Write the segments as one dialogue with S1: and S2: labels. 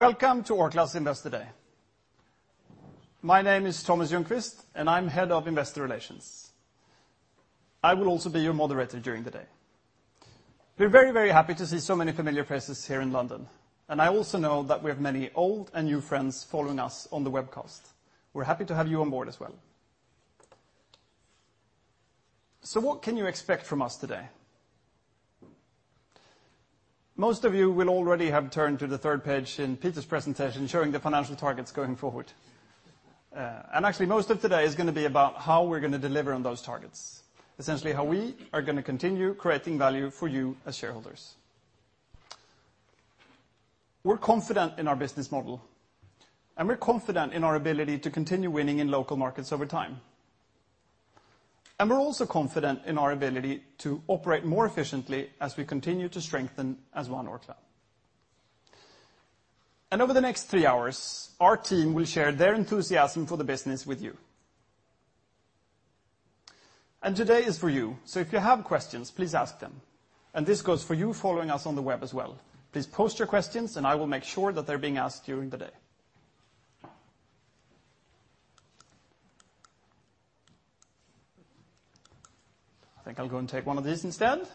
S1: ...Welcome to Orkla's Investor Day. My name is Thomas Ljungqvist, and I'm Head of Investor Relations. I will also be your moderator during the day. We're very, very happy to see so many familiar faces here in London, and I also know that we have many old and new friends following us on the webcast. We're happy to have you on board as well. So what can you expect from us today? Most of you will already have turned to the third page in Peter's presentation, showing the financial targets going forward, and actually, most of today is gonna be about how we're gonna deliver on those targets, essentially how we are gonna continue creating value for you as shareholders. We're confident in our business model, and we're confident in our ability to continue winning in local markets over time, and we're also confident in our ability to operate more efficiently as we continue to strengthen as One Orkla, and over the next three hours, our team will share their enthusiasm for the business with you, and today is for you, so if you have questions, please ask them, and this goes for you following us on the web as well. Please post your questions, and I will make sure that they're being asked during the day. I think I'll go and take one of these instead.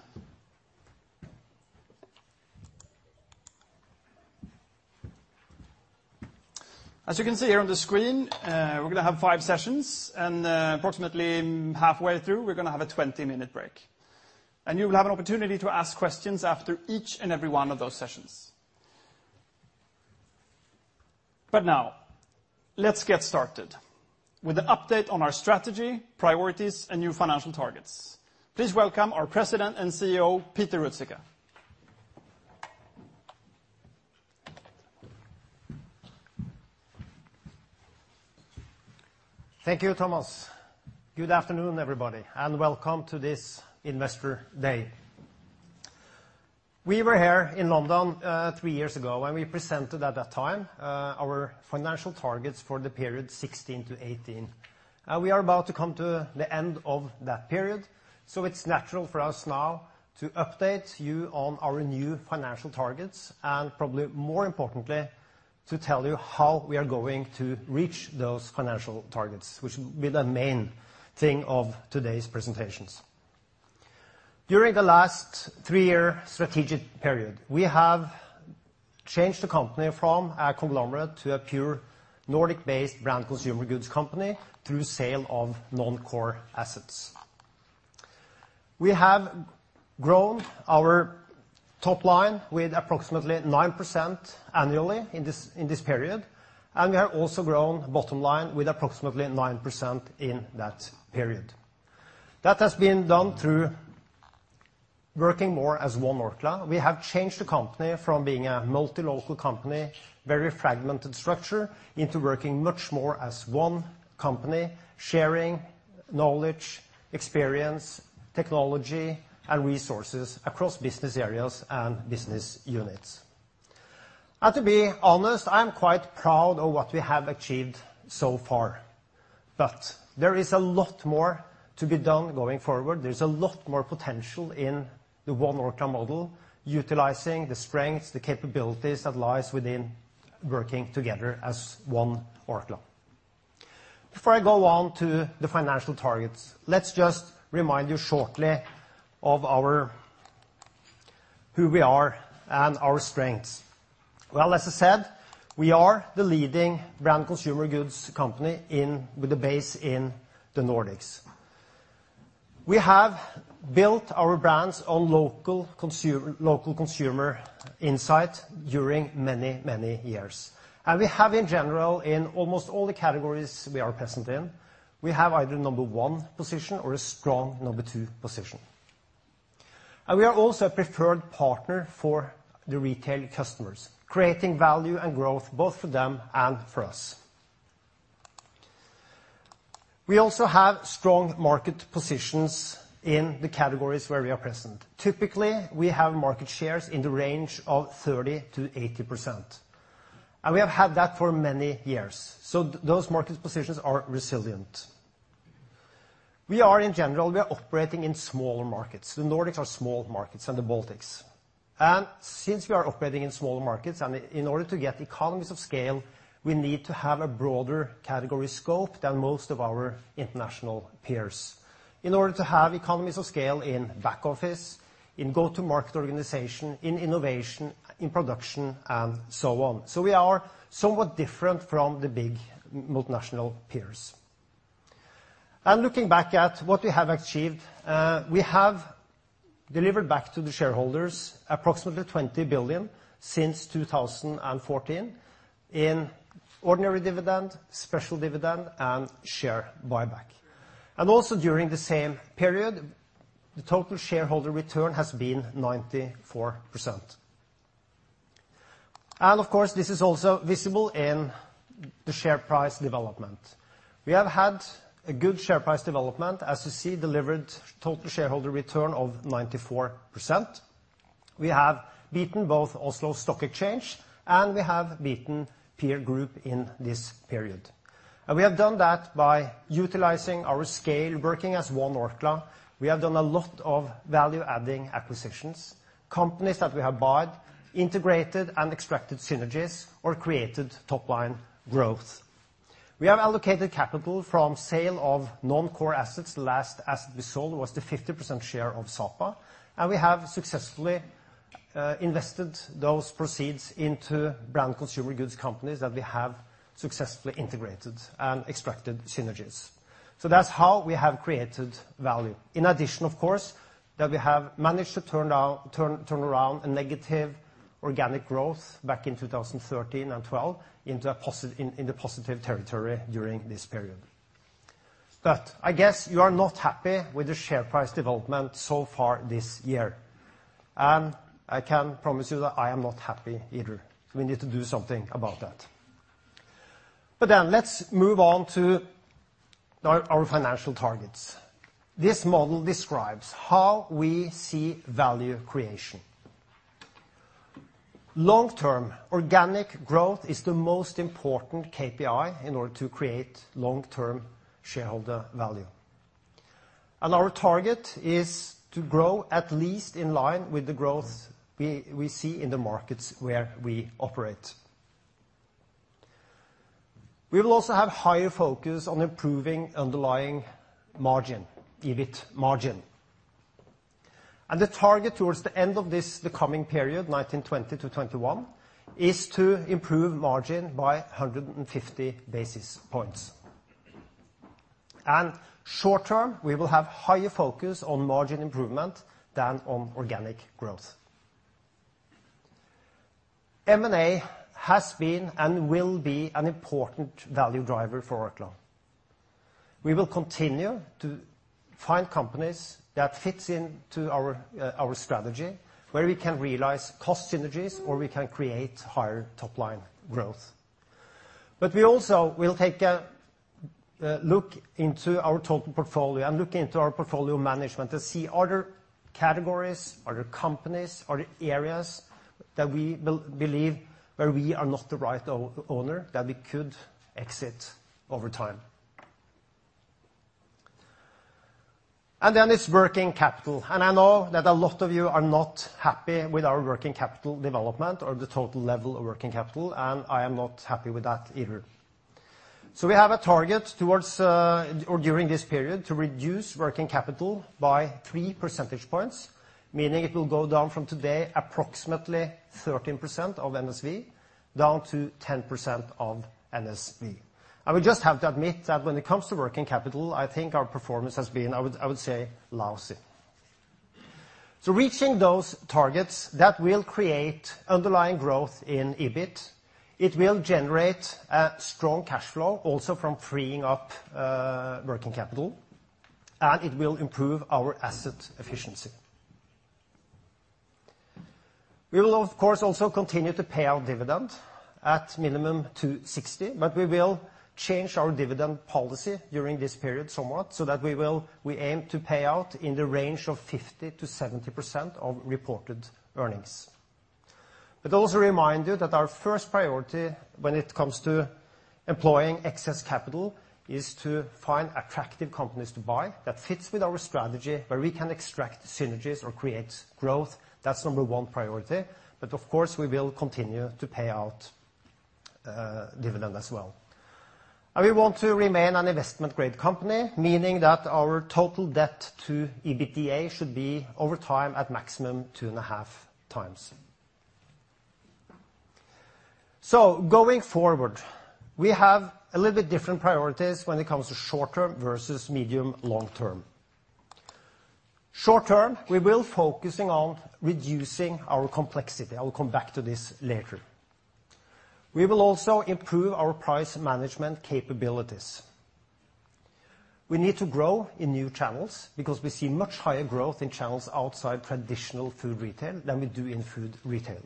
S1: As you can see here on the screen, we're gonna have five sessions, and, approximately halfway through, we're gonna have a twenty-minute break, and you will have an opportunity to ask questions after each and every one of those sessions. But now, let's get started with an update on our strategy, priorities, and new financial targets. Please welcome our President and CEO, Peter Ruzicka.
S2: Thank you, Thomas. Good afternoon, everybody, and welcome to this Investor Day. We were here in London three years ago, and we presented at that time our financial targets for the period 2016 to 2018. We are about to come to the end of that period, so it's natural for us now to update you on our new financial targets and, probably more importantly, to tell you how we are going to reach those financial targets, which will be the main thing of today's presentations. During the last three-year strategic period, we have changed the company from a conglomerate to a pure Nordic-based brand consumer goods company through sale of non-core assets. We have grown our top line with approximately 9% annually in this period, and we have also grown bottom line with approximately 9% in that period. That has been done through working more as One Orkla. We have changed the company from being a multi-local company, very fragmented structure, into working much more as one company, sharing knowledge, experience, technology, and resources across business areas and business units. And to be honest, I'm quite proud of what we have achieved so far, but there is a lot more to be done going forward. There's a lot more potential in the One Orkla model, utilizing the strengths, the capabilities that lies within working together as One Orkla. Before I go on to the financial targets, let's just remind you shortly of our, who we are and our strengths. Well, as I said, we are the leading brand consumer goods company in, with a base in the Nordics. We have built our brands on local consumer insight during many, many years, and we have, in general, in almost all the categories we are present in, we have either number one position or a strong number two position. And we are also a preferred partner for the retail customers, creating value and growth both for them and for us. We also have strong market positions in the categories where we are present. Typically, we have market shares in the range of 30%-80%, and we have had that for many years, so those market positions are resilient. We are, in general, we are operating in smaller markets. The Nordics are small markets and the Baltics. Since we are operating in smaller markets, and in order to get economies of scale, we need to have a broader category scope than most of our international peers in order to have economies of scale in back office, in go-to-market organization, in innovation, in production, and so on. So we are somewhat different from the big multinational peers. Looking back at what we have achieved, we have delivered back to the shareholders approximately 20 billion since 2014 in ordinary dividend, special dividend, and share buyback. And also, during the same period, the total shareholder return has been 94%. And, of course, this is also visible in the share price development. We have had a good share price development, as you see, delivered total shareholder return of 94%. We have beaten both Oslo Stock Exchange, and we have beaten peer group in this period. We have done that by utilizing our scale, working as one Orkla. We have done a lot of value-adding acquisitions, companies that we have bought, integrated, and extracted synergies or created top line growth. We have allocated capital from sale of non-core assets. The last asset we sold was the 50% share of Sapa, and we have successfully invested those proceeds into brand consumer goods companies that we have successfully integrated and extracted synergies. So that's how we have created value. In addition, of course, that we have managed to turn around a negative organic growth back in two thousand thirteen and twelve into the positive territory during this period. But I guess you are not happy with the share price development so far this year, and I can promise you that I am not happy either. We need to do something about that. But then let's move on to our financial targets. This model describes how we see value creation. Long-term organic growth is the most important KPI in order to create long-term shareholder value, and our target is to grow at least in line with the growth we see in the markets where we operate. We will also have higher focus on improving underlying margin, EBIT margin. And the target towards the end of this, the coming period, 2020-2021, is to improve margin by a hundred and fifty basis points. And short term, we will have higher focus on margin improvement than on organic growth. M&A has been and will be an important value driver for Orkla. We will continue to find companies that fits into our, our strategy, where we can realize cost synergies or we can create higher top-line growth. But we also will take a, look into our total portfolio and look into our portfolio management to see are there categories, are there companies, are there areas that we believe where we are not the right owner, that we could exit over time? And then there's working capital, and I know that a lot of you are not happy with our working capital development or the total level of working capital, and I am not happy with that either. So we have a target toward, or during this period, to reduce working capital by three percentage points, meaning it will go down from today, approximately 13% of NSV, down to 10% of NSV. I would just have to admit that when it comes to working capital, I think our performance has been. I would say, lousy. Reaching those targets, that will create underlying growth in EBIT. It will generate a strong cash flow, also from freeing up working capital, and it will improve our asset efficiency. We will, of course, also continue to pay our dividend at minimum 2.60, but we will change our dividend policy during this period somewhat, so that we will. We aim to pay out in the range of 50%-70% of reported earnings. But also remind you that our first priority when it comes to employing excess capital is to find attractive companies to buy that fits with our strategy, where we can extract synergies or create growth. That's number one priority. But of course, we will continue to pay out dividend as well. And we want to remain an investment-grade company, meaning that our total debt to EBITDA should be over time at maximum two and a half times. So going forward, we have a little bit different priorities when it comes to short term versus medium long term. Short term, we will focusing on reducing our complexity. I will come back to this later. We will also improve our price management capabilities. We need to grow in new channels, because we see much higher growth in channels outside traditional food retail than we do in food retail.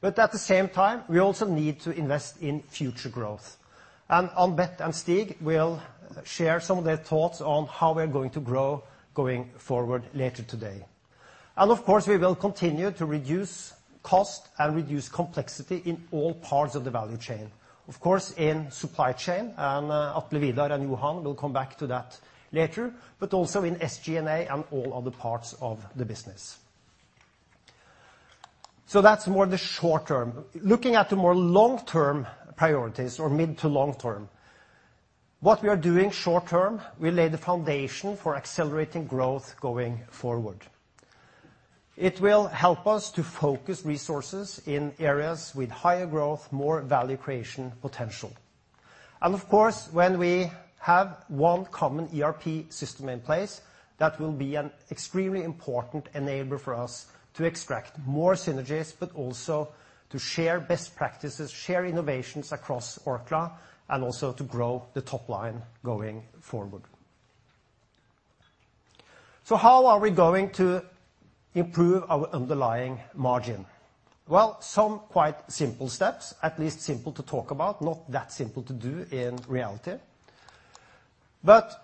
S2: But at the same time, we also need to invest in future growth. And Ann-Beth and Stig will share some of their thoughts on how we're going to grow going forward later today. And of course, we will continue to reduce cost and reduce complexity in all parts of the value chain. Of course, in supply chain, and Atle Vidar and Johan will come back to that later, but also in SG&A and all other parts of the business. So that's more the short term. Looking at the more long-term priorities or mid to long term, what we are doing short term, we lay the foundation for accelerating growth going forward. It will help us to focus resources in areas with higher growth, more value creation potential. And of course, when we have one common ERP system in place, that will be an extremely important enabler for us to extract more synergies, but also to share best practices, share innovations across Orkla, and also to grow the top line going forward. So how are we going to improve our underlying margin? Well, some quite simple steps, at least simple to talk about, not that simple to do in reality... But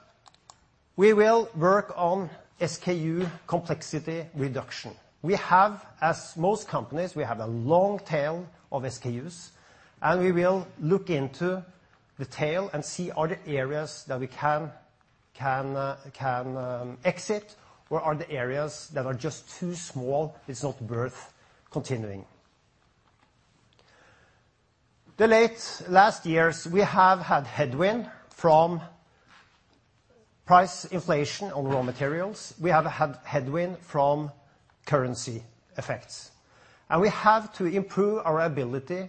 S2: we will work on SKU complexity reduction. We have, as most companies, we have a long tail of SKUs, and we will look into the tail and see are there areas that we can exit, or are the areas that are just too small, it's not worth continuing? The last years, we have had headwind from price inflation on raw materials. We have had headwind from currency effects, and we have to improve our ability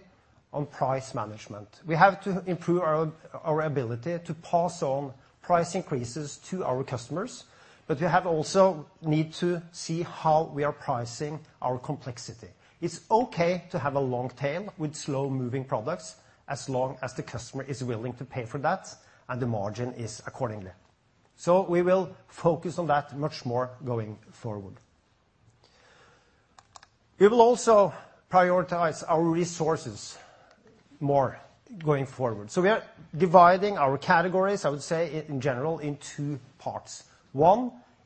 S2: on price management. We have to improve our ability to pass on price increases to our customers, but we have also need to see how we are pricing our complexity. It's okay to have a long tail with slow-moving products, as long as the customer is willing to pay for that and the margin is accordingly. So we will focus on that much more going forward. We will also prioritize our resources more going forward. So we are dividing our categories, I would say, in general, in two parts. One,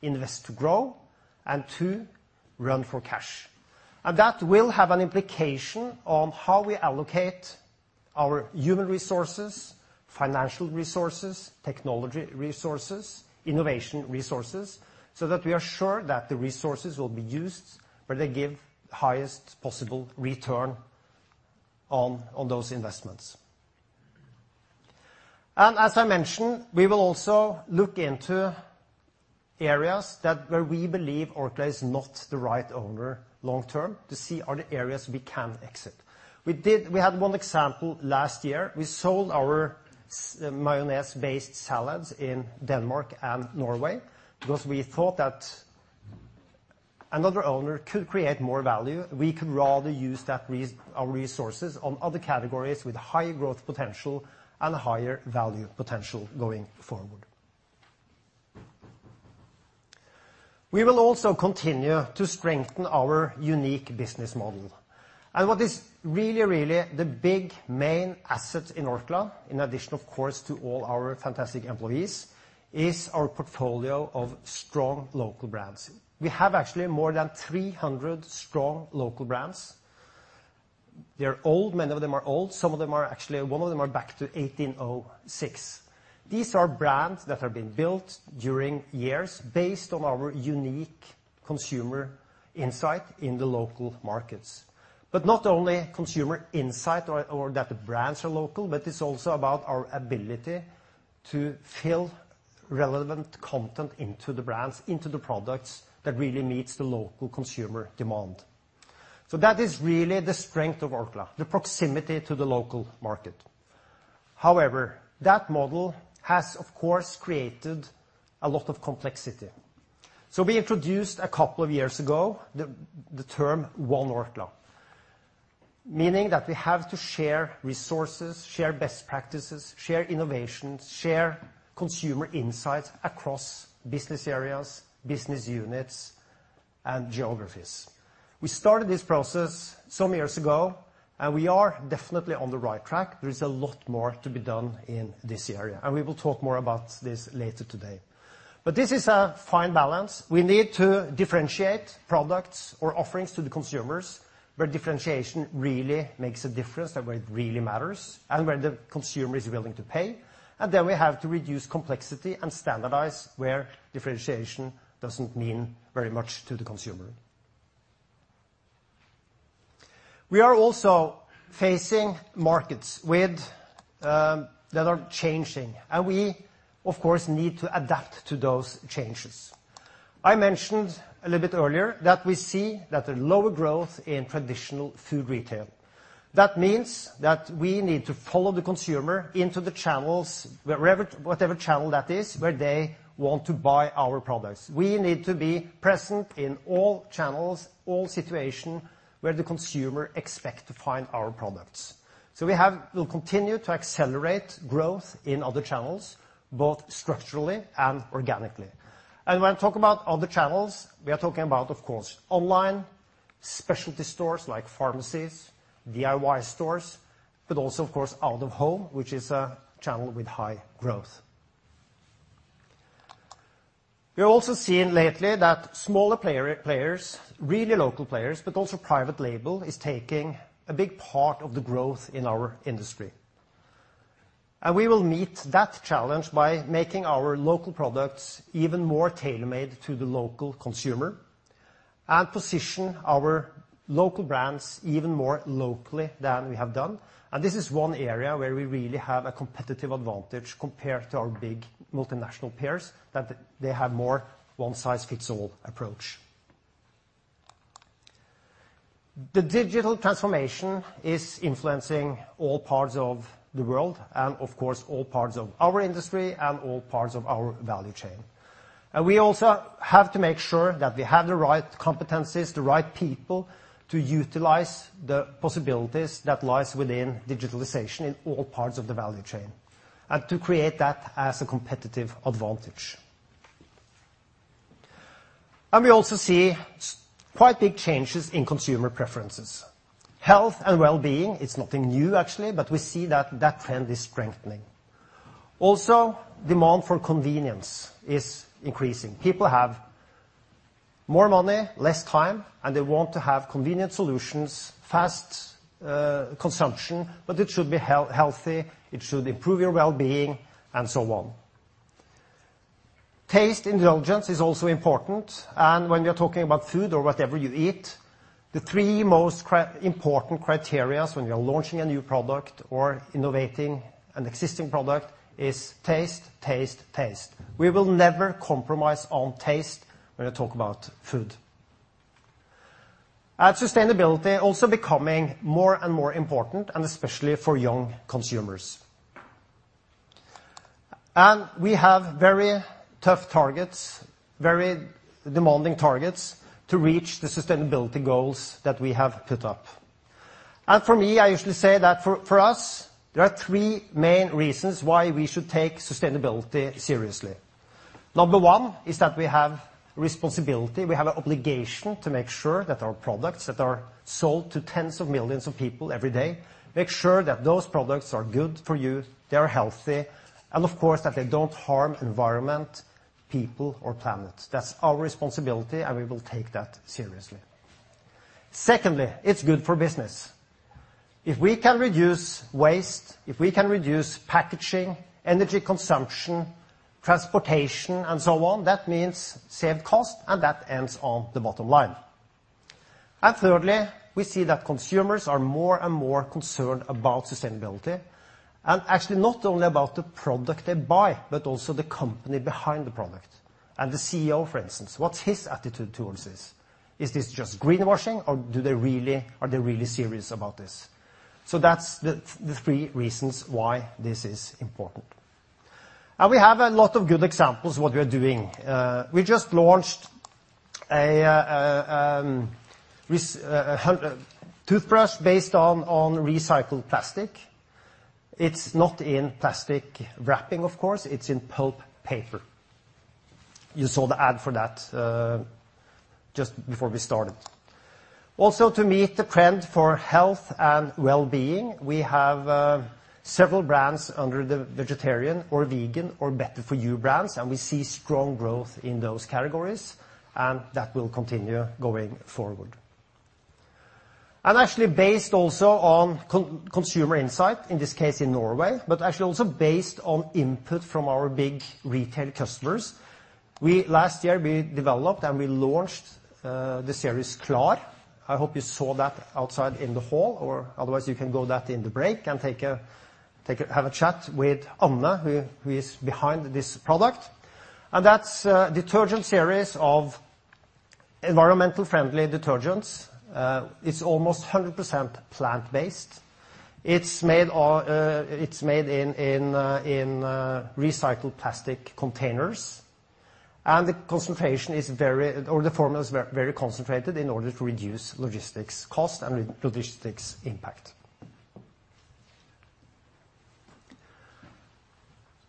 S2: invest to grow, and two, run for cash. And that will have an implication on how we allocate our human resources, financial resources, technology resources, innovation resources, so that we are sure that the resources will be used where they give highest possible return on those investments. And as I mentioned, we will also look into areas where we believe Orkla is not the right owner long term, to see the areas we can exit. We had one example last year. We sold our mayonnaise-based salads in Denmark and Norway because we thought that another owner could create more value. We could rather use our resources on other categories with high growth potential and higher value potential going forward. We will also continue to strengthen our unique business model. What is really, really the big main asset in Orkla, in addition, of course, to all our fantastic employees, is our portfolio of strong local brands. We have actually more than three hundred strong local brands. They're old, many of them are old, some of them are actually, one of them are back to 1806. These are brands that have been built during years based on our unique consumer insight in the local markets. But not only consumer insight or, or that the brands are local, but it's also about our ability to fill relevant content into the brands, into the products, that really meets the local consumer demand. So that is really the strength of Orkla, the proximity to the local market. However, that model has, of course, created a lot of complexity. So we introduced a couple of years ago, the term One Orkla, meaning that we have to share resources, share best practices, share innovations, share consumer insights across business areas, business units, and geographies. We started this process some years ago, and we are definitely on the right track. There is a lot more to be done in this area, and we will talk more about this later today. But this is a fine balance. We need to differentiate products or offerings to the consumers, where differentiation really makes a difference and where it really matters, and where the consumer is willing to pay. And then we have to reduce complexity and standardize where differentiation doesn't mean very much to the consumer. We are also facing markets that are changing, and we, of course, need to adapt to those changes. I mentioned a little bit earlier that we see that the lower growth in traditional food retail. That means that we need to follow the consumer into the channels, wherever, whatever channel that is, where they want to buy our products. We need to be present in all channels, all situation where the consumer expect to find our products. So we'll continue to accelerate growth in other channels, both structurally and organically. And when I talk about other channels, we are talking about, of course, online, specialty stores like pharmacies, DIY stores, but also, of course, out-of-home, which is a channel with high growth. We've also seen lately that smaller players, really local players, but also private label, is taking a big part of the growth in our industry. And we will meet that challenge by making our local products even more tailor-made to the local consumer and position our local brands even more locally than we have done. And this is one area where we really have a competitive advantage compared to our big multinational peers, that they have more one-size-fits-all approach. The digital transformation is influencing all parts of the world, and of course, all parts of our industry and all parts of our value chain. And we also have to make sure that we have the right competencies, the right people, to utilize the possibilities that lies within digitalization in all parts of the value chain, and to create that as a competitive advantage... and we also see quite big changes in consumer preferences. Health and wellbeing, it's nothing new, actually, but we see that that trend is strengthening. Also, demand for convenience is increasing. People have more money, less time, and they want to have convenient solutions, fast consumption, but it should be healthy, it should improve your wellbeing, and so on. Taste indulgence is also important, and when you're talking about food or whatever you eat, the three most important criteria when you're launching a new product or innovating an existing product is taste, taste, taste. We will never compromise on taste when you talk about food. Sustainability also becoming more and more important, and especially for young consumers. We have very tough targets, very demanding targets, to reach the sustainability goals that we have put up. For me, I usually say that for us, there are three main reasons why we should take sustainability seriously. Number one is that we have responsibility. We have an obligation to make sure that our products that are sold to tens of millions of people every day, make sure that those products are good for you, they are healthy, and of course, that they don't harm environment, people, or planet. That's our responsibility, and we will take that seriously. Secondly, it's good for business. If we can reduce waste, if we can reduce packaging, energy consumption, transportation, and so on, that means saved cost, and that ends on the bottom line. And thirdly, we see that consumers are more and more concerned about sustainability, and actually not only about the product they buy, but also the company behind the product. And the CEO, for instance, what's his attitude towards this? Is this just greenwashing, or do they really are they really serious about this? So that's the three reasons why this is important. We have a lot of good examples of what we are doing. We just launched a toothbrush based on recycled plastic. It's not in plastic wrapping, of course, it's in pulp paper. You saw the ad for that just before we started. Also, to meet the trend for health and wellbeing, we have several brands under the vegetarian or vegan or better-for-you brands, and we see strong growth in those categories, and that will continue going forward. Actually, based also on consumer insight, in this case, in Norway, but actually also based on input from our big retail customers, we last year we developed and we launched the series Klar. I hope you saw that outside in the hall, or otherwise you can go there in the break and have a chat with Anna, who is behind this product. That's a detergent series of environmentally friendly detergents. It's almost 100% plant-based. It's made in recycled plastic containers, and the formula is very concentrated in order to reduce logistics cost and logistics impact.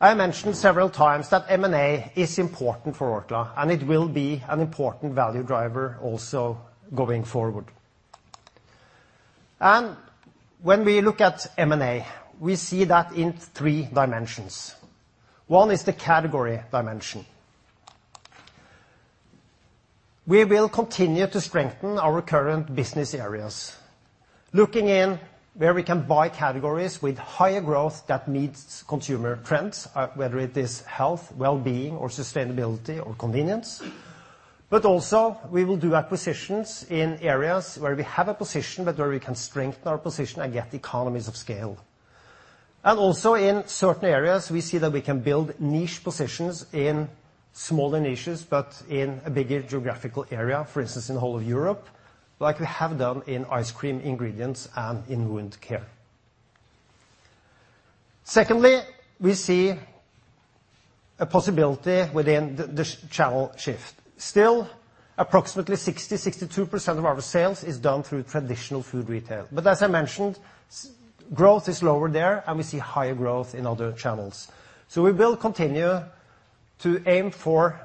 S2: I mentioned several times that M&A is important for Orkla, and it will be an important value driver also going forward. When we look at M&A, we see that in three dimensions. One is the category dimension. We will continue to strengthen our current business areas, looking in where we can buy categories with higher growth that meets consumer trends, whether it is health, wellbeing, or sustainability, or convenience. But also, we will do acquisitions in areas where we have a position, but where we can strengthen our position and get economies of scale. And also in certain areas, we see that we can build niche positions in smaller niches, but in a bigger geographical area, for instance, in the whole of Europe, like we have done in ice cream ingredients and in wound Care. Secondly, we see a possibility within the channel shift. Still, approximately 60%-62% of our sales is done through traditional food retail, but as I mentioned, sales growth is lower there, and we see higher growth in other channels. We will continue to aim for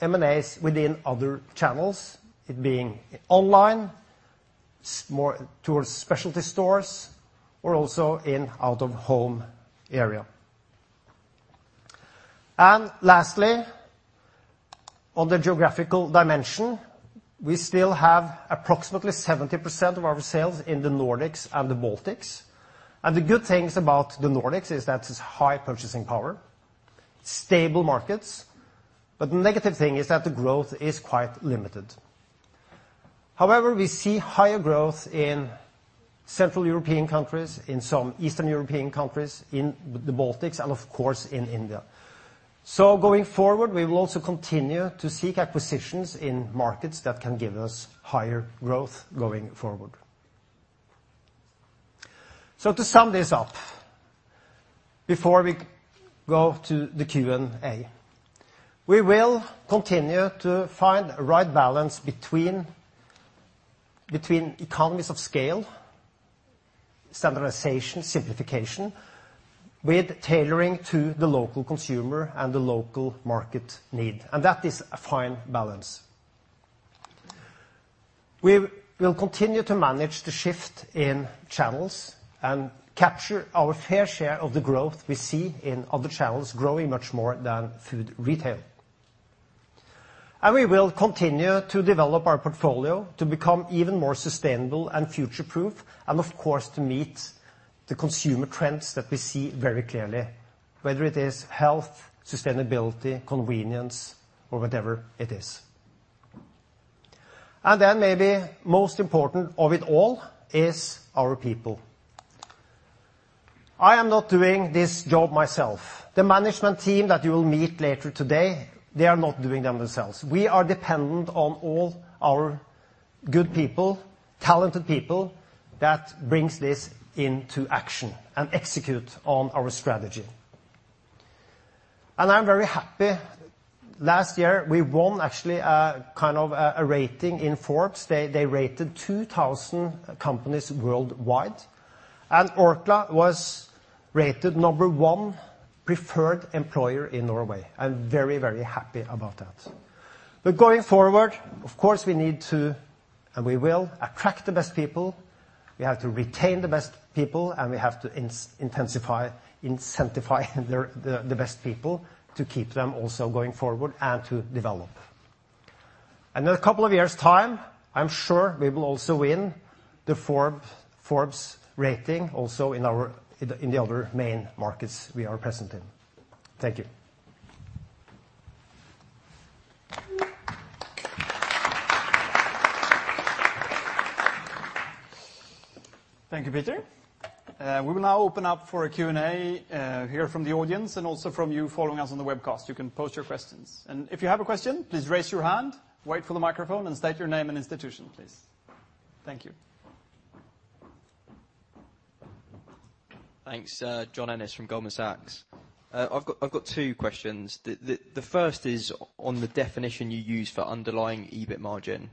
S2: M&As within other channels, it being online, more towards specialty stores, or also in out-of-home area, and lastly, on the geographical dimension, we still have approximately 70% of our sales in the Nordics and the Baltics, and the good things about the Nordics is that it's high purchasing power, stable markets, but the negative thing is that the growth is quite limited. However, we see higher growth in central European countries, in some eastern European countries, in the Baltics, and of course, in India, so going forward, we will also continue to seek acquisitions in markets that can give us higher growth going forward, so to sum this up, before we go to the Q&A, we will continue to find the right balance between economies of scale-... standardization, simplification, with tailoring to the local consumer and the local market need, and that is a fine balance. We will continue to manage the shift in channels and capture our fair share of the growth we see in other channels growing much more than food retail, and we will continue to develop our portfolio to become even more sustainable and future-proof, and of course, to meet the consumer trends that we see very clearly, whether it is health, sustainability, convenience or whatever it is, and then maybe most important of it all is our people. I am not doing this job myself. The management team that you will meet later today, they are not doing them themselves. We are dependent on all our good people, talented people, that brings this into action and execute on our strategy, and I'm very happy. Last year, we won actually a kind of rating in Forbes. They rated 2,000 companies worldwide, and Orkla was rated number one preferred employer in Norway. I'm very, very happy about that. But going forward, of course, we need to, and we will, attract the best people, we have to retain the best people, and we have to incentivize the best people to keep them also going forward and to develop. In a couple of years' time, I'm sure we will also win the Forbes rating also in our in the other main markets we are present in. Thank you.
S1: Thank you, Peter. We will now open up for a Q&A here from the audience and also from you following us on the webcast. You can post your questions, and if you have a question, please raise your hand, wait for the microphone, and state your name and institution, please. Thank you.
S3: Thanks. John Ennis from Goldman Sachs. I've got two questions. The first is on the definition you use for underlying EBIT margin.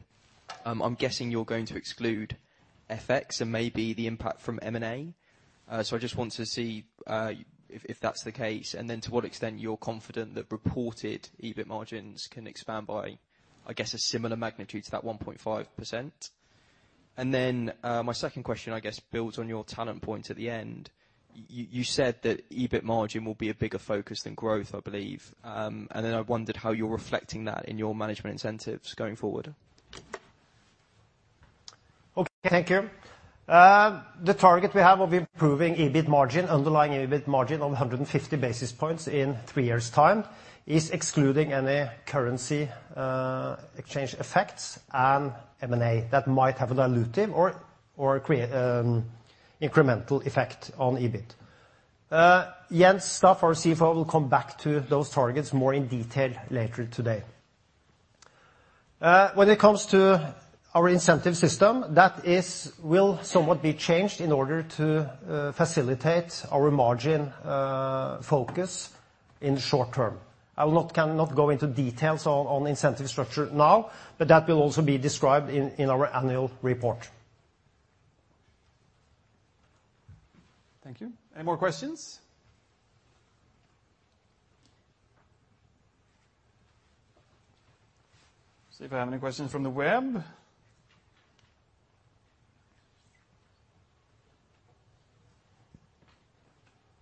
S3: I'm guessing you're going to exclude FX and maybe the impact from M&A, so I just want to see if that's the case, and then to what extent you're confident that reported EBIT margins can expand by, I guess, a similar magnitude to that 1.5%? And then my second question, I guess, builds on your talent point at the end. You said that EBIT margin will be a bigger focus than growth, I believe, and then I wondered how you're reflecting that in your management incentives going forward.
S2: Okay. Thank you. The target we have of improving EBIT margin, underlying EBIT margin of hundred and fifty basis points in three years' time, is excluding any currency exchange effects and M&A that might have a dilutive or create incremental effect on EBIT. Jens Staff, our CFO, will come back to those targets more in detail later today. When it comes to our incentive system, that will somewhat be changed in order to facilitate our margin focus in the short term. I will not, cannot go into details on the incentive structure now, but that will also be described in our annual report.
S1: Thank you. Any more questions? See if I have any questions from the web.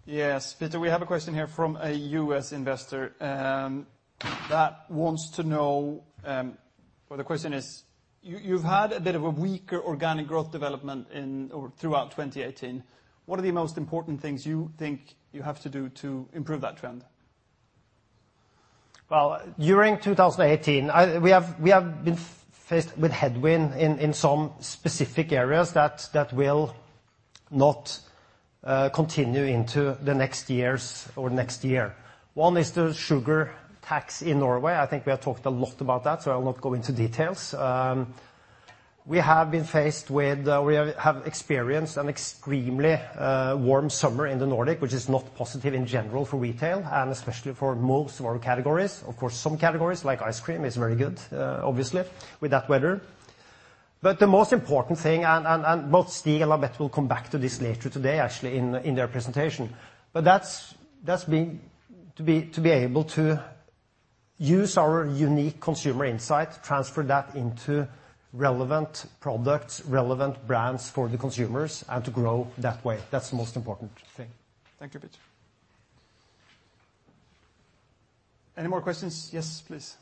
S1: Yes, Peter, we have a question here from a U.S. investor that wants to know. Well, the question is: You've had a bit of a weaker organic growth development in or throughout 2018. What are the most important things you think you have to do to improve that trend?
S2: During 2018, we have been faced with headwind in some specific areas that will not continue into the next years or next year. One is the sugar tax in Norway. I think we have talked a lot about that, so I'll not go into details. We have been faced with we have experienced an extremely warm summer in the Nordics, which is not positive in general for retail and especially for most of our categories. Of course, some categories, like ice cream, is very good, obviously with that weather. But the most important thing, and both Stig and Ann-Beth will come back to this later today, actually, in their presentation, but that's to be able to use our unique consumer insight, transfer that into relevant products, relevant brands for the consumers, and to grow that way. That's the most important thing.
S1: Thank you, Peter. Any more questions? Yes, please.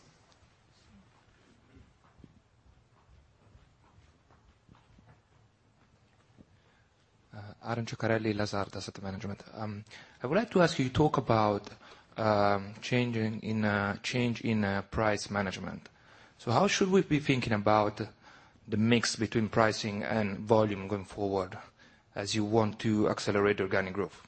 S1: Aaron Iocarelli, Lazard Asset Management. I would like to ask you, you talk about change in price management. So how should we be thinking about the mix between pricing and volume going forward as you want to accelerate organic growth?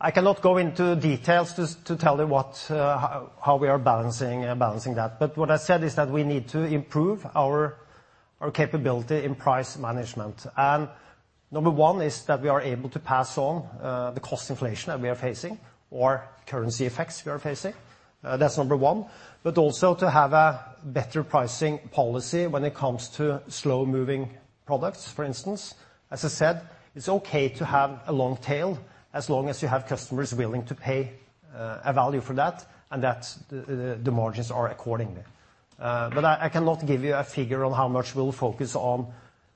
S2: I cannot go into details to tell you what how we are balancing that, but what I said is that we need to improve our capability in price management, and number one is that we are able to pass on the cost inflation that we are facing or currency effects we are facing. That's number one, but also to have a better pricing policy when it comes to slow-moving products, for instance. As I said, it's okay to have a long tail as long as you have customers willing to pay a value for that, and that's the margins are accordingly. But I cannot give you a figure on how much we'll focus on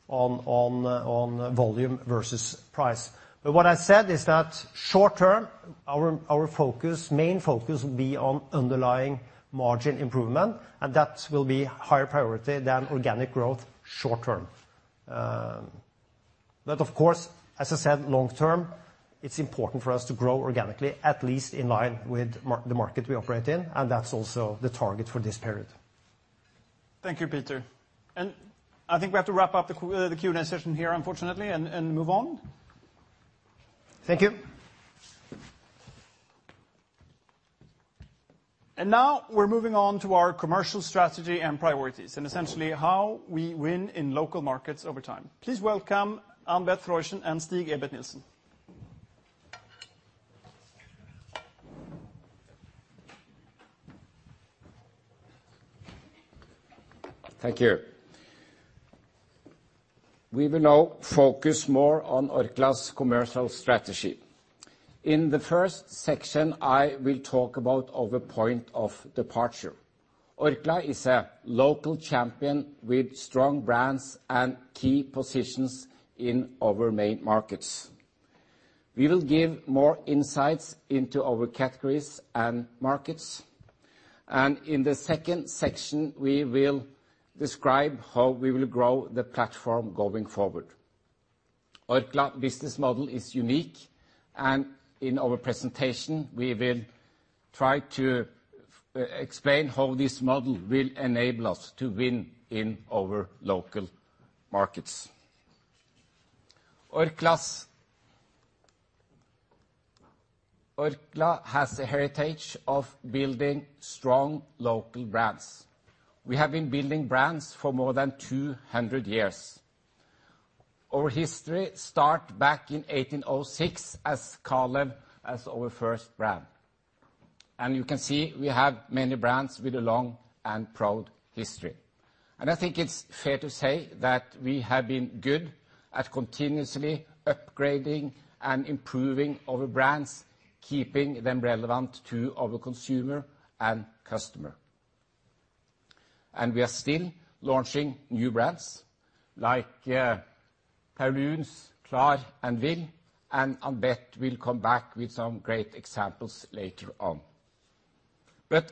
S2: volume versus price. But what I said is that short term, our focus, main focus will be on underlying margin improvement, and that will be higher priority than organic growth short term. But of course, as I said, long term, it's important for us to grow organically, at least in line with the market we operate in, and that's also the target for this period.
S1: Thank you, Peter. And I think we have to wrap up the Q&A session here, unfortunately, and move on.
S2: Thank you.
S1: Now we're moving on to our commercial strategy and priorities, and essentially how we win in local markets over time. Please welcome Ann-Beth Freuchen and Stig Ebert Nilssen.
S4: Thank you. We will now focus more on Orkla's commercial strategy. In the first section, I will talk about our point of departure. Orkla is a local champion with strong brands and key positions in our main markets. We will give more insights into our categories and markets, and in the second section, we will describe how we will grow the platform going forward. Orkla's business model is unique, and in our presentation, we will try to explain how this model will enable us to win in our local markets. Orkla has a heritage of building strong local brands. We have been building brands for more than two hundred years. Our history start back in 1806, with Kalev as our first brand. You can see, we have many brands with a long and proud history. I think it's fair to say that we have been good at continuously upgrading and improving our brands, keeping them relevant to our consumer and customer. We are still launching new brands, like, Paulúns, Klar, and Vill, and Ann-Beth will come back with some great examples later on.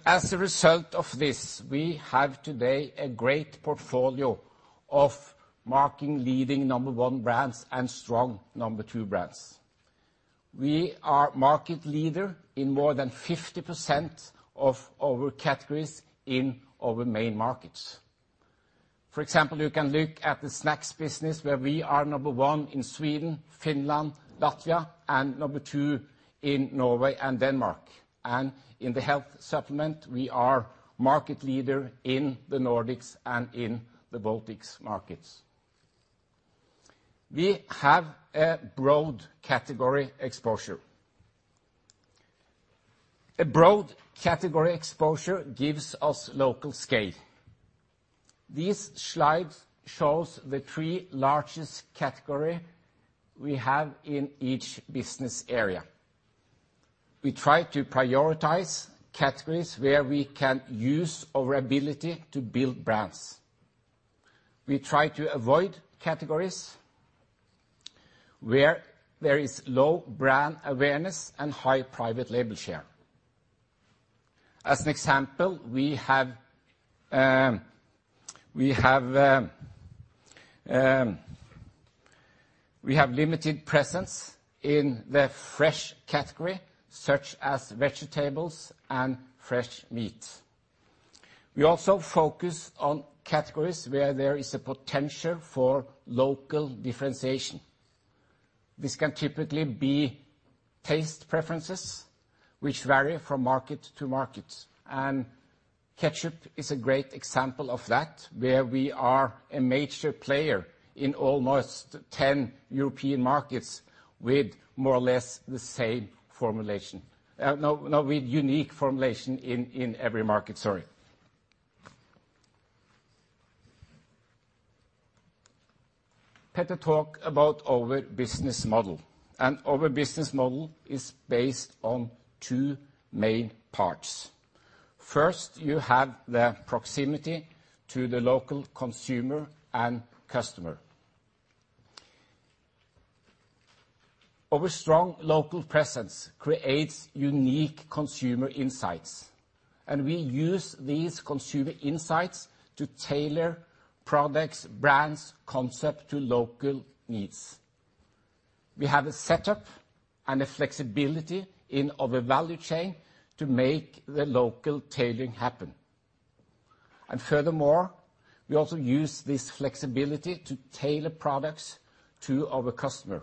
S4: As a result of this, we have today a great portfolio of market leading number one brands and strong number two brands. We are market leader in more than 50% of our categories in our main markets. For example, you can look at the snacks business, where we are number one in Sweden, Finland, Latvia, and number two in Norway and Denmark. In the health supplement, we are market leader in the Nordics and in the Baltics markets. We have a broad category exposure. A broad category exposure gives us local scale. These slides show the three largest categories we have in each business area. We try to prioritize categories where we can use our ability to build brands. We try to avoid categories where there is low brand awareness and high private label share. As an example, we have limited presence in the fresh category, such as vegetables and fresh meat. We also focus on categories where there is a potential for local differentiation. This can typically be taste preferences, which vary from market to market, and ketchup is a great example of that, where we are a major player in almost ten European markets with more or less the same formulation. No, no, with unique formulation in every market. Sorry. Peter talk about our business model, and our business model is based on two main parts. First, you have the proximity to the local consumer and customer. Our strong local presence creates unique consumer insights, and we use these consumer insights to tailor products, brands, concepts to local needs. We have a setup and the flexibility in our value chain to make the local tailoring happen. And furthermore, we also use this flexibility to tailor products to our customer,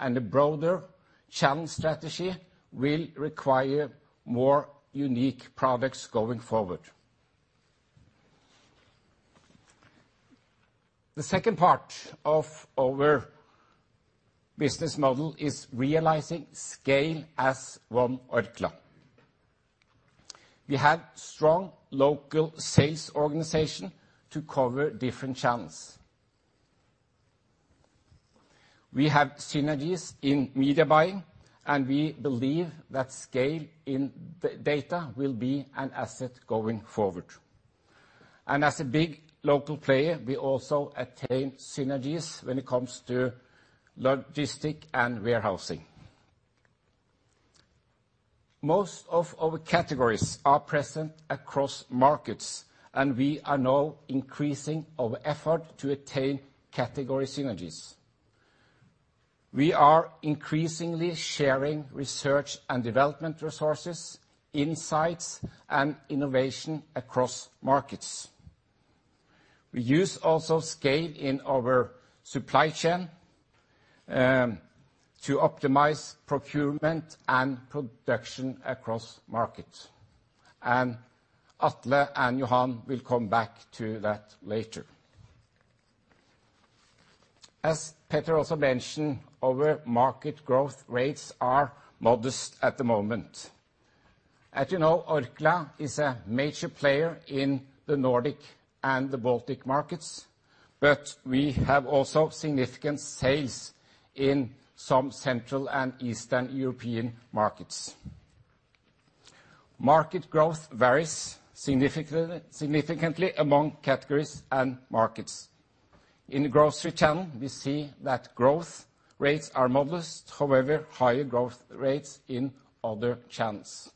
S4: and a broader channel strategy will require more unique products going forward. The second part of our business model is realizing scale as One Orkla. We have strong local sales organization to cover different channels. We have synergies in media buying, and we believe that scale in the data will be an asset going forward. And as a big local player, we also attain synergies when it comes to logistics and warehousing. Most of our categories are present across markets, and we are now increasing our effort to attain category synergies. We are increasingly sharing research and development resources, insights, and innovation across markets. We use also scale in our supply chain to optimize procurement and production across markets, and Atle and Johan will come back to that later. As Peter also mentioned, our market growth rates are modest at the moment. As you know, Orkla is a major player in the Nordic and the Baltic markets, but we have also significant sales in some Central and Eastern European markets. Market growth varies significantly among categories and markets. In the grocery channel, we see that growth rates are modest, however, higher growth rates in other channels,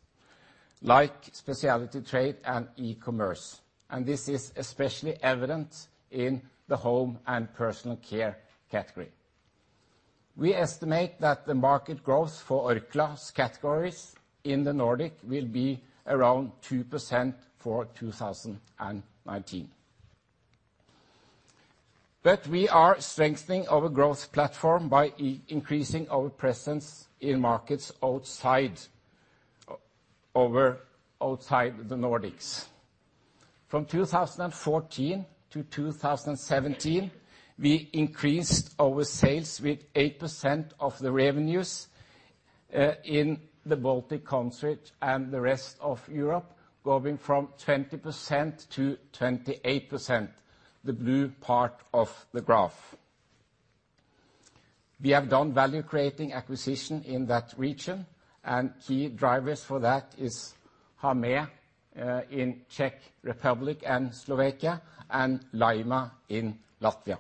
S4: like specialty trade and e-commerce, and this is especially evident in the home and Personal Care category. We estimate that the market growth for Orkla's categories in the Nordics will be around 2% for 2019. But we are strengthening our growth platform by increasing our presence in markets outside the Nordics. From 2014-2017, we increased our sales with 8% of the revenues in the Baltic countries and the rest of Europe, going from 20%-28%, the blue part of the graph. We have done value-creating acquisition in that region, and key drivers for that is Hamé in Czech Republic and Slovakia and Laima in Latvia.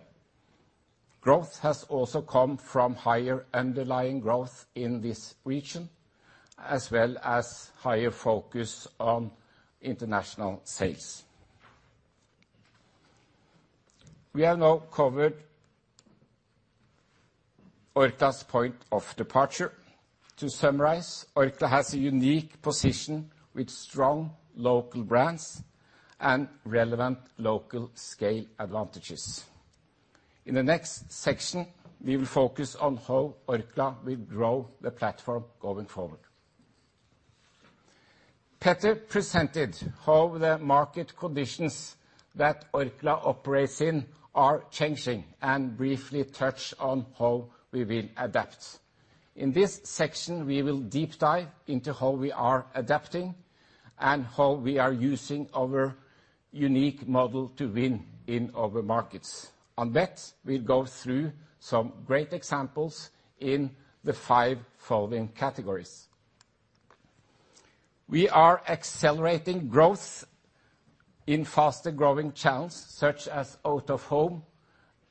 S4: Growth has also come from higher underlying growth in this region, as well as higher focus on international sales. We have now covered Orkla's point of departure. To summarize, Orkla has a unique position with strong local brands and relevant local scale advantages. In the next section, we will focus on how Orkla will grow the platform going forward. Peter presented how the market conditions that Orkla operates in are changing, and briefly touched on how we will adapt. In this section, we will deep dive into how we are adapting and how we are using our unique model to win in our markets. On that, we'll go through some great examples in the five following categories. We are accelerating growth in faster-growing channels, such as out-of-home,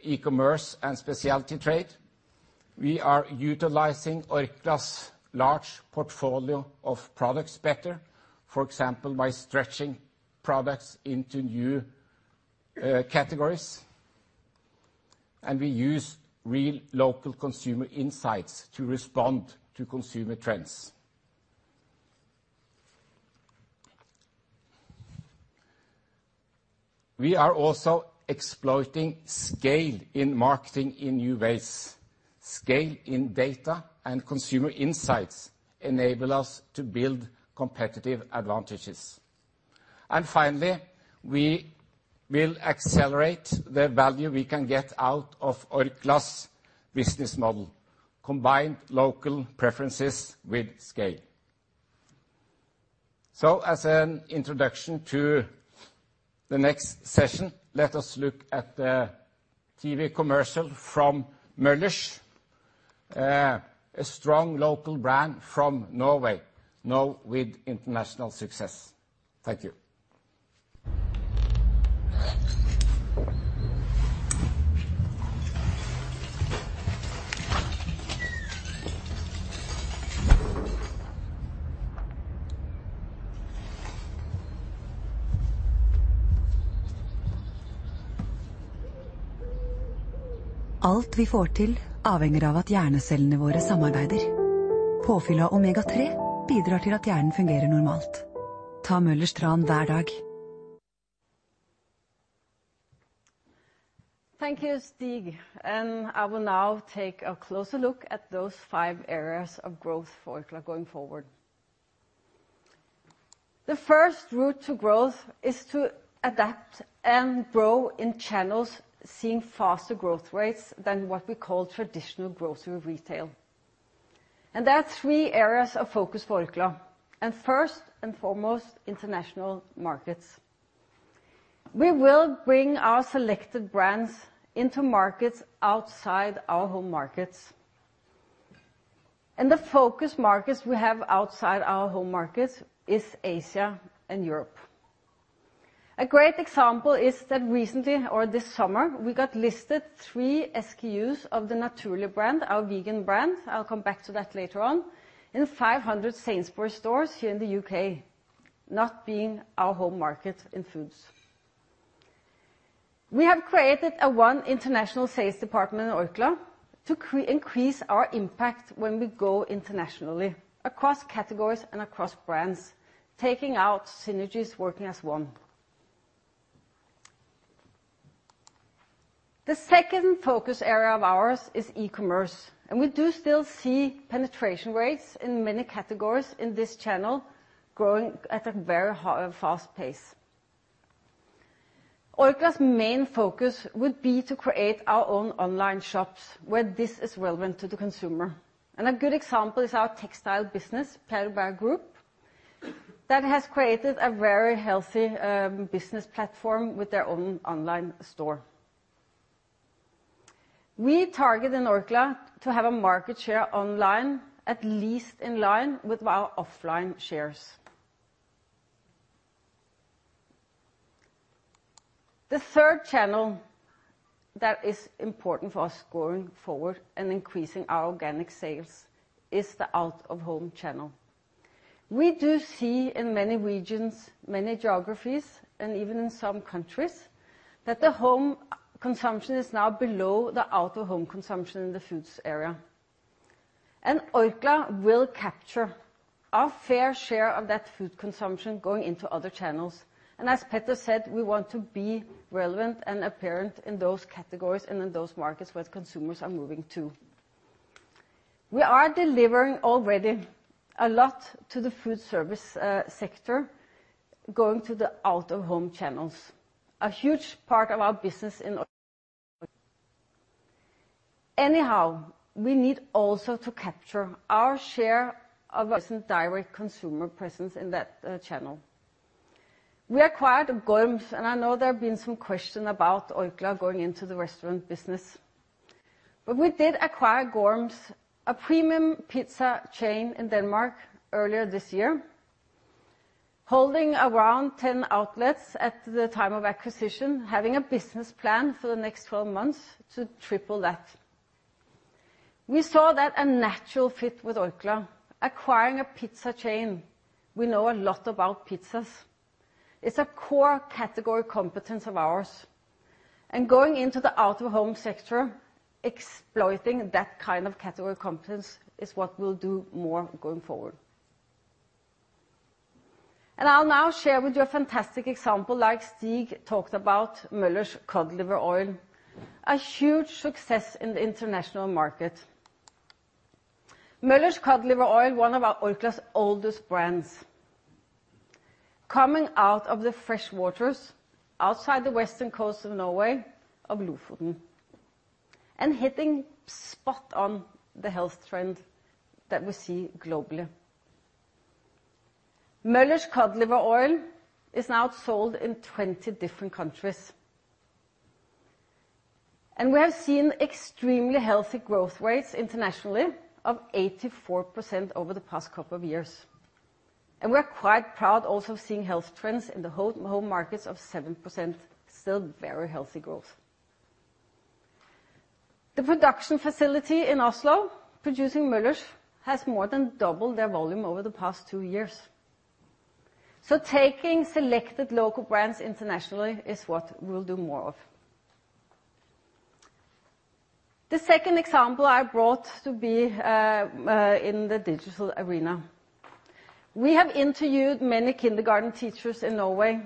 S4: e-commerce, and specialty trade. We are utilizing Orkla's large portfolio of products better, for example, by stretching products into new categories, and we use real local consumer insights to respond to consumer trends. We are also exploiting scale in marketing in new ways. Scale in data and consumer insights enable us to build competitive advantages. And finally, we will accelerate the value we can get out of Orkla's business model, combined local preferences with scale. So as an introduction to the next session, let us look at the TV commercial from Möller's, a strong local brand from Norway, now with international success. Thank you.
S5: Thank you, Stig, and I will now take a closer look at those five areas of growth for Orkla going forward. The first route to growth is to adapt and grow in channels seeing faster growth rates than what we call traditional grocery retail, and there are three areas of focus for Orkla, and first and foremost, international markets. We will bring our selected brands into markets outside our home markets, and the focus markets we have outside our home markets is Asia and Europe. A great example is that recently, or this summer, we got listed three SKUs of the Naturli' brand, our vegan brand. I'll come back to that later on, in five hundred Sainsbury's stores here in the U.K., not being our home market in foods. We have created a one international sales department in Orkla to increase our impact when we go internationally, across categories and across brands, taking out synergies, working as one. The second focus area of ours is e-commerce, and we do still see penetration rates in many categories in this channel growing at a very fast pace. Orkla's main focus would be to create our own online shops, where this is relevant to the consumer. A good example is our textile business, Pierre Robert Group, that has created a very healthy business platform with their own online store. We target in Orkla to have a market share online, at least in line with our offline shares. The third channel that is important for us going forward and increasing our organic sales is the out-of-home channel. We do see in many regions, many geographies, and even in some countries, that the home consumption is now below the out-of-home consumption in the foods area. And Orkla will capture our fair share of that food consumption going into other channels. And as Peter said, we want to be relevant and apparent in those categories and in those markets where consumers are moving to. We are delivering already a lot to the food service, sector, going to the out-of-home channels. A huge part of our business in Orkla. Anyhow, we need also to capture our share of recent direct consumer presence in that, channel. We acquired Gorm's, and I know there have been some question about Orkla going into the restaurant business, but we did acquire Gorm's, a premium pizza chain in Denmark, earlier this year, holding around 10 outlets at the time of acquisition, having a business plan for the next 12 months to triple that. We saw that a natural fit with Orkla, acquiring a pizza chain. We know a lot about pizzas. It's a core category competence of ours, and going into the out-of-home sector, exploiting that kind of category competence is what we'll do more going forward. I'll now share with you a fantastic example, like Stig talked about, Möller's cod liver oil, a huge success in the international market. Möller's cod liver oil, one of Orkla's oldest brands, coming out of the fresh waters outside the western coast of Norway of Lofoten and hitting spot on the health trend that we see globally. Möller's cod liver oil is now sold in 20 different countries, and we have seen extremely healthy growth rates internationally of 84% over the past couple of years. We're quite proud also of seeing health trends in the home markets of 7%, still very healthy growth. The production facility in Oslo, producing Möller's, has more than doubled their volume over the past two years. So taking selected local brands internationally is what we'll do more of. The second example I brought to be in the digital arena. We have interviewed many kindergarten teachers in Norway,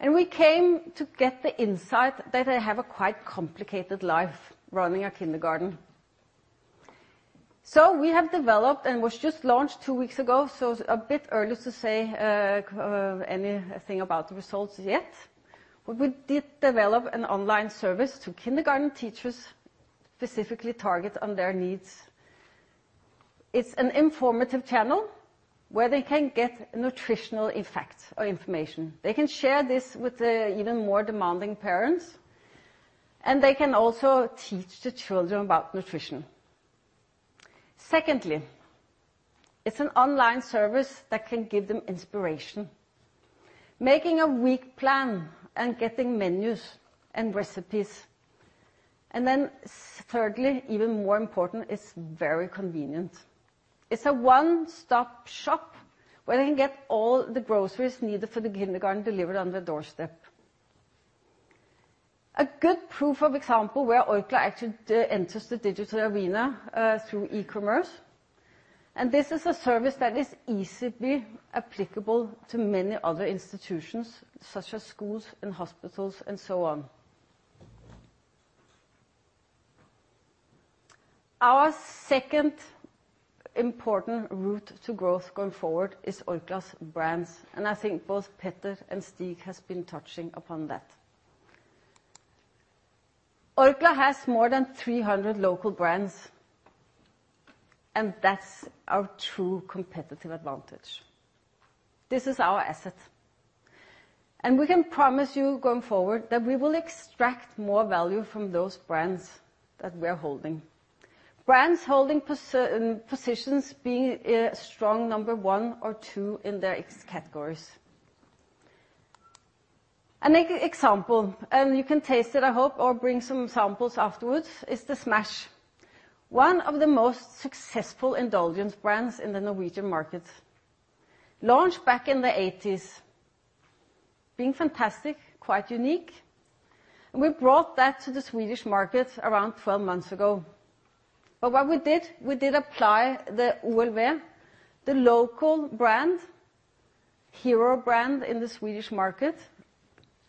S5: and we came to get the insight that they have a quite complicated life running a kindergarten, so we have developed, and was just launched two weeks ago, so it's a bit early to say anything about the results yet, but we did develop an online service to kindergarten teachers, specifically target on their needs. It's an informative channel where they can get nutritional effects or information. They can share this with the even more demanding parents, and they can also teach the children about nutrition. Secondly, it's an online service that can give them inspiration, making a week plan and getting menus and recipes, and then thirdly, even more important, it's very convenient. It's a one-stop shop where they can get all the groceries needed for the kindergarten delivered on their doorstep. A good proof of example where Orkla actually enters the digital arena through e-commerce and this is a service that is easily applicable to many other institutions, such as schools and hospitals, and so on. Our second important route to growth going forward is Orkla's brands, and I think both Peter and Stig has been touching upon that. Orkla has more than 300 local brands, and that's our true competitive advantage. This is our asset, and we can promise you, going forward, that we will extract more value from those brands that we are holding. Brands holding positions being a strong number one or two in their categories. An example, and you can taste it, I hope, I'll bring some samples afterwards, is the Smash. One of the most successful indulgence brands in the Norwegian market. Launched back in the 1980s, being fantastic, quite unique, and we brought that to the Swedish market around 12 months ago. But what we did, we did apply the OLW, the local brand, hero brand in the Swedish market,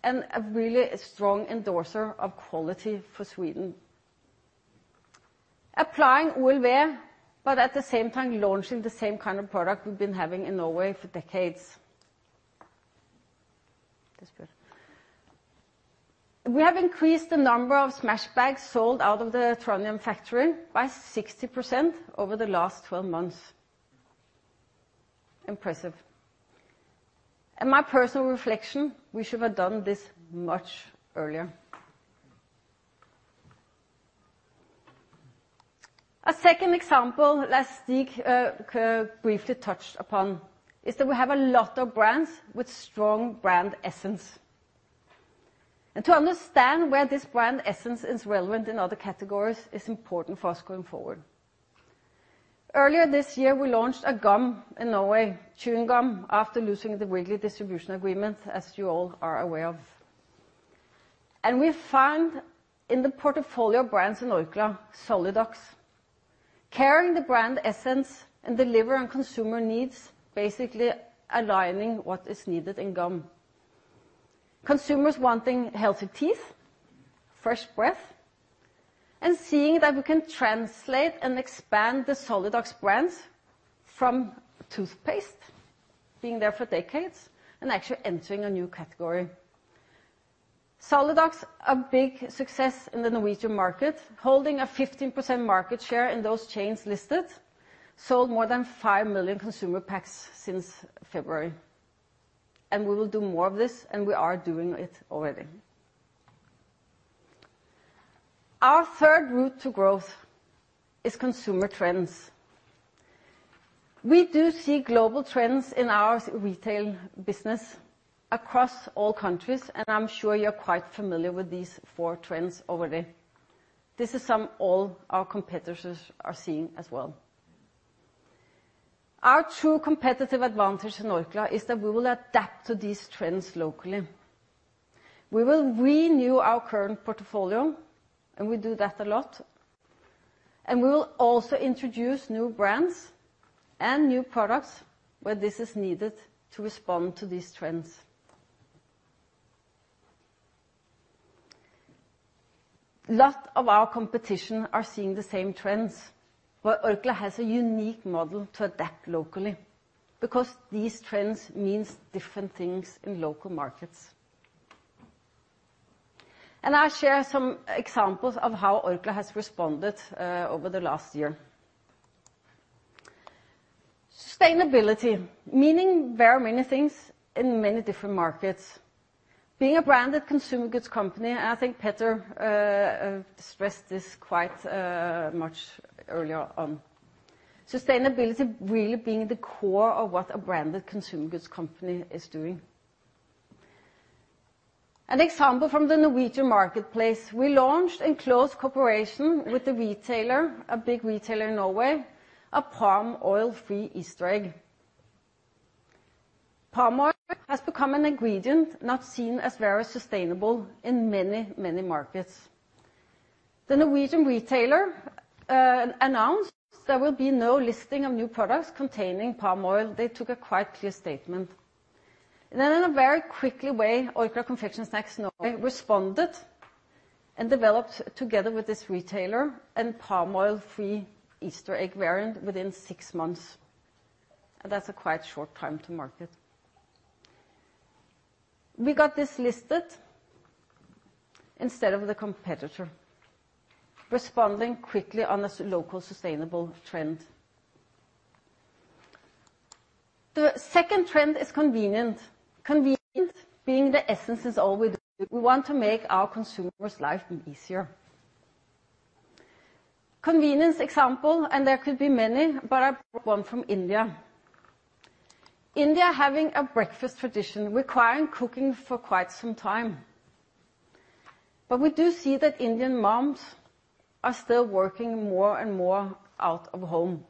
S5: and a really strong endorser of quality for Sweden. Applying OLW, but at the same time, launching the same kind of product we've been having in Norway for decades. That's good. We have increased the number of Smash bags sold out of the Trondheim factory by 60% over the last 12 months. Impressive. And my personal reflection, we should have done this much earlier. A second example, as Stig briefly touched upon, is that we have a lot of brands with strong brand essence. And to understand where this brand essence is relevant in other categories is important for us going forward. Earlier this year, we launched a gum in Norway, chewing gum, after losing the Wrigley distribution agreement, as you all are aware of, and we found in the portfolio brands in Orkla, Solidox. Carrying the brand essence and deliver on consumer needs, basically aligning what is needed in gum. Consumers wanting healthy teeth, fresh breath, and seeing that we can translate and expand the Solidox brands from toothpaste, being there for decades, and actually entering a new category. Solidox, a big success in the Norwegian market, holding a 15% market share in those chains listed, sold more than five million consumer packs since February, and we will do more of this, and we are doing it already. Our third route to growth is consumer trends. We do see global trends in our retail business across all countries, and I'm sure you're quite familiar with these four trends already. This is something all our competitors are seeing as well. Our true competitive advantage in Orkla is that we will adapt to these trends locally. We will renew our current portfolio, and we do that a lot, and we will also introduce new brands and new products where this is needed to respond to these trends. A lot of our competition are seeing the same trends, but Orkla has a unique model to adapt locally, because these trends means different things in local markets, and I'll share some examples of how Orkla has responded over the last year. Sustainability, meaning very many things in many different markets. Being a branded consumer goods company, I think Peter stressed this quite much earlier on. Sustainability really being the core of what a branded consumer goods company is doing. An example from the Norwegian marketplace: we launched in close cooperation with the retailer, a big retailer in Norway, a palm oil-free Easter egg. Palm oil has become an ingredient not seen as very sustainable in many, many markets. The Norwegian retailer announced there will be no listing of new products containing palm oil. They took a quite clear statement. And then in a very quickly way, Orkla Confectionery Snacks Norway responded and developed together with this retailer, a palm oil-free Easter egg variant within six months, and that's a quite short time to market. We got this listed instead of the competitor, responding quickly on a local sustainable trend. The second trend is convenient. Convenient being the essence is all we do. We want to make our consumer's life be easier. Convenience example, and there could be many, but I brought one from India. India, having a breakfast tradition requiring cooking for quite some time. But we do see that Indian moms are still working more and more out of home.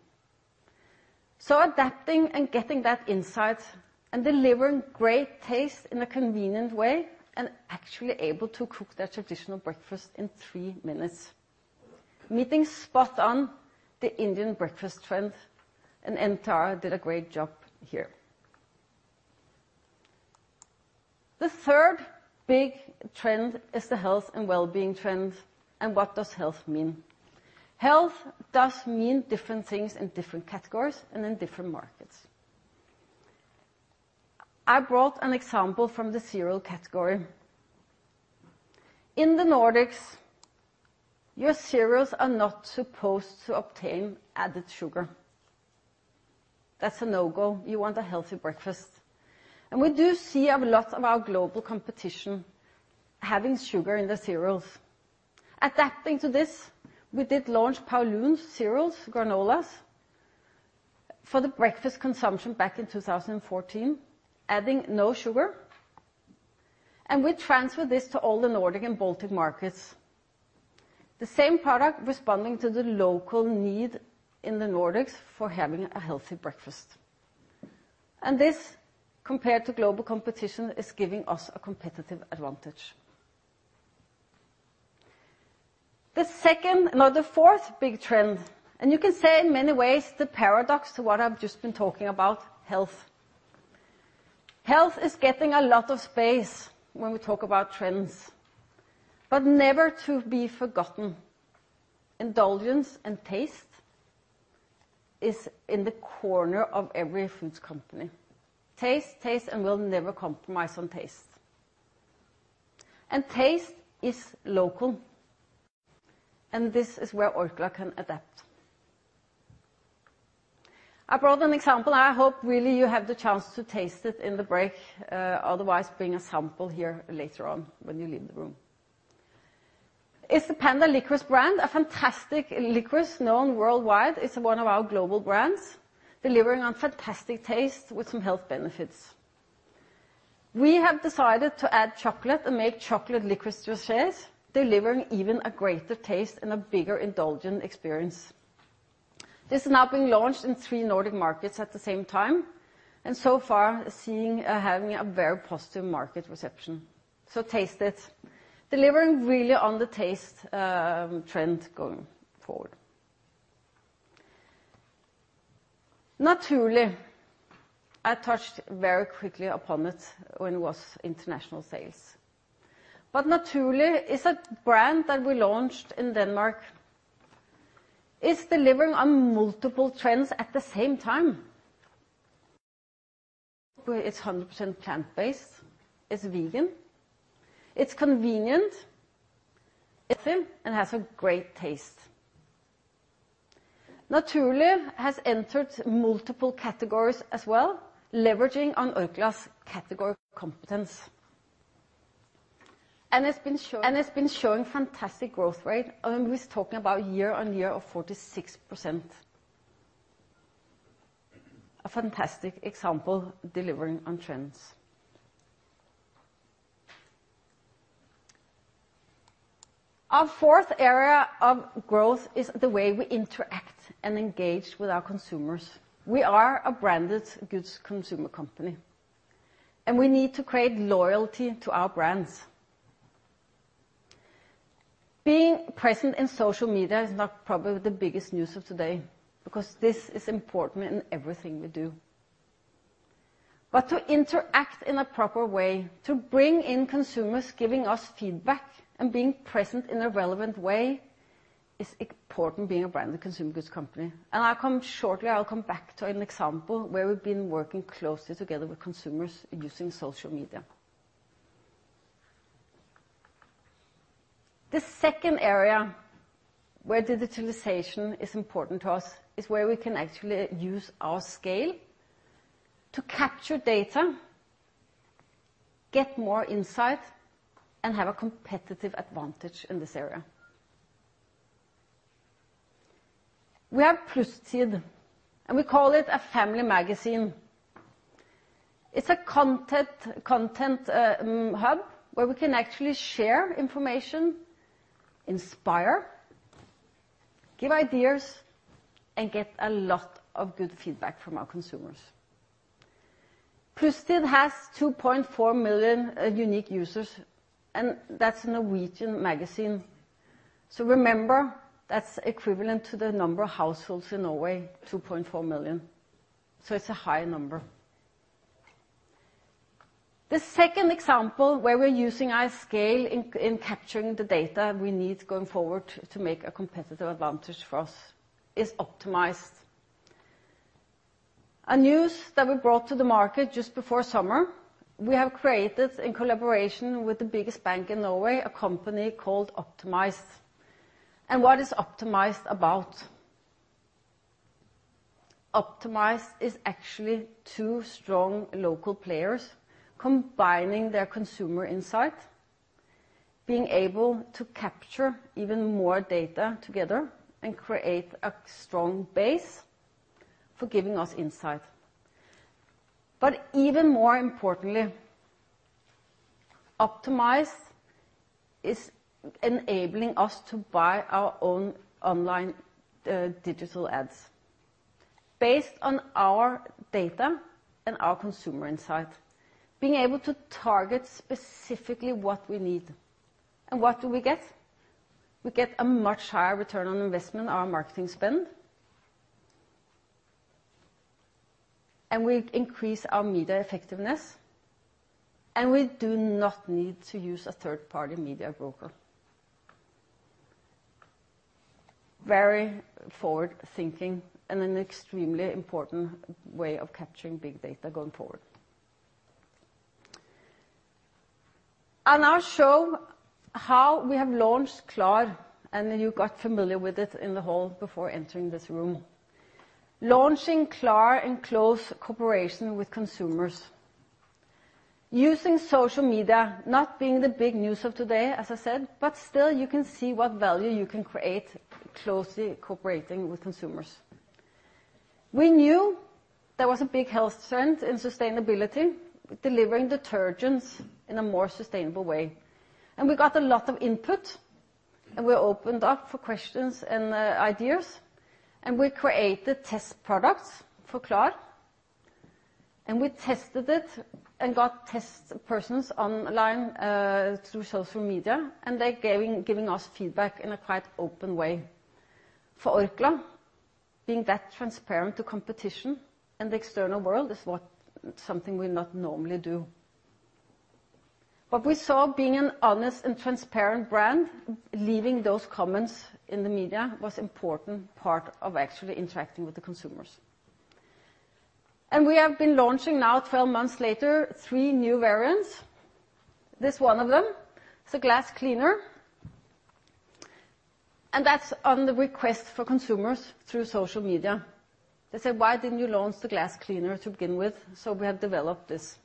S5: So adapting and getting that insight and delivering great taste in a convenient way, and actually able to cook their traditional breakfast in three minutes, meeting spot on the Indian breakfast trend, and MTR did a great job here. The third big trend is the health and wellbeing trend, and what does health mean? Health does mean different things in different categories and in different markets. I brought an example from the cereal category. In the Nordics, your cereals are not supposed to obtain added sugar. That's a no-go. You want a healthy breakfast, and we do see a lot of our global competition having sugar in the cereals. Adapting to this, we did launch Paulúns cereals, granolas, for the breakfast consumption back in 2014, adding no sugar, and we transferred this to all the Nordic and Baltic markets. The same product responding to the local need in the Nordics for having a healthy breakfast, and this, compared to global competition, is giving us a competitive advantage. The second—no, the fourth big trend, and you can say in many ways, the paradox to what I've just been talking about, health. Health is getting a lot of space when we talk about trends, but never to be forgotten, indulgence and taste is in the corner of every foods company. Taste, taste, and we'll never compromise on taste. And taste is local, and this is where Orkla can adapt. I brought an example. I hope really you have the chance to taste it in the break, otherwise, bring a sample here later on when you leave the room. It's the Panda licorice brand, a fantastic licorice known worldwide. It's one of our global brands, delivering on fantastic taste with some health benefits. We have decided to add chocolate and make chocolate licorice juices, delivering even a greater taste and a bigger indulgent experience. This is now being launched in three Nordic markets at the same time, and so far, having a very positive market reception. So taste it. Delivering really on the taste, trend going forward. Naturli', I touched very quickly upon it when it was international sales. But Naturli' is a brand that we launched in Denmark. It's delivering on multiple trends at the same time,... It's 100% plant-based, it's vegan, it's convenient, and has a great taste. Naturli' has entered multiple categories as well, leveraging on Orkla's category competence, and it's been showing fantastic growth rate, and we're talking about year on year of 46%. A fantastic example delivering on trends. Our fourth area of growth is the way we interact and engage with our consumers. We are a branded goods consumer company, and we need to create loyalty to our brands. Being present in social media is not probably the biggest news of today, because this is important in everything we do. But to interact in a proper way, to bring in consumers giving us feedback and being present in a relevant way, is important being a Branded Consumer Goods company. I'll come shortly. I'll come back to an example where we've been working closely together with consumers using social media. The second area where digitalization is important to us is where we can actually use our scale to capture data, get more insight, and have a competitive advantage in this area. We have Plusstid, and we call it a family magazine. It's a content hub, where we can actually share information, inspire, give ideas, and get a lot of good feedback from our consumers. Plusstid has 2.4 million unique users, and that's a Norwegian magazine. So remember, that's equivalent to the number of households in Norway, 2.4 million, so it's a high number. The second example where we're using our scale in capturing the data we need going forward to make a competitive advantage for us is optimized. News that we brought to the market just before summer, we have created in collaboration with the biggest bank in Norway, a company called Optimize. What is Optimize about? Optimize is actually two strong local players combining their consumer insight, being able to capture even more data together and create a strong base for giving us insight. But even more importantly, Optimize is enabling us to buy our own online digital ads based on our data and our consumer insight, being able to target specifically what we need. What do we get? We get a much higher return on investment on our marketing spend, and we increase our media effectiveness, and we do not need to use a third-party media broker. Very forward-thinking and an extremely important way of capturing big data going forward. I'll now show how we have launched Klar, and then you got familiar with it in the hall before entering this room. Launching Klar in close cooperation with consumers, using social media, not being the big news of today, as I said, but still you can see what value you can create closely cooperating with consumers. We knew there was a big health trend in sustainability, delivering detergents in a more sustainable way, and we got a lot of input, and we opened up for questions and ideas, and we created test products for Klar, and we tested it and got test persons online through social media, and they're giving us feedback in a quite open way. For Orkla, being that transparent to competition and the external world is something we do not normally do. What we saw, being an honest and transparent brand, leaving those comments in the media was important part of actually interacting with the consumers. And we have been launching now, twelve months later, three new variants. This one of them, it's a glass cleaner, and that's on the request for consumers through social media. They said, "Why didn't you launch the glass cleaner to begin with?" So we have developed this.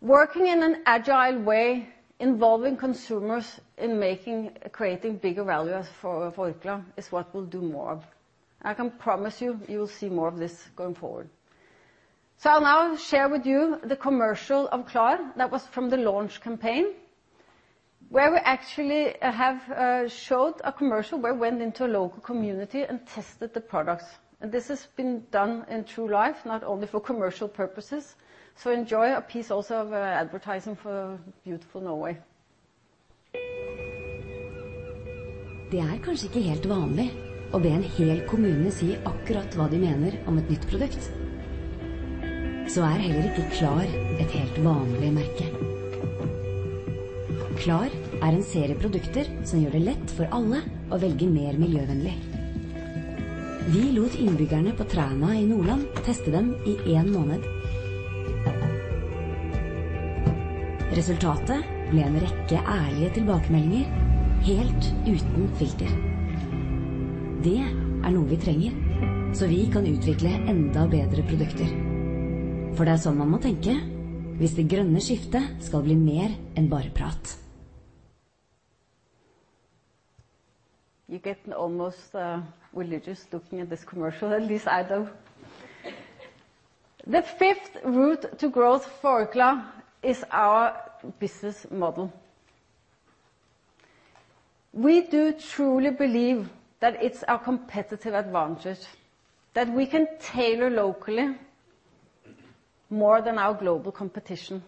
S5: Working in an agile way, involving consumers in making, creating bigger value for, for Orkla is what we'll do more of. I can promise you, you will see more of this going forward. So I'll now share with you the commercial of Klar that was from the launch campaign, where we actually have showed a commercial where we went into a local community and tested the products. This has been done in true life, not only for commercial purposes, so enjoy a piece also of advertising for beautiful Norway. It is perhaps not entirely common to ask an entire municipality to say exactly what they think about a new product. So Klar is not an entirely ordinary brand. Klar is a series of products that make it easy for everyone to choose more environmentally friendly options. We let the residents of Træna in Nordland test them for one month. The result was a range of honest feedback, completely unfiltered. This is something we need so we can develop even better products, because that's the way to think if the green shift is going to be more than just talk. You get almost religious looking at this commercial, at least I do. The fifth route to growth for Orkla is our business model. We do truly believe that it's our competitive advantage, that we can tailor locally more than our global competition,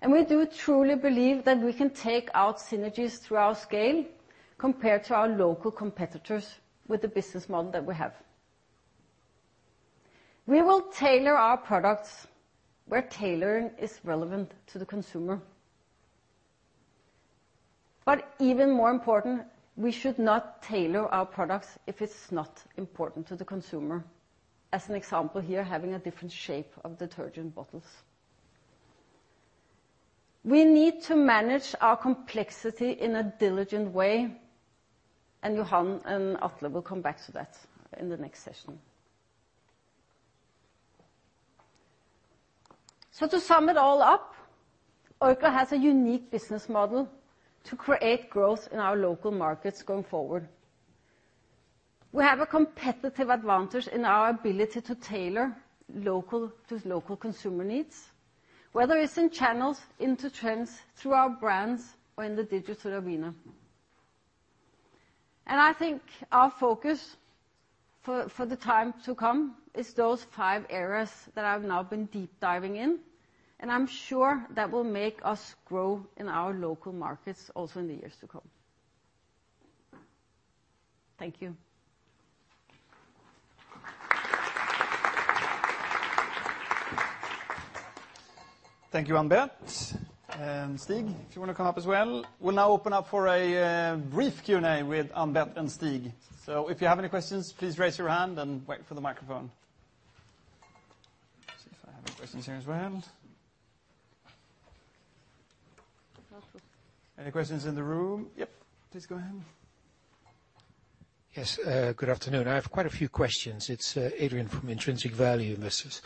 S5: and we do truly believe that we can take out synergies through our scale compared to our local competitors with the business model that we have. We will tailor our products where tailoring is relevant to the consumer. But even more important, we should not tailor our products if it's not important to the consumer. As an example here, having a different shape of detergent bottles. We need to manage our complexity in a diligent way, and Johan and Atle will come back to that in the next session. So to sum it all up, Orkla has a unique business model to create growth in our local markets going forward. We have a competitive advantage in our ability to tailor local to local consumer needs, whether it's in channels, into trends, through our brands, or in the digital arena. And I think our focus for the time to come is those five areas that I've now been deep diving in, and I'm sure that will make us grow in our local markets also in the years to come. Thank you.
S1: Thank you, Ann-Beth. And Stig, if you want to come up as well. We'll now open up for a brief Q&A with Ann-Beth and Stig. So if you have any questions, please raise your hand and wait for the microphone. See if I have any questions here as well. Any questions in the room? Yep, please go ahead. Yes, good afternoon. I have quite a few questions. It's Adrian from Intrinsic Value Investors.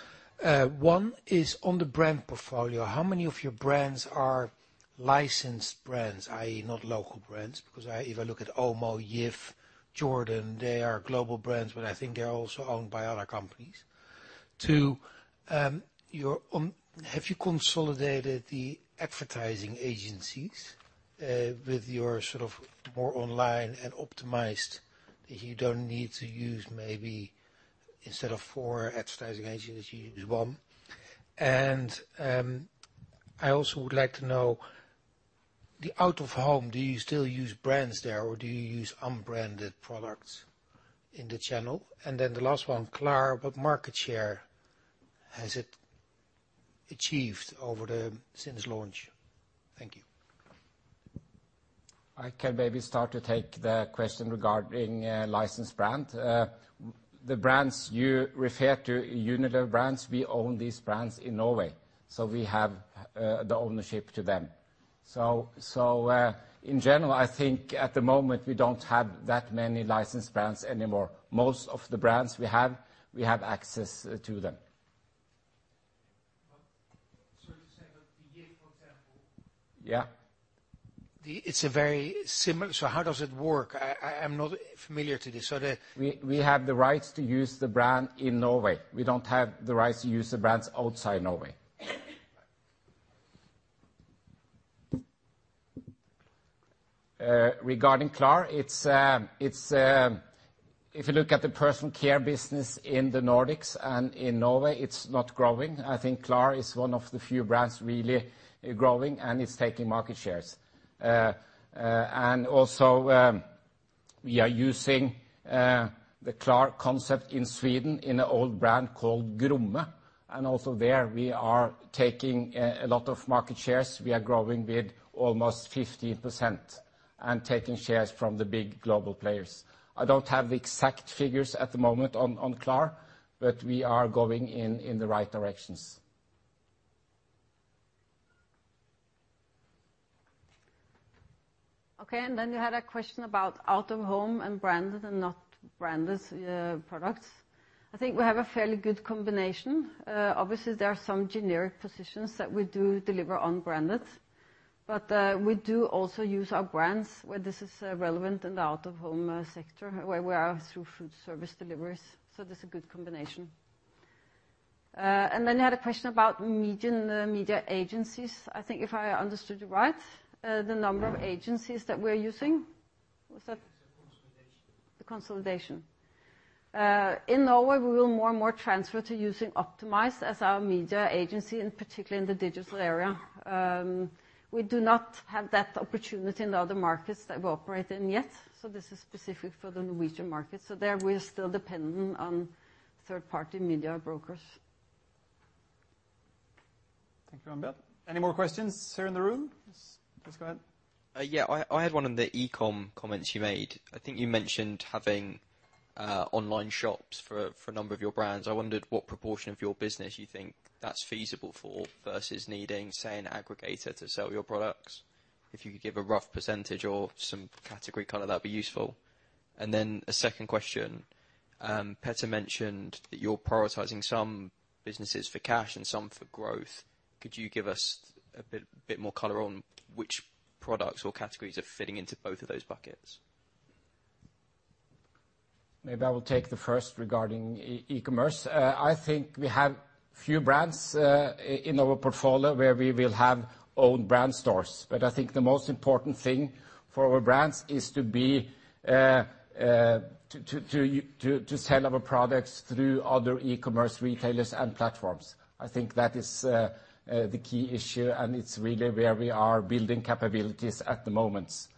S1: One is on the brand portfolio. How many of your brands are licensed brands, i.e., not local brands? Because if I look at Omo, Jif, Jordan, they are global brands, but I think they are also owned by other companies. Two, your on- have you consolidated the advertising agencies with your sort of more online and optimized, that you don't need to use maybe instead of four advertising agencies, you use one? and I also would like to know, the out of home, do you still use brands there, or do you use unbranded products in the channel? and then the last one, Klar, what market share has it achieved over the since launch? Thank you.
S4: I can maybe start to take the question regarding licensed brand. The brands you refer to, Unilever brands, we own these brands in Norway, so we have the ownership to them. So, in general, I think at the moment, we don't have that many licensed brands anymore. Most of the brands we have, we have access to them. But, sorry to say, but the year, for example- Yeah. It's a very similar. So how does it work? I'm not familiar to this. So the- We have the rights to use the brand in Norway. We don't have the rights to use the brands outside Norway. Regarding Klar, it's if you look at the Personal Care business in the Nordics and in Norway, it's not growing. I think Klar is one of the few brands really growing, and it's taking market shares. And also, we are using the Klar concept in Sweden, in an old brand called Grumme, and also there, we are taking a lot of market shares. We are growing with almost 15% and taking shares from the big global players. I don't have the exact figures at the moment on Klar, but we are going in the right directions.
S5: Okay, and then you had a question about out of home and branded and not branded products. I think we have a fairly good combination. Obviously, there are some generic positions that we do deliver unbranded, but we do also use our brands where this is relevant in the out-of-home sector, where we are through food service deliveries, so there's a good combination. And then you had a question about media and the media agencies. I think if I understood you right, the number of agencies that we're using? Was that- The consolidation. The consolidation. In Norway, we will more and more transfer to using Optimize as our media agency, and particularly in the digital area. We do not have that opportunity in the other markets that we operate in yet, so this is specific for the Norwegian market. So there, we are still dependent on third-party media brokers.
S1: Thank you, Ann-Beth. Any more questions here in the room? Yes, please go ahead. Yeah, I had one on the e-com comments you made. I think you mentioned having online shops for a number of your brands. I wondered what proportion of your business you think that's feasible for, versus needing, say, an aggregator to sell your products. If you could give a rough percentage or some category color, that'd be useful. And then a second question, Peter mentioned that you're prioritizing some businesses for cash and some for growth. Could you give us a bit more color on which products or categories are fitting into both of those buckets?
S4: Maybe I will take the first regarding e-commerce. I think we have few brands in our portfolio where we will have own brand stores, but I think the most important thing for our brands is to sell our products through other e-commerce retailers and platforms. I think that is the key issue, and it's really where we are building capabilities at the moment.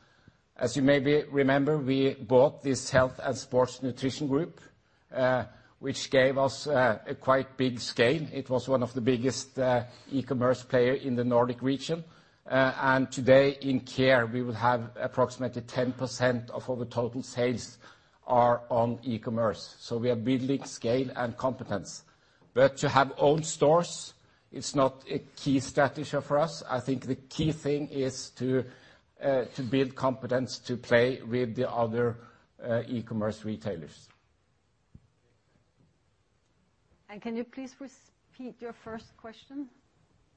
S4: As you maybe remember, we bought this Health and Sports Nutrition Group, which gave us a quite big scale. It was one of the biggest e-commerce player in the Nordic region. And today, in Care, we will have approximately 10% of our total sales are on e-commerce, so we are building scale and competence. But to have own stores, it's not a key strategy for us. I think the key thing is to build competence to play with the other e-commerce retailers.
S5: Can you please repeat your first question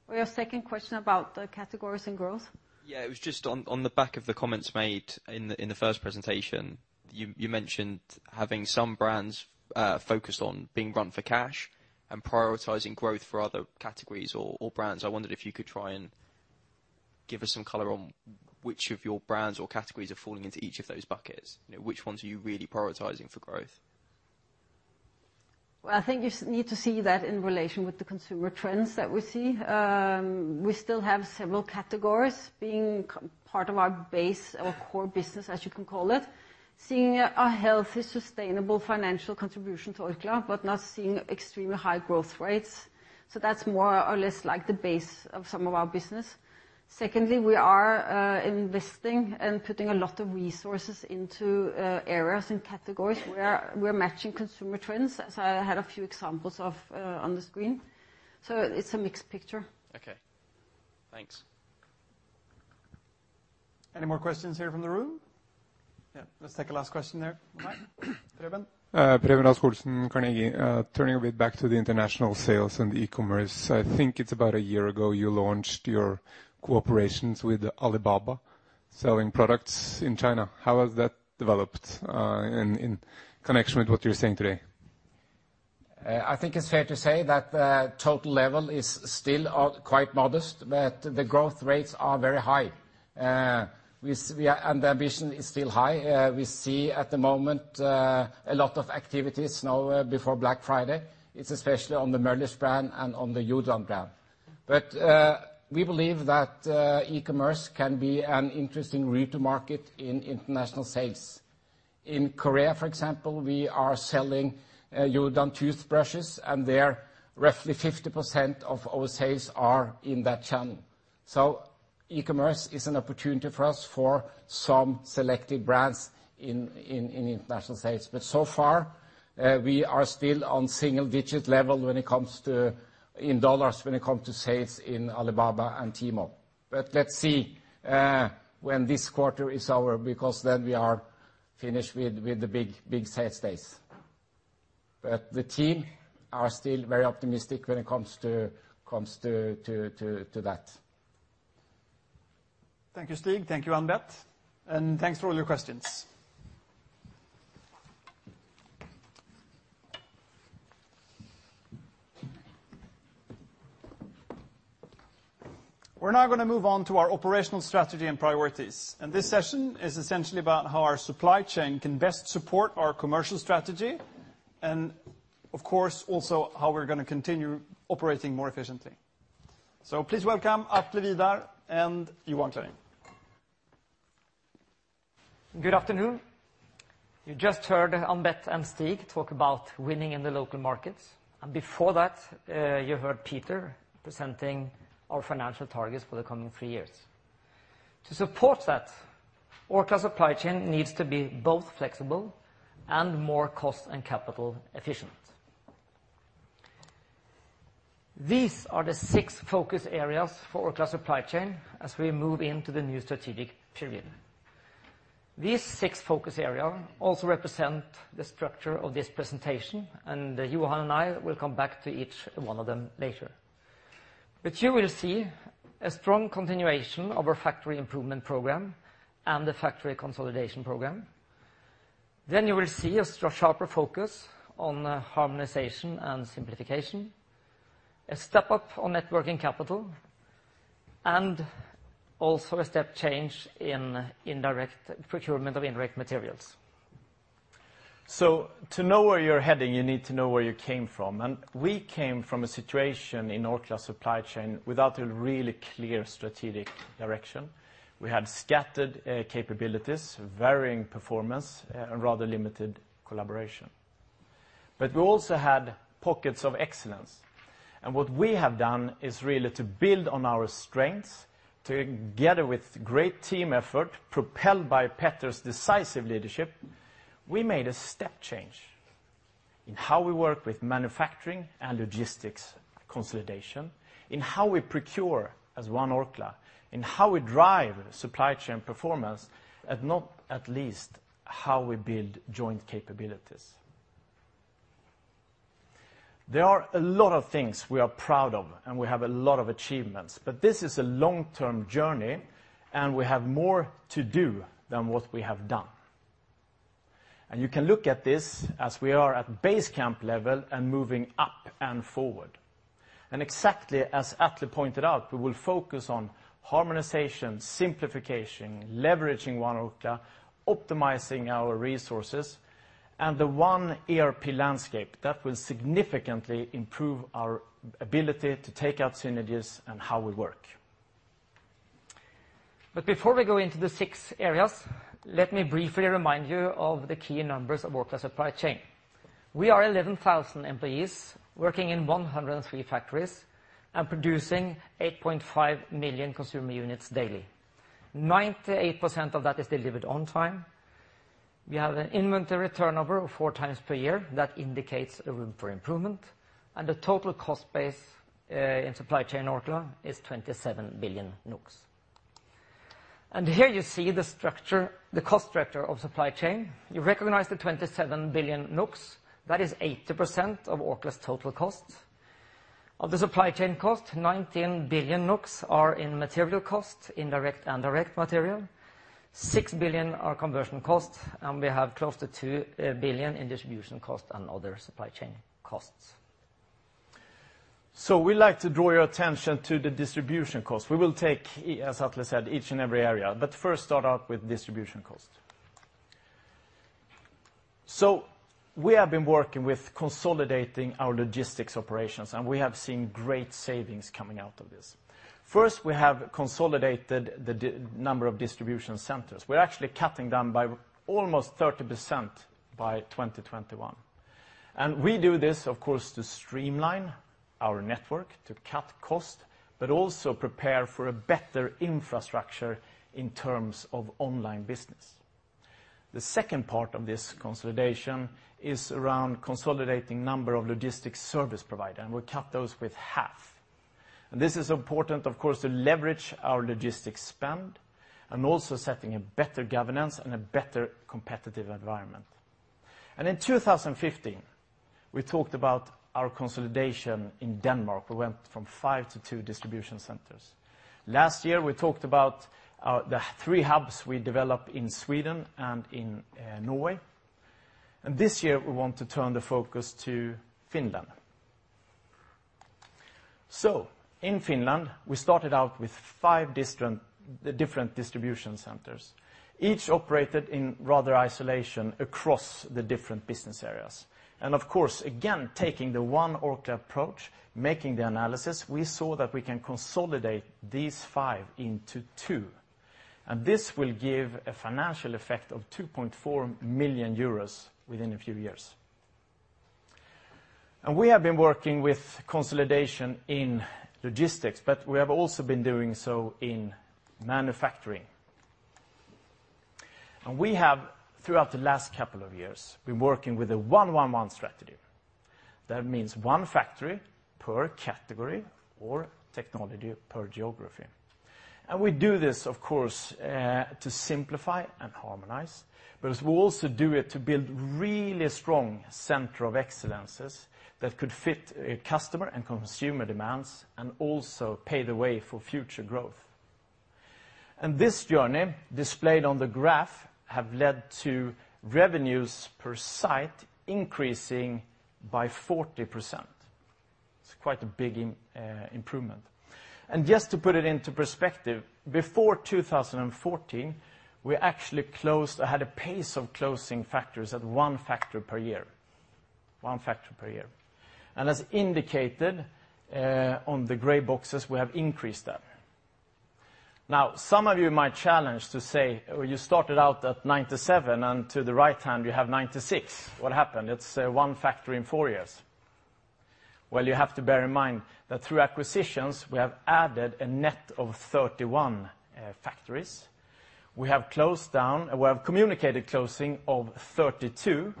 S5: or your second question about the categories and growth? Yeah, it was just on the back of the comments made in the first presentation. You mentioned having some brands focused on being run for cash and prioritizing growth for other categories or brands. I wondered if you could try and give us some color on which of your brands or categories are falling into each of those buckets? You know, which ones are you really prioritizing for growth? I think you need to see that in relation with the consumer trends that we see. We still have several categories being part of our base, our core business, as you can call it, seeing a healthy, sustainable financial contribution to Orkla, but not seeing extremely high growth rates. That's more or less like the base of some of our business. Secondly, we are investing and putting a lot of resources into areas and categories where we're matching consumer trends, as I had a few examples of on the screen. It's a mixed picture. Okay, thanks.
S1: Any more questions here from the room? Yeah, let's take a last question there. Mike?
S6: Preben Rasch-Olsen, Carnegie. Turning a bit back to the international sales and e-commerce, I think it's about a year ago, you launched your cooperations with Alibaba.... selling products in China, how has that developed, in connection with what you're saying today?
S4: I think it's fair to say that the total level is still quite modest, but the growth rates are very high. We and the ambition is still high. We see at the moment a lot of activities now before Black Friday. It's especially on the Möller's brand and on the Jordan brand. But we believe that e-commerce can be an interesting route to market in international sales. In Korea, for example, we are selling Jordan toothbrushes, and there, roughly 50% of our sales are in that channel. So e-commerce is an opportunity for us for some selected brands in international sales. But so far we are still on single-digit level when it comes to in dollars, when it comes to sales in Alibaba and Tmall. But let's see when this quarter is over, because then we are finished with the big sales days. But the team are still very optimistic when it comes to that.
S1: Thank you, Stig. Thank you, Ann-Beth, and thanks for all your questions. We're now gonna move on to our operational strategy and priorities, and this session is essentially about how our supply chain can best support our commercial strategy, and of course, also how we're gonna continue operating more efficiently. So please welcome Atle Vidar and Johan Clarin.
S7: Good afternoon. You just heard Ann-Beth and Stig talk about winning in the local markets, and before that, you heard Peter presenting our financial targets for the coming three years. To support that, Orkla's supply chain needs to be both flexible and more cost and capital efficient. These are the six focus areas for Orkla's supply chain as we move into the new strategic period. These six focus areas also represent the structure of this presentation, and Johan and I will come back to each one of them later. But you will see a strong continuation of our factory improvement program and the factory consolidation program. Then you will see a sharper focus on, harmonization and simplification, a step up on net working capital, and also a step change in indirect procurement of indirect materials.
S8: So to know where you're heading, you need to know where you came from, and we came from a situation in Orkla's supply chain without a really clear strategic direction. We had scattered capabilities, varying performance, and rather limited collaboration. But we also had pockets of excellence, and what we have done is really to build on our strengths. Together with great team effort, propelled by Peter's decisive leadership, we made a step change in how we work with manufacturing and logistics consolidation, in how we procure as one Orkla, in how we drive supply chain performance, and not at least, how we build joint capabilities. There are a lot of things we are proud of, and we have a lot of achievements, but this is a long-term journey, and we have more to do than what we have done. And you can look at this as we are at base camp level and moving up and forward. And exactly as Atle pointed out, we will focus on harmonization, simplification, leveraging One Orkla, optimizing our resources, and the one ERP landscape. That will significantly improve our ability to take out synergies and how we work.
S7: But before we go into the six areas, let me briefly remind you of the key numbers of Orkla supply chain. We are 11,000 employees, working in 103 factories, and producing 8.5 million consumer units daily. 98% of that is delivered on time. We have an inventory turnover of four times per year. That indicates a room for improvement, and the total cost base in supply chain Orkla is 27 billion NOK. And here you see the structure, the cost structure of supply chain. You recognize the 27 billion NOK. That is 80% of Orkla's total cost. Of the supply chain cost, 19 billion NOK are in material cost, indirect and direct material. Six billion are conversion costs, and we have close to two billion in distribution costs and other supply chain costs.
S8: We'd like to draw your attention to the distribution costs. We will take, as Atle said, each and every area, but first start out with distribution costs. We have been working with consolidating our logistics operations, and we have seen great savings coming out of this. First, we have consolidated the number of distribution centers. We're actually cutting down by almost 30% by 2021. We do this, of course, to streamline our network, to cut costs, but also prepare for a better infrastructure in terms of online business. The second part of this consolidation is around consolidating number of logistics service provider, and we cut those with half. This is important, of course, to leverage our logistics spend and also setting a better governance and a better competitive environment. In 2015, we talked about our consolidation in Denmark. We went from five to two distribution centers. Last year, we talked about the three hubs we developed in Sweden and in Norway, and this year, we want to turn the focus to Finland, so in Finland, we started out with five different distribution centers. Each operated in rather isolation across the different business areas, and of course, again, taking the One Orkla approach, making the analysis, we saw that we can consolidate these five into two, and this will give a financial effect of 2.4 million euros within a few years. And we have been working with consolidation in logistics, but we have also been doing so in manufacturing, and we have, throughout the last couple of years, been working with a one, one, one strategy. That means one factory per category or technology per geography. We do this, of course, to simplify and harmonize, but we also do it to build really strong centers of excellence that could fit customer and consumer demands, and also pave the way for future growth. This journey, displayed on the graph, has led to revenues per site increasing by 40%. It's quite a big improvement. Just to put it into perspective, before 2014, we actually had a pace of closing factories at one factory per year. One factory per year. As indicated on the gray boxes, we have increased that. Now, some of you might challenge to say, "Well, you started out at 97, and to the right hand, you have 96. What happened? It's one factory in four years." Well, you have to bear in mind that through acquisitions, we have added a net of 31 factories. We have closed down. We have communicated closing of 32,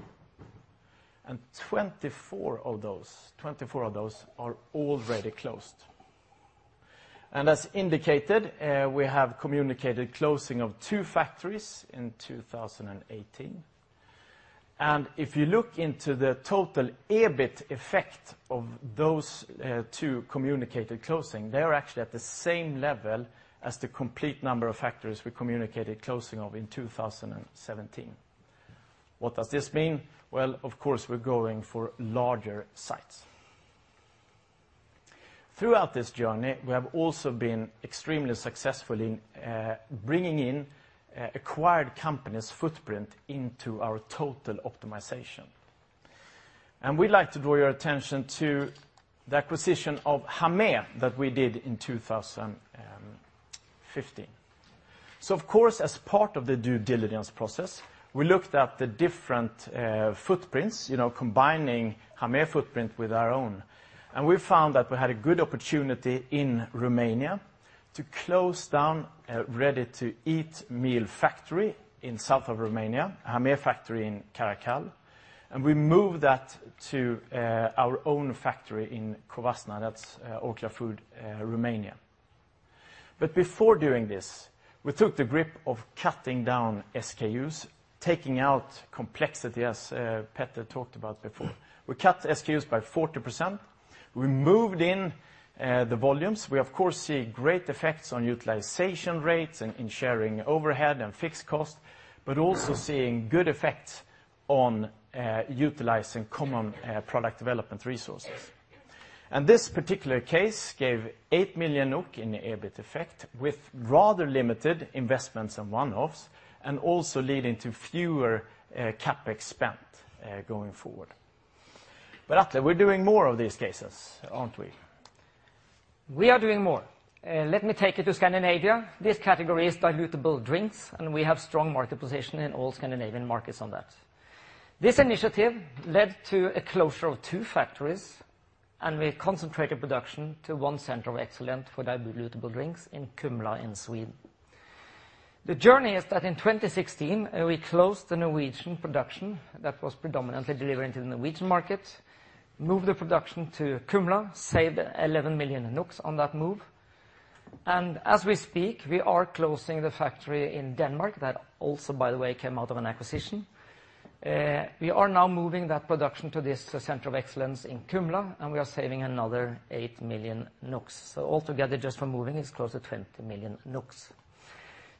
S8: and 24 of those, 24 of those are already closed. And as indicated, we have communicated closing of two factories in two thousand and eighteen. And if you look into the total EBIT effect of those two communicated closing, they are actually at the same level as the complete number of factories we communicated closing of in two thousand and seventeen. What does this mean? Well, of course, we're going for larger sites. Throughout this journey, we have also been extremely successful in bringing in acquired companies' footprint into our total optimization. We'd like to draw your attention to the acquisition of Hamé that we did in two thousand and fifteen. Of course, as part of the due diligence process, we looked at the different footprints, you know, combining Hamé footprint with our own, and we found that we had a good opportunity in Romania to close down a ready-to-eat meal factory in south of Romania, a Hamé factory in Caracal, and we moved that to our own factory in Covasna. That's Orkla Foods Romania. But before doing this, we took the grip of cutting down SKUs, taking out complexity, as Peter talked about before. We cut SKUs by 40%. We moved in the volumes. We, of course, see great effects on utilization rates and in sharing overhead and fixed cost, but also seeing good effects on utilizing common product development resources. This particular case gave eight million NOK in the EBIT effect, with rather limited investments and one-offs, and also leading to fewer CapEx spent going forward. Atle, we're doing more of these cases, aren't we?
S7: We are doing more. Let me take you to Scandinavia. This category is dilutable drinks, and we have strong market position in all Scandinavian markets on that. This initiative led to a closure of two factories, and we concentrated production to one center of excellence for dilutable drinks in Kumla in Sweden. The journey is that in 2016, we closed the Norwegian production that was predominantly delivering to the Norwegian market, moved the production to Kumla, saved 11 million NOK on that move, and as we speak, we are closing the factory in Denmark, that also, by the way, came out of an acquisition. We are now moving that production to this center of excellence in Kumla, and we are saving another 8 million NOK, so all together, just from moving, it's close to 20 million NOK.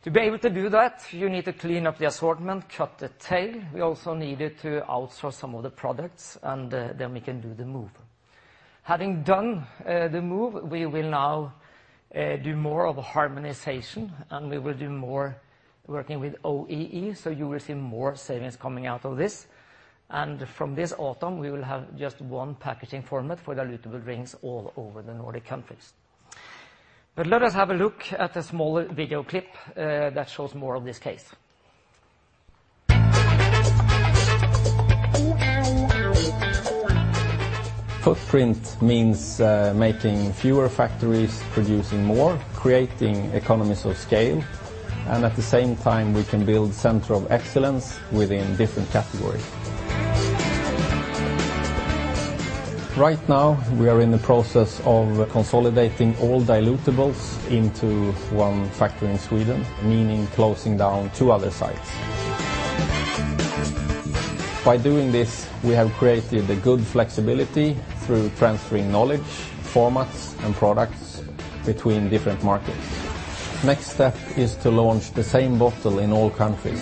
S7: To be able to do that, you need to clean up the assortment, cut the tail. We also needed to outsource some of the products, and then we can do the move. Having done the move, we will now do more of a harmonization, and we will do more working with OEE, so you will see more savings coming out of this. And from this autumn, we will have just one packaging format for dilutable drinks all over the Nordic countries. But let us have a look at a small video clip that shows more of this case.
S8: Footprint means making fewer factories, producing more, creating economies of scale, and at the same time, we can build center of excellence within different categories. ...Right now, we are in the process of consolidating all dilutables into one factory in Sweden, meaning closing down two other sites. By doing this, we have created a good flexibility through transferring knowledge, formats, and products between different markets. Next step is to launch the same bottle in all countries.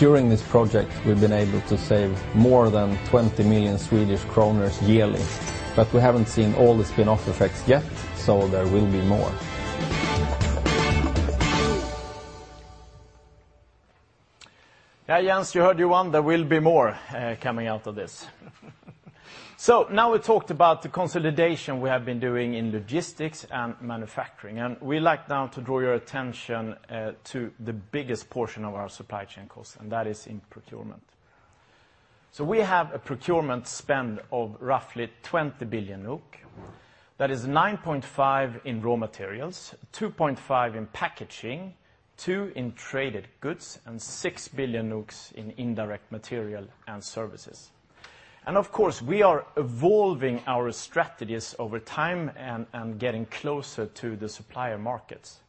S8: During this project, we've been able to save more than 20 million Swedish kronor yearly, but we haven't seen all the spin-off effects yet, so there will be more. Yeah, Jens, you heard the one. There will be more coming out of this. Now we talked about the consolidation we have been doing in logistics and manufacturing, and we'd like now to draw your attention to the biggest portion of our supply chain cost, and that is in procurement. We have a procurement spend of roughly 20 billion NOK. That is 9.5 billion in raw materials, 2.5 billion in packaging, 2 billion in traded goods, and 6 billion in indirect material and services. Of course, we are evolving our strategies over time and getting closer to the supplier markets.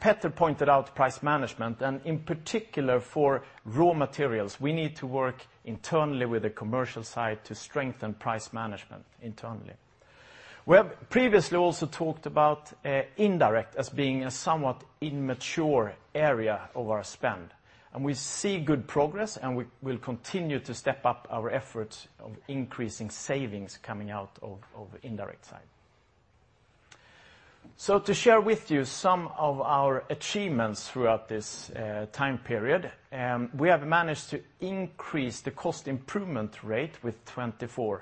S8: Peter pointed out price management, and in particular, for raw materials, we need to work internally with the commercial side to strengthen price management internally. We have previously also talked about indirect as being a somewhat immature area of our spend, and we see good progress, and we will continue to step up our efforts of increasing savings coming out of, of indirect side. To share with you some of our achievements throughout this time period, we have managed to increase the cost improvement rate with 24%.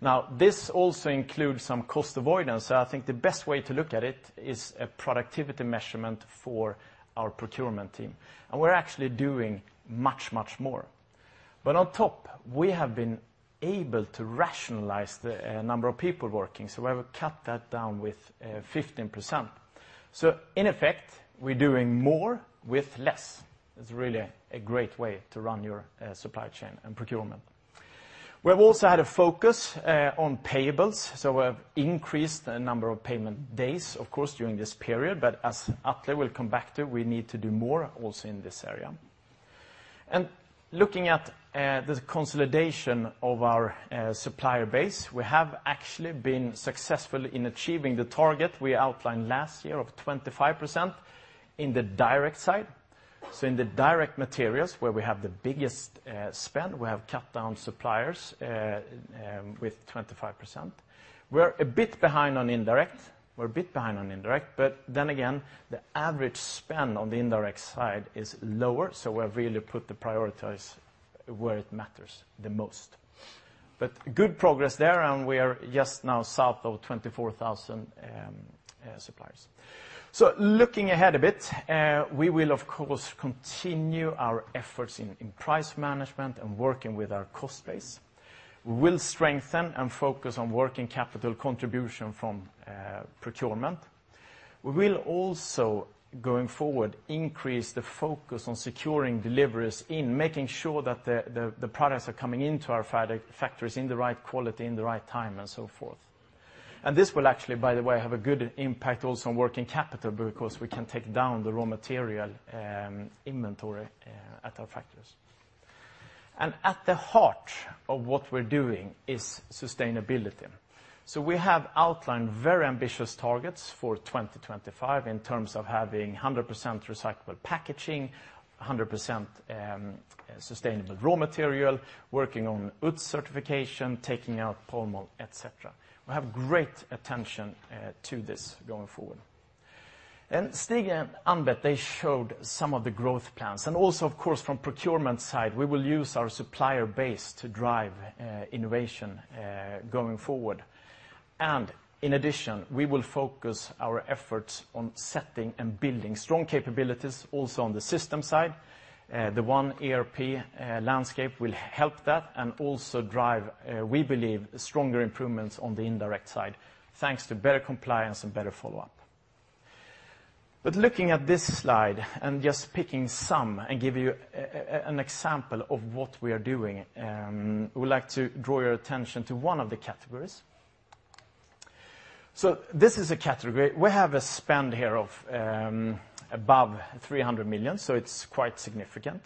S8: Now, this also includes some cost avoidance, so I think the best way to look at it is a productivity measurement for our procurement team, and we're actually doing much, much more. On top, we have been able to rationalize the number of people working, so we have cut that down with 15%. In effect, we're doing more with less. It's really a great way to run your supply chain and procurement. We've also had a focus on payables, so we've increased the number of payment days, of course, during this period, but as Atle will come back to, we need to do more also in this area. Looking at the consolidation of our supplier base, we have actually been successful in achieving the target we outlined last year of 25% in the direct side. So in the direct materials, where we have the biggest spend, we have cut down suppliers with 25%. We're a bit behind on indirect, but then again, the average spend on the indirect side is lower, so we've really prioritized where it matters the most. But good progress there, and we are just now south of 24,000 suppliers. So looking ahead a bit, we will, of course, continue our efforts in price management and working with our cost base. We will strengthen and focus on working capital contribution from procurement. We will also, going forward, increase the focus on securing deliveries, making sure that the products are coming into our factories in the right quality, in the right time, and so forth. This will actually, by the way, have a good impact also on working capital because we can take down the raw material inventory at our factories. At the heart of what we're doing is sustainability. We have outlined very ambitious targets for 2025 in terms of having 100% recyclable packaging, 100% sustainable raw material, working on UTZ certification, taking out palm oil, etc. We have great attention to this going forward. And Stig and Ann-Beth, they showed some of the growth plans, and also, of course, from procurement side, we will use our supplier base to drive innovation going forward. And in addition, we will focus our efforts on setting and building strong capabilities also on the system side. The one ERP landscape will help that and also drive we believe stronger improvements on the indirect side, thanks to better compliance and better follow-up. But looking at this slide and just picking some and give you an example of what we are doing, we would like to draw your attention to one of the categories. So this is a category. We have a spend here of above 300 million, so it's quite significant,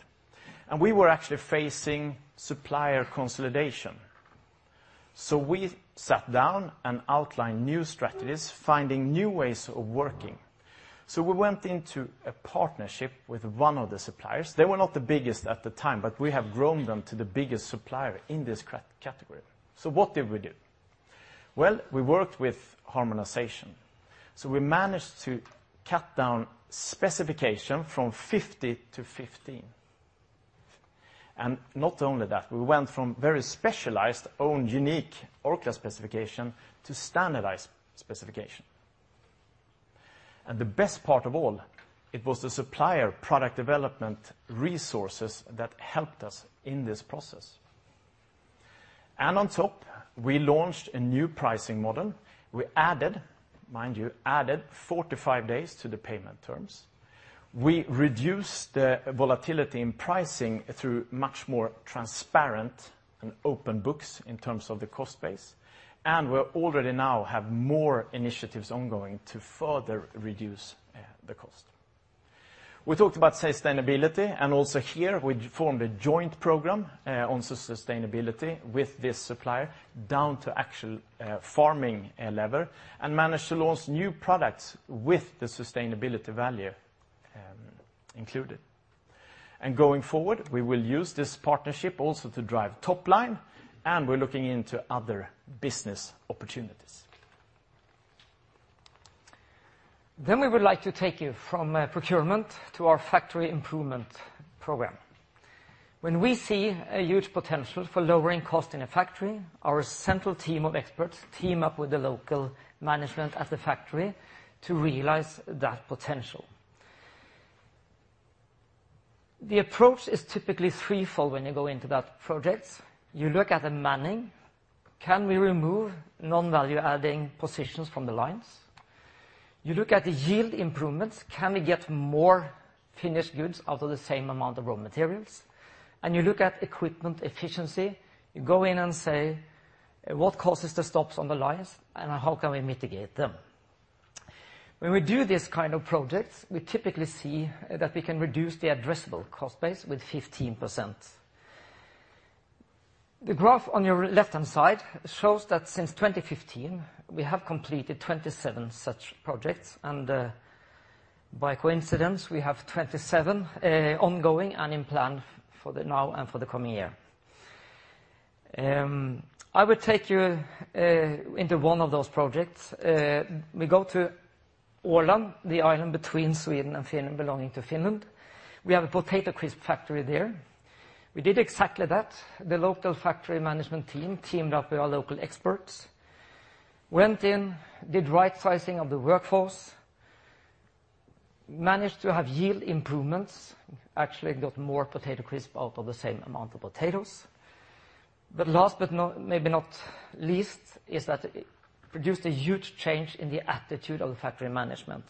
S8: and we were actually facing supplier consolidation. So we sat down and outlined new strategies, finding new ways of working. So we went into a partnership with one of the suppliers. They were not the biggest at the time, but we have grown them to the biggest supplier in this category. So what did we do? Well, we worked with harmonization. So we managed to cut down specification from 50-15. And not only that, we went from very specialized, own unique Orkla specification to standardized specification. And the best part of all, it was the supplier product development resources that helped us in this process, and on top, we launched a new pricing model. We added, mind you, added 45 days to the payment terms. We reduced the volatility in pricing through much more transparent and open books in terms of the cost base, and we already now have more initiatives ongoing to further reduce the cost. We talked about sustainability, and also here we formed a joint program on sustainability with this supplier, down to actual farming level, and managed to launch new products with the sustainability value included, and going forward, we will use this partnership also to drive top line, and we're looking into other business opportunities.
S7: Then we would like to take you from procurement to our factory improvement program. When we see a huge potential for lowering cost in a factory, our central team of experts team up with the local management at the factory to realize that potential. The approach is typically threefold when you go into that project. You look at the manning. Can we remove non-value-adding positions from the lines? You look at the yield improvements. Can we get more finished goods out of the same amount of raw materials? And you look at equipment efficiency. You go in and say, "What causes the stops on the lines, and how can we mitigate them?" When we do this kind of projects, we typically see that we can reduce the addressable cost base with 15%. The graph on your left-hand side shows that since twenty fifteen, we have completed twenty-seven such projects, and by coincidence, we have twenty-seven ongoing and in plan for the now and for the coming year. I will take you into one of those projects. We go to Åland, the island between Sweden and Finland, belonging to Finland. We have a potato crisp factory there. We did exactly that. The local factory management team teamed up with our local experts, went in, did right sizing of the workforce, managed to have yield improvements, actually got more potato crisp out of the same amount of potatoes. But last, but maybe not least, is that it produced a huge change in the attitude of the factory management.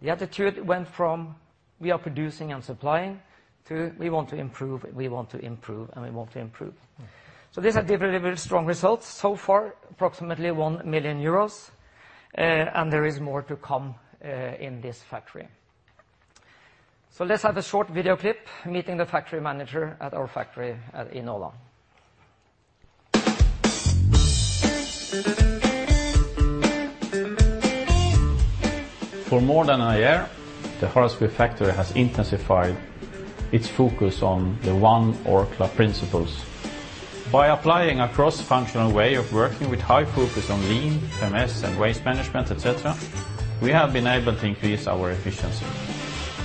S7: The attitude went from, "We are producing and supplying," to, "We want to improve. We want to improve, and we want to improve. So these are deliberately strong results. So far, approximately 1 million euros, and there is more to come, in this factory. So let's have a short video clip, meeting the factory manager at our factory in Åland. For more than a year, the Haraldsby factory has intensified its focus on the One Orkla principles. By applying a cross-functional way of working with high focus on lean, 5S, and waste management, et cetera, we have been able to increase our efficiency.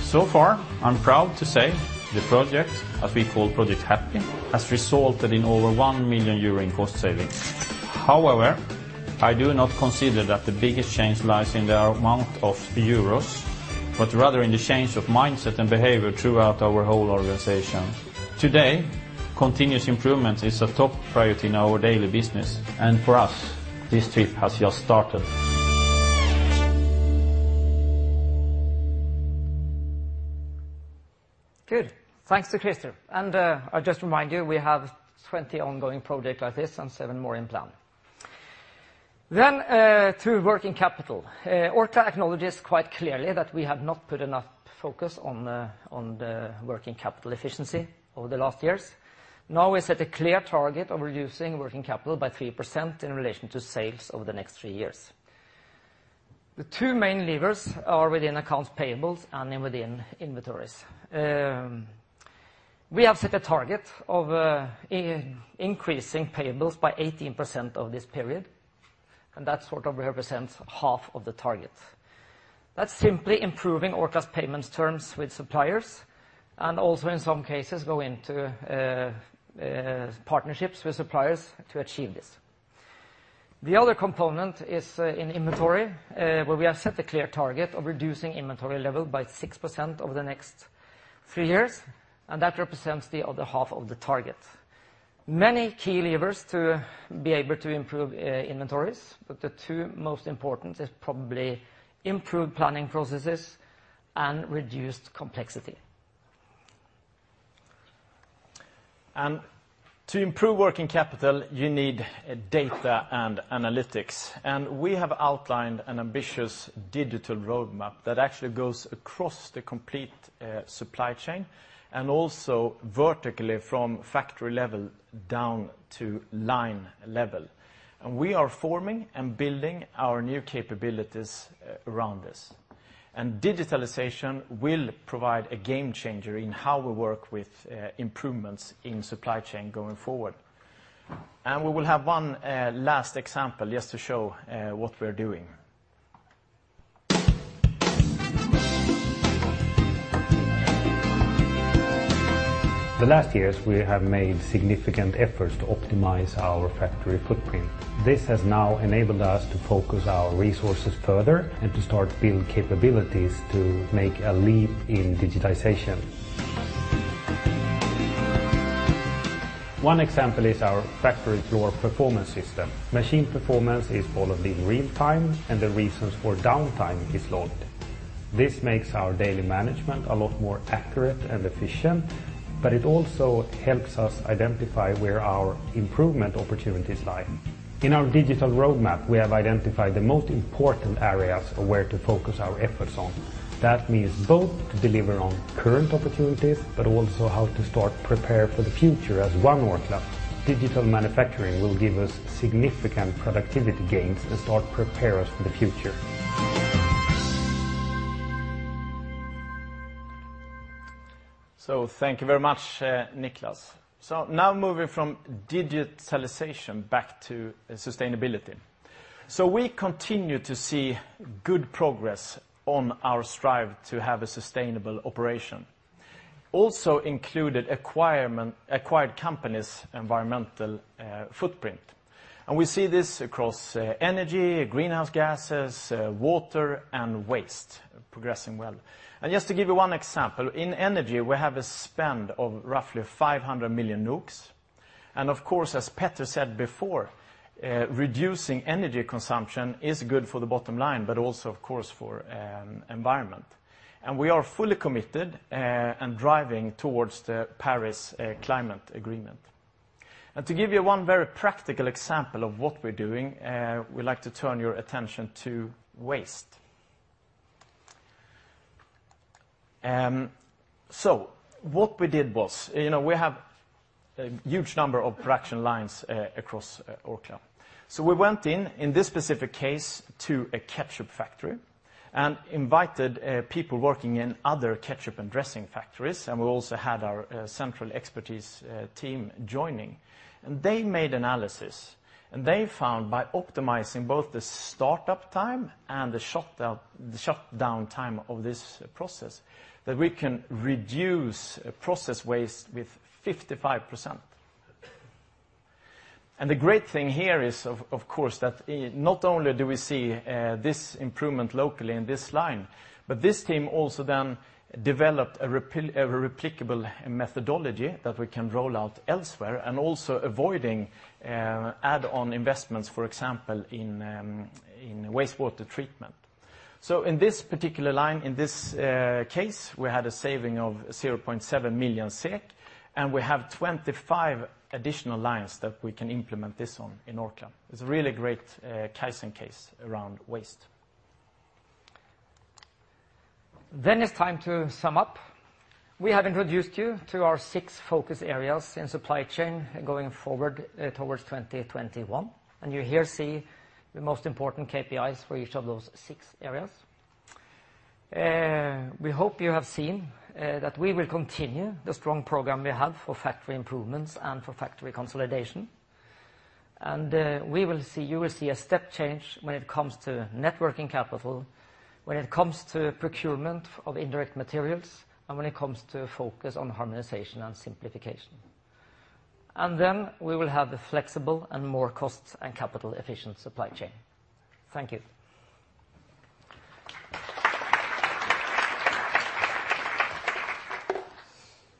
S7: So far, I'm proud to say, the project, as we call Project Happy, has resulted in over 1 million euro in cost savings. However, I do not consider that the biggest change lies in the amount of euros, but rather in the change of mindset and behavior throughout our whole organization. Today, continuous improvement is a top priority in our daily business, and for us, this trip has just started. Good. Thanks to Christer, and, I'll just remind you, we have 20 ongoing projects like this and 7 more in plan. Then, to working capital. Orkla acknowledges quite clearly that we have not put enough focus on the working capital efficiency over the last years. Now we set a clear target of reducing working capital by 3% in relation to sales over the next three years. The two main levers are within accounts payables and then within inventories. We have set a target of increasing payables by 18% over this period, and that sort of represents half of the target. That's simply improving Orkla's payments terms with suppliers, and also, in some cases, go into partnerships with suppliers to achieve this. The other component is in inventory, where we have set a clear target of reducing inventory level by 6% over the next three years, and that represents the other half of the target. Many key levers to be able to improve inventories, but the two most important is probably improved planning processes and reduced complexity.
S8: And to improve working capital, you need data and analytics, and we have outlined an ambitious digital roadmap that actually goes across the complete supply chain, and also vertically from factory level down to line level. And we are forming and building our new capabilities around this. And digitalization will provide a game changer in how we work with improvements in supply chain going forward. And we will have one last example just to show what we're doing. The last years, we have made significant efforts to optimize our factory footprint. This has now enabled us to focus our resources further and to start building capabilities to make a leap in digitization. ...One example is our factory floor performance system. Machine performance is followed in real time, and the reasons for downtime is logged. This makes our daily management a lot more accurate and efficient, but it also helps us identify where our improvement opportunities lie. In our digital roadmap, we have identified the most important areas of where to focus our efforts on. That means both to deliver on current opportunities, but also how to start prepare for the future as One Orkla. Digital manufacturing will give us significant productivity gains and start prepare us for the future. So thank you very much, Niklas. So now moving from digitalization back to sustainability. So we continue to see good progress on our strive to have a sustainable operation. Also included acquired companies' environmental footprint. And we see this across energy, greenhouse gases, water, and waste progressing well. And just to give you one example, in energy, we have a spend of roughly 500 million. And of course, as Peter said before, reducing energy consumption is good for the bottom line, but also, of course, for environment. And we are fully committed and driving towards the Paris climate agreement. And to give you one very practical example of what we're doing, we'd like to turn your attention to waste. So what we did was, you know, we have a huge number of production lines across Orkla. So we went in, in this specific case, to a ketchup factory and invited people working in other ketchup and dressing factories, and we also had our central expertise team joining, and they made analysis. And they found by optimizing both the startup time and the shutdown, the shutdown time of this process, that we can reduce process waste with 55%. And the great thing here is, of course, that not only do we see this improvement locally in this line, but this team also then developed a replicable methodology that we can roll out elsewhere, and also avoiding add-on investments, for example, in wastewater treatment. So in this particular line, in this case, we had a saving of 0.7 million SEK, and we have 25 additional lines that we can implement this on in Orkla. It's a really great classic case around waste. Then it's time to sum up. We have introduced you to our six focus areas in supply chain going forward towards 2021, and you here see the most important KPIs for each of those six areas. We hope you have seen that we will continue the strong program we have for factory improvements and for factory consolidation. And we will see you will see a step change when it comes to net working capital, when it comes to procurement of indirect materials, and when it comes to focus on harmonization and simplification. And then we will have a flexible and more cost and capital-efficient supply chain. Thank you.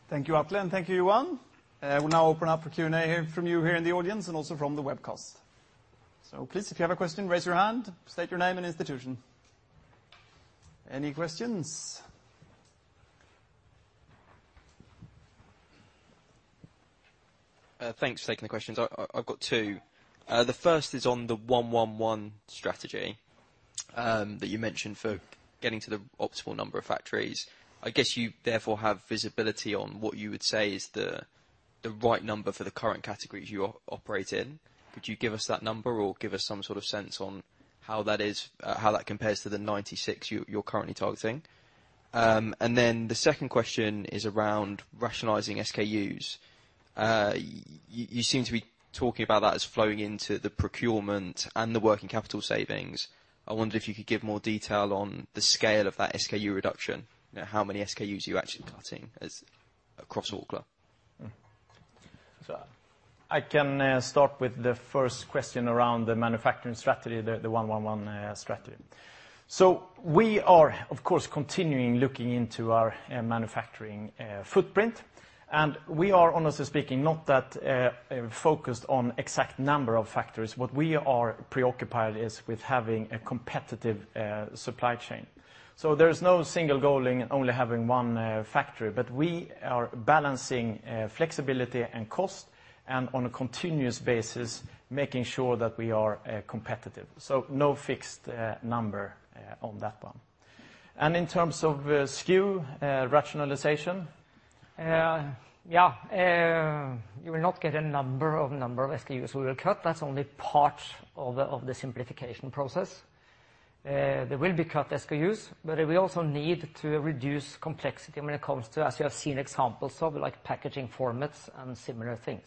S1: Thank you, Atle, and thank you, Johan. We'll now open up for Q&A here from you here in the audience and also from the webcast. So please, if you have a question, raise your hand, state your name and institution. Any questions? Thanks for taking the questions. I've got two. The first is on the One Orkla strategy that you mentioned for getting to the optimal number of factories. I guess you therefore have visibility on what you would say is the right number for the current categories you operate in. Could you give us that number or give us some sort of sense on how that compares to the 96 you're currently targeting? And then the second question is around rationalizing SKUs. You seem to be talking about that as flowing into the procurement and the working capital savings. I wonder if you could give more detail on the scale of that SKU reduction, you know, how many SKUs are you actually cutting across Orkla?
S8: I can start with the first question around the manufacturing strategy, the One Orkla strategy. We are, of course, continuing looking into our manufacturing footprint, and we are, honestly speaking, not that focused on exact number of factories. What we are preoccupied is with having a competitive supply chain. There's no single goal in only having one factory, but we are balancing flexibility and cost, and on a continuous basis, making sure that we are competitive. No fixed number on that one. In terms of SKU rationalization, yeah, you will not get a number of SKUs we will cut. That's only part of the simplification process. There will be cut SKUs, but we also need to reduce complexity when it comes to, as you have seen examples of, like packaging formats and similar things,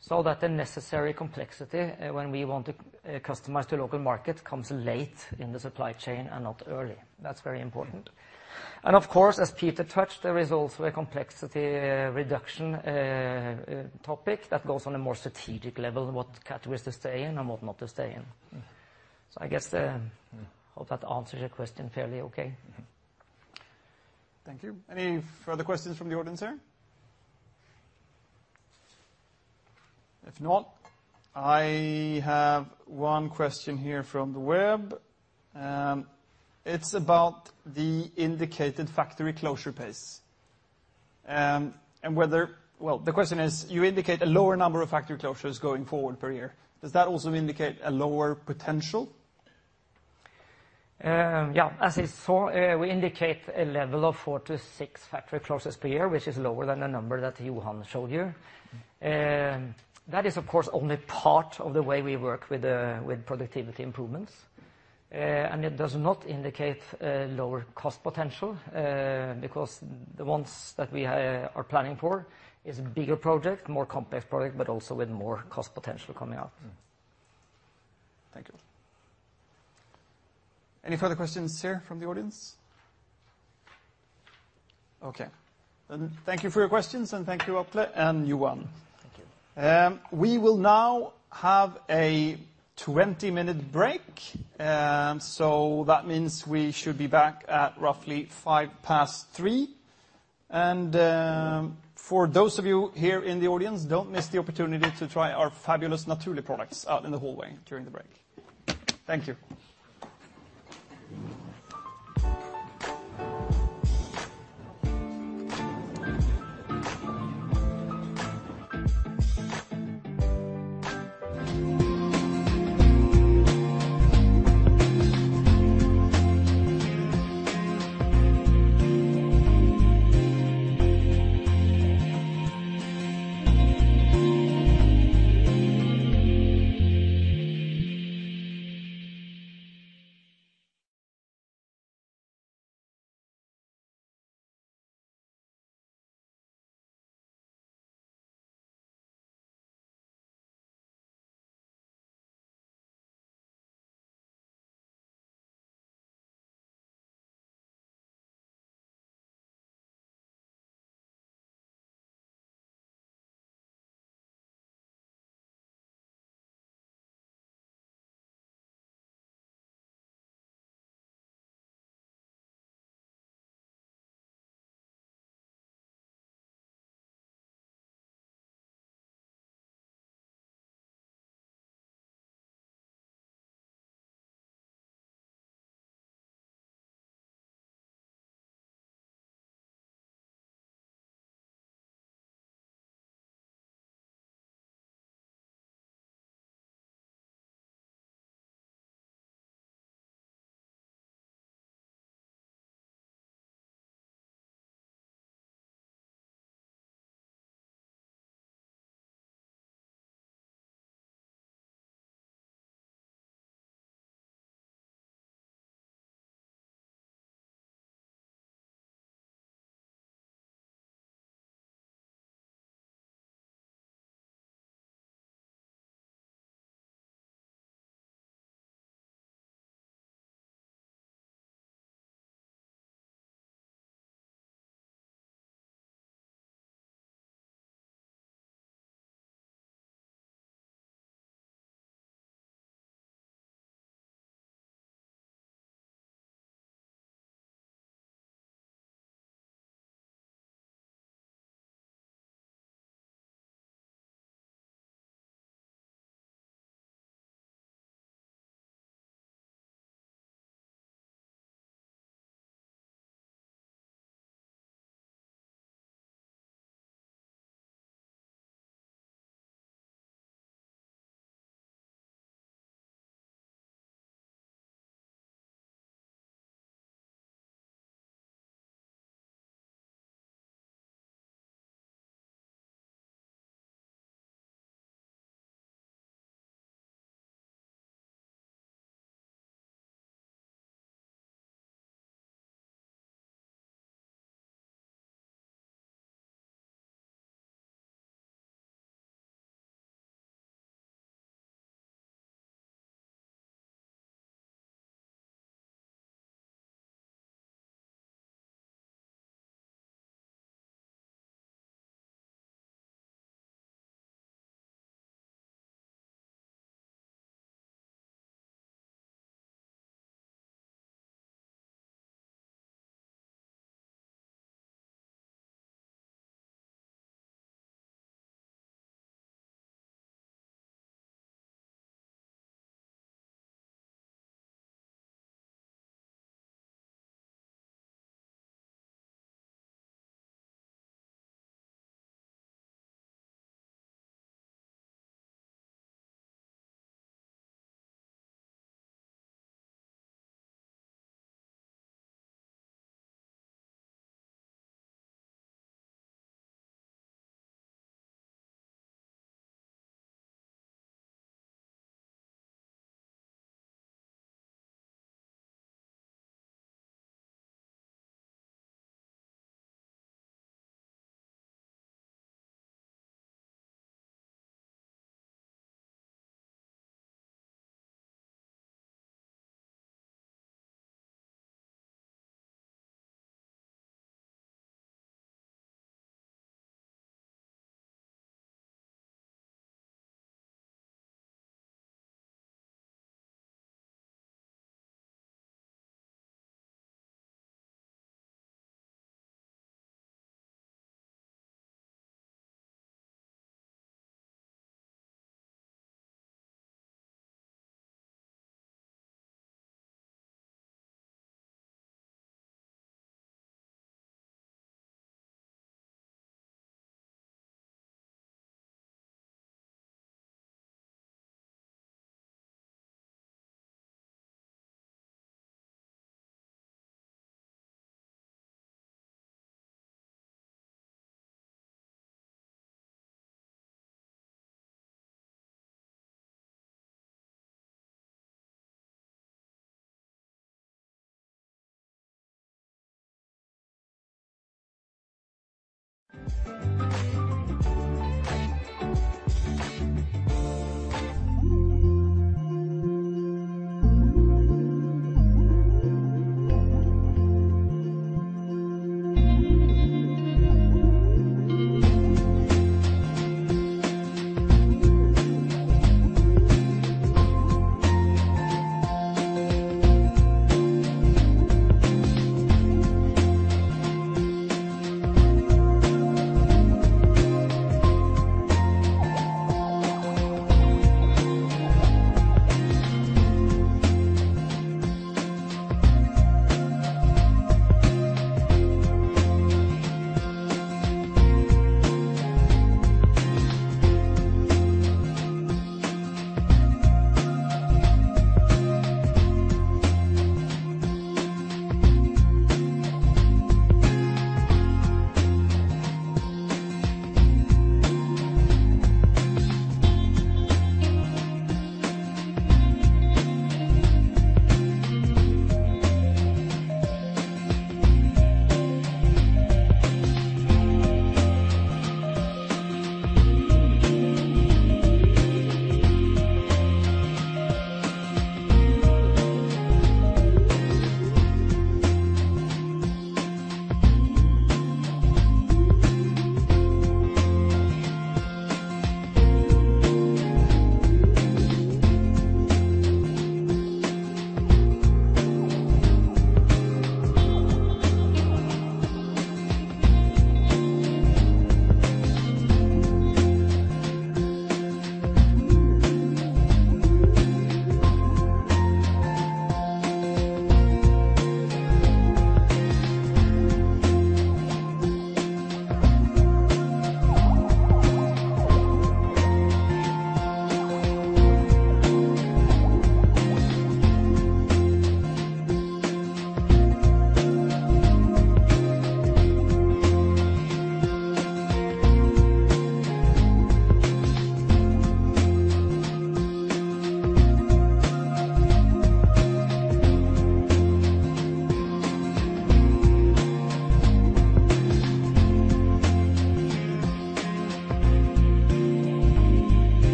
S8: so that the necessary complexity, when we want to, customize to local market, comes late in the supply chain and not early. That's very important, and of course, as Peter touched, there is also a complexity, reduction, topic that goes on a more strategic level, what categories to stay in and what not to stay in, so I guess hope that answers your question fairly okay.
S1: ...Thank you. Any further questions from the audience here? If not, I have one question here from the web. It's about the indicated factory closure pace, and whether. Well, the question is, you indicate a lower number of factory closures going forward per year. Does that also indicate a lower potential?
S7: Yeah, as I saw, we indicate a level of four to six factory closures per year, which is lower than the number that Johan showed you. That is, of course, only part of the way we work with productivity improvements. And it does not indicate lower cost potential, because the ones that we are planning for is a bigger project, more complex project, but also with more cost potential coming out.
S1: Thank you. Any further questions here from the audience? Okay, then thank you for your questions, and thank you, Atle and Johan.
S7: Thank you.
S1: We will now have a twenty-minute break, so that means we should be back at roughly 3:05 P.M., and for those of you here in the audience, don't miss the opportunity to try our fabulous Naturli' products out in the hallway during the break. Thank you.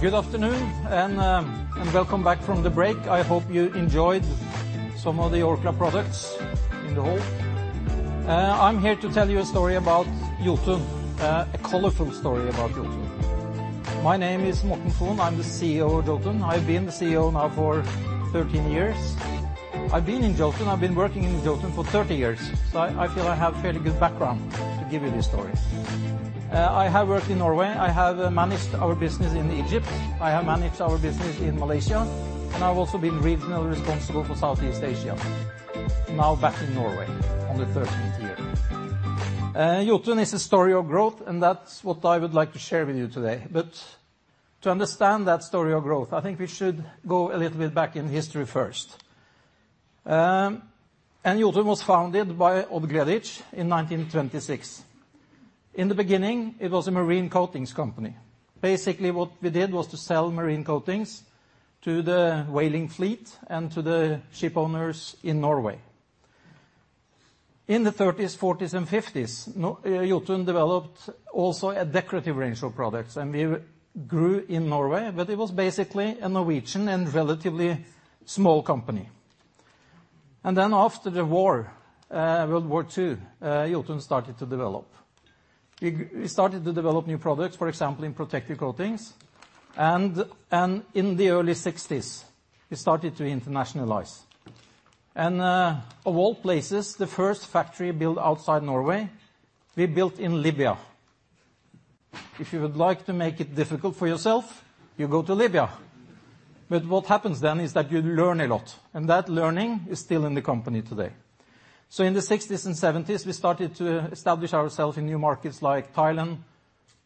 S9: Good afternoon, and welcome back from the break. I hope you enjoyed some of the Orkla products in the hall. I'm here to tell you a story about Jotun, a colorful story about Jotun. My name is Morten Fon. I'm the CEO of Jotun. I've been the CEO now for 13 years. I've been working in Jotun for 30 years, so I feel I have fairly good background to give you this story. I have worked in Norway. I have managed our business in Egypt. I have managed our business in Malaysia, and I've also been regional responsible for Southeast Asia. Now back in Norway on the 13th year. Jotun is a story of growth, and that's what I would like to share with you today. But to understand that story of growth, I think we should go a little bit back in history first. Jotun was founded by Odd Gleditsch in 1926. In the beginning, it was a marine coatings company. Basically, what we did was to sell marine coatings to the whaling fleet and to the shipowners in Norway. In the 1930s, 1940s, and 1950s, Jotun developed also a decorative range of products, and we grew in Norway, but it was basically a Norwegian and relatively small company. Then after the war, World War II, Jotun started to develop. We started to develop new products, for example, in protective coatings, and in the early 1960s, we started to internationalize. Of all places, the first factory built outside Norway, we built in Libya. If you would like to make it difficult for yourself, you go to Libya. But what happens then is that you learn a lot, and that learning is still in the company today. In the 1960s and 1970s, we started to establish ourselves in new markets like Thailand,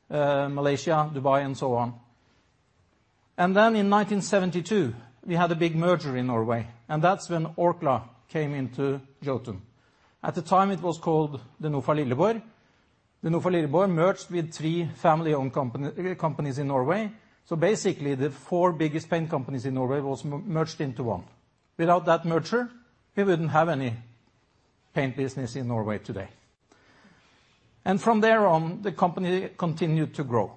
S9: Malaysia, Dubai, and so on. Then in 1972, we had a big merger in Norway, and that's when Orkla came into Jotun. At the time, it was called the Norsk Lilleborg. The Norsk Lilleborg merged with three family-owned companies in Norway, so basically, the four biggest paint companies in Norway was merged into one. Without that merger, we wouldn't have any paint business in Norway today. From there on, the company continued to grow.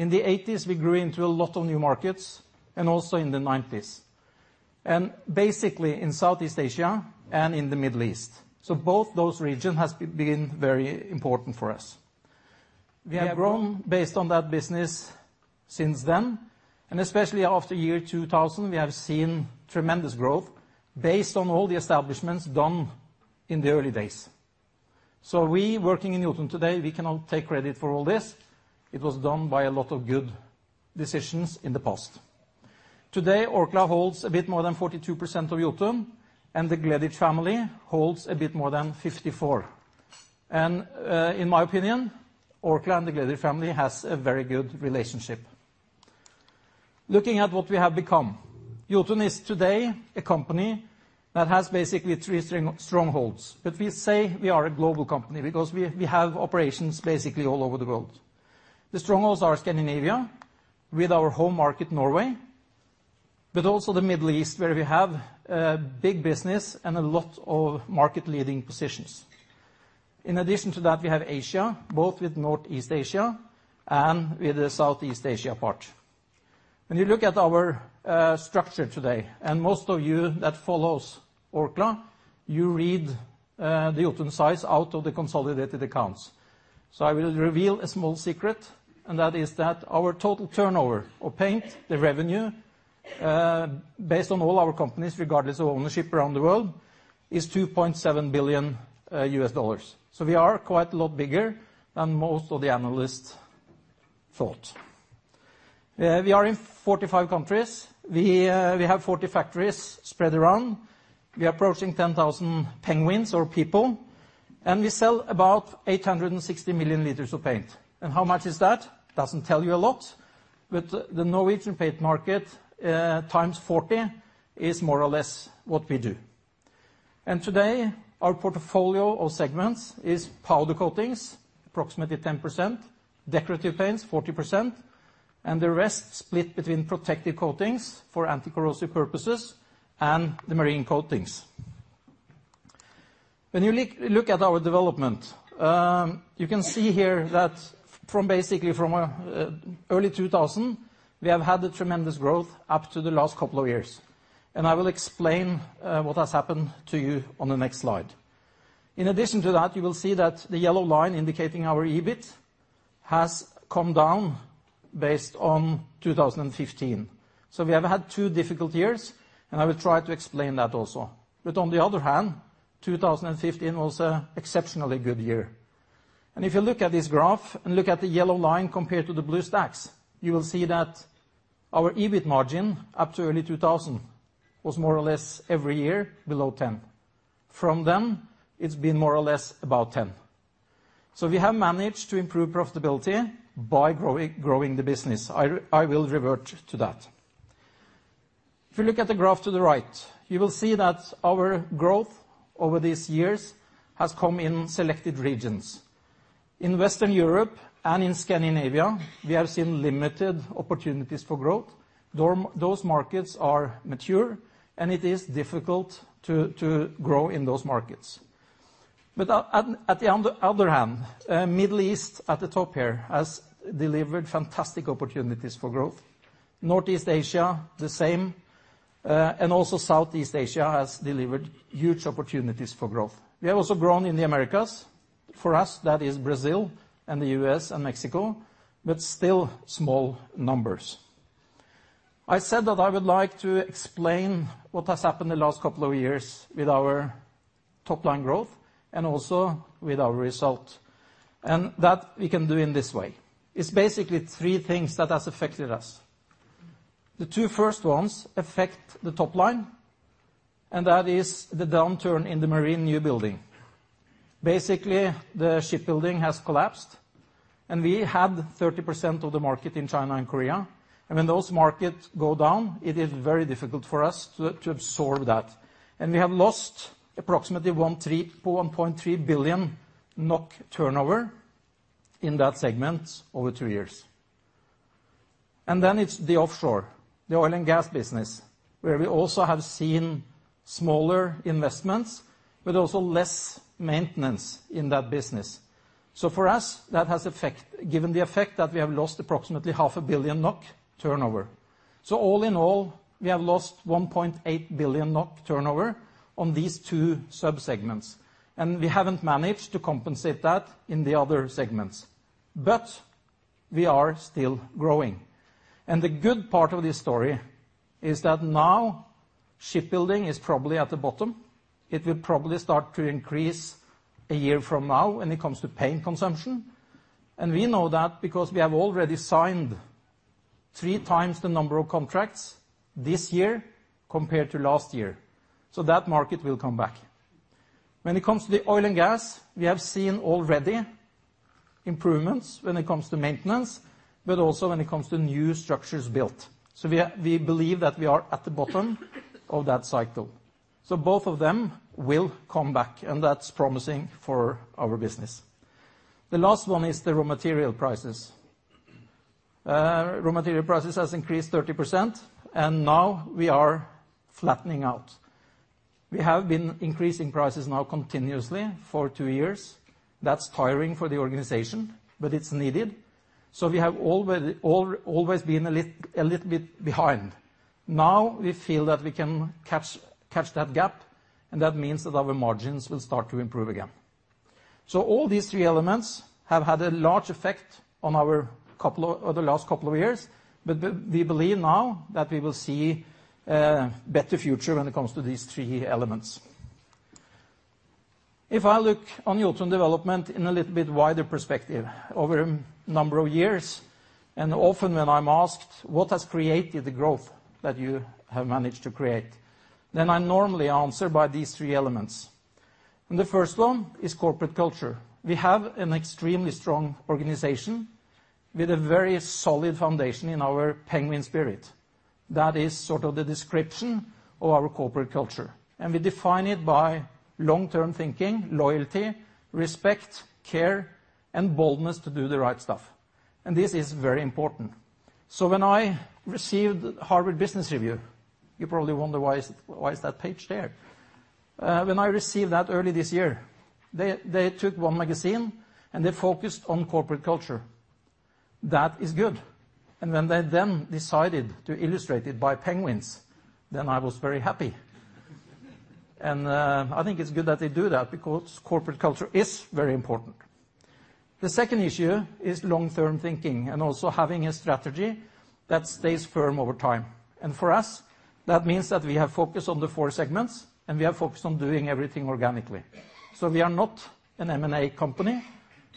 S9: In the 1980s, we grew into a lot of new markets and also in the 1990s, and basically in Southeast Asia and in the Middle East, so both those region has been very important for us. We have grown based on that business since then, and especially after year 2000, we have seen tremendous growth based on all the establishments done in the early days. So working in Jotun today, we cannot take credit for all this. It was done by a lot of good decisions in the past. Today, Orkla holds a bit more than 42% of Jotun, and the Gleditsch family holds a bit more than 54%. And in my opinion, Orkla and the Gleditsch family has a very good relationship. Looking at what we have become, Jotun is today a company that has basically three strongholds, but we say we are a global company because we have operations basically all over the world. The strongholds are Scandinavia, with our home market, Norway, but also the Middle East, where we have a big business and a lot of market-leading positions. In addition to that, we have Asia, both with Northeast Asia and with the Southeast Asia part. When you look at our structure today, and most of you that follow Orkla, you read the Jotun size out of the consolidated accounts. So I will reveal a small secret, and that is that our total turnover of paint, the revenue, based on all our companies, regardless of ownership around the world, is $2.7 billion. We are quite a lot bigger than most of the analysts thought. We are in 45 countries. We, we have 40 factories spread around. We are approaching 10,000 penguins or people, and we sell about 860 million liters of paint. And how much is that? Doesn't tell you a lot, but the Norwegian paint market times 40 is more or less what we do. And today, our portfolio of segments is powder coatings, approximately 10%, decorative paints, 40%, and the rest split between protective coatings for anticorrosive purposes and the marine coatings. When you look at our development, you can see here that from basically early 2000, we have had a tremendous growth up to the last couple of years, and I will explain what has happened to you on the next slide. In addition to that, you will see that the yellow line indicating our EBIT has come down based on 2015. So we have had two difficult years, and I will try to explain that also. But on the other hand, 2015 was an exceptionally good year. And if you look at this graph and look at the yellow line compared to the blue stacks, you will see that our EBIT margin up to early 2000 was more or less every year below 10%. From then, it's been more or less about 10%. So we have managed to improve profitability by growing, growing the business. I, I will revert to that. If you look at the graph to the right, you will see that our growth over these years has come in selected regions. In Western Europe and in Scandinavia, we have seen limited opportunities for growth. Nordic, those markets are mature, and it is difficult to grow in those markets. But at the other hand, Middle East, at the top here, has delivered fantastic opportunities for growth. Northeast Asia, the same, and also Southeast Asia has delivered huge opportunities for growth. We have also grown in the Americas. For us, that is Brazil and the U.S. and Mexico, but still small numbers. I said that I would like to explain what has happened in the last couple of years with our top-line growth and also with our result, and that we can do in this way. It's basically three things that has affected us. The two first ones affect the top line, and that is the downturn in the marine newbuilding. Basically, the shipbuilding has collapsed, and we had 30% of the market in China and Korea, and when those markets go down, it is very difficult for us to absorb that. And we have lost approximately 1.3 billion NOK turnover in that segment over two years. And then it's the offshore, the oil and gas business, where we also have seen smaller investments, but also less maintenance in that business. So for us, that has given the effect that we have lost approximately 500 million NOK turnover. So all in all, we have lost 1.8 billion NOK turnover on these two subsegments, and we haven't managed to compensate that in the other segments. But we are still growing. And the good part of this story is that now, shipbuilding is probably at the bottom. It will probably start to increase a year from now when it comes to paint consumption, and we know that because we have already signed three times the number of contracts this year compared to last year. So that market will come back. When it comes to the oil and gas, we have seen already improvements when it comes to maintenance, but also when it comes to new structures built. So we are. We believe that we are at the bottom of that cycle. So both of them will come back, and that's promising for our business. The last one is the raw material prices. Raw material prices has increased 30%, and now we are flattening out. We have been increasing prices now continuously for two years. That's tiring for the organization, but it's needed. So we have always been a little, a little bit behind. Now, we feel that we can catch that gap, and that means that our margins will start to improve again. So all these three elements have had a large effect on the last couple of years, but we believe now that we will see better future when it comes to these three elements. If I look on Jotun development in a little bit wider perspective, over a number of years, and often when I'm asked, "What has created the growth that you have managed to create?" Then I normally answer by these three elements, and the first one is corporate culture. We have an extremely strong organization with a very solid foundation in our Penguin Spirit. That is sort of the description of our corporate culture, and we define it by long-term thinking, loyalty, respect, Care, and boldness to do the right stuff, and this is very important. So when I received Harvard Business Review, you probably wonder, why is that page there? When I received that early this year, they took one magazine, and they focused on corporate culture. That is good. And when they then decided to illustrate it by penguins, then I was very happy. And I think it's good that they do that because corporate culture is very important. The second issue is long-term thinking and also having a strategy that stays firm over time. And for us, that means that we are focused on the four segments, and we are focused on doing everything organically. So we are not an M&A company.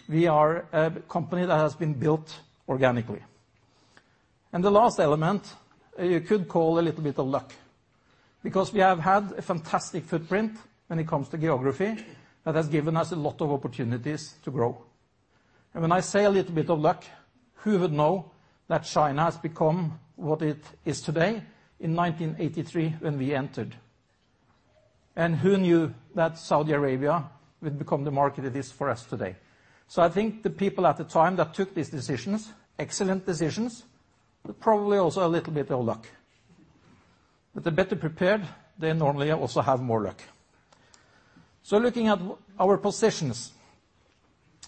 S9: We are a company that has been built organically, and the last element, you could call a little bit of luck, because we have had a fantastic footprint when it comes to geography, that has given us a lot of opportunities to grow, and when I say a little bit of luck, who would know that China has become what it is today in 1983, when we entered, and who knew that Saudi Arabia would become the market it is for us today, so I think the people at the time that took these decisions, excellent decisions, but probably also a little bit of luck, but the better prepared, they normally also have more luck, so looking at our positions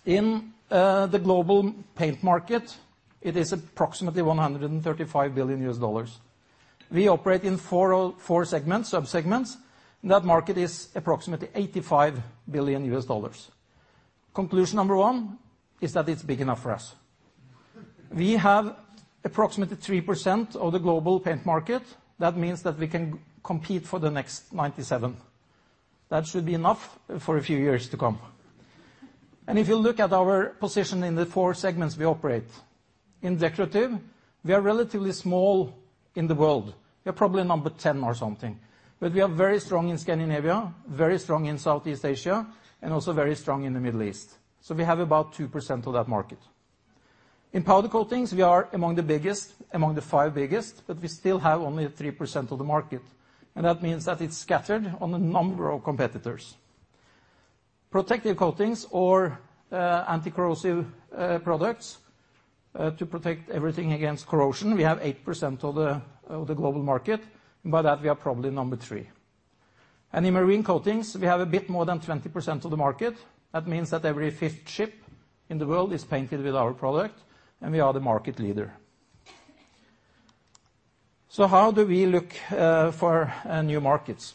S9: in the global paint market, it is approximately $135 billion. We operate in four of four segments, sub-segments. That market is approximately $85 billion. Conclusion number one is that it's big enough for us. We have approximately 3% of the global paint market. That means that we can compete for the next 97. That should be enough for a few years to come. And if you look at our position in the four segments we operate, in decorative, we are relatively small in the world. We are probably number 10 or something, but we are very strong in Scandinavia, very strong in Southeast Asia, and also very strong in the Middle East. So we have about 2% of that market. In powder coatings, we are among the biggest, among the 5 biggest, but we still have only 3% of the market, and that means that it's scattered on a number of competitors. Protective coatings or, anticorrosive, products, to protect everything against corrosion, we have 8% of the global market. By that, we are probably number three. In marine coatings, we have a bit more than 20% of the market. That means that every fifth ship in the world is painted with our product, and we are the market leader. How do we look for new markets,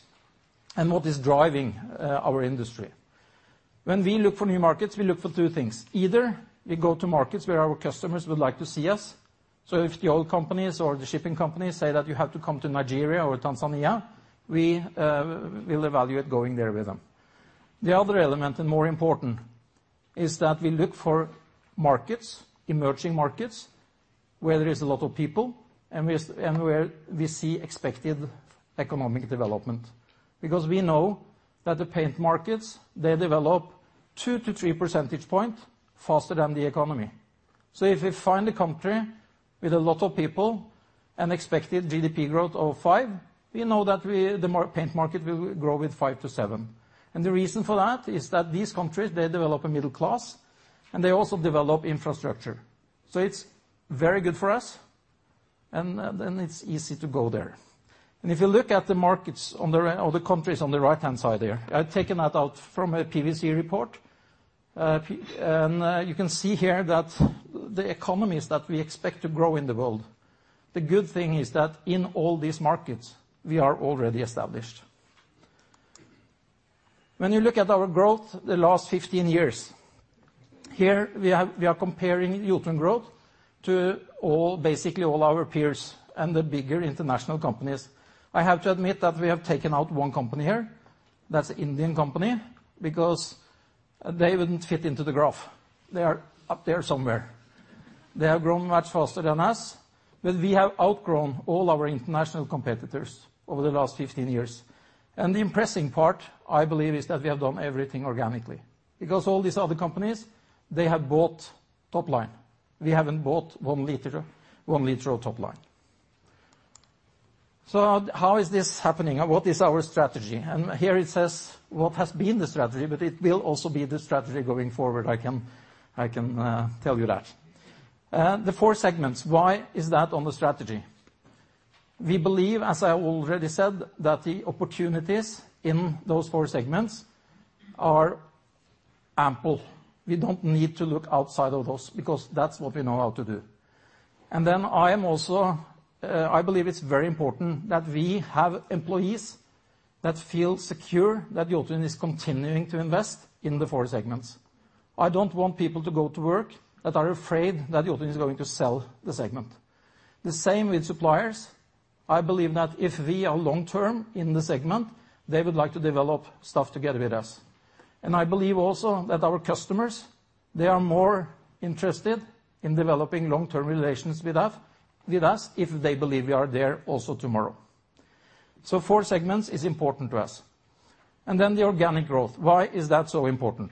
S9: and what is driving our industry? When we look for new markets, we look for two things. Either we go to markets where our customers would like to see us, so if the oil companies or the shipping companies say that you have to come to Nigeria or Tanzania, we will evaluate going there with them. The other element, and more important, is that we look for markets, emerging markets, where there is a lot of people and where we see expected economic development. Because we know that the paint markets, they develop two to three percentage points faster than the economy. So if we find a country with a lot of people and expected GDP growth of five, we know that we, the paint market will grow with five to seven. And the reason for that is that these countries, they develop a middle class, and they also develop infrastructure. So it's very good for us, and it's easy to go there. And if you look at the markets on the right, or the countries on the right-hand side there, I've taken that out from a PwC report. You can see here that the economies that we expect to grow in the world. The good thing is that in all these markets, we are already established. When you look at our growth the last fifteen years, here, we are comparing Jotun growth to all, basically all our peers and the bigger international companies. I have to admit that we have taken out one company here. That's an Indian company, because they wouldn't fit into the graph. They are up there somewhere. They have grown much faster than us, but we have outgrown all our international competitors over the last fifteen years. The impressive part, I believe, is that we have done everything organically, because all these other companies, they have bought top line. We haven't bought one liter of top line. So how is this happening, and what is our strategy? And here it says, "What has been the strategy," but it will also be the strategy going forward. I can tell you that. The four segments, why is that on the strategy? We believe, as I already said, that the opportunities in those four segments are ample. We don't need to look outside of those, because that's what we know how to do. And then I am also, I believe it's very important that we have employees that feel secure, that Jotun is continuing to invest in the four segments. I don't want people to go to work that are afraid that Jotun is going to sell the segment. The same with suppliers. I believe that if we are long-term in the segment, they would like to develop stuff together with us. I believe also that our customers, they are more interested in developing long-term relations with us, if they believe we are there also tomorrow. Four segments is important to us. Then the organic growth. Why is that so important?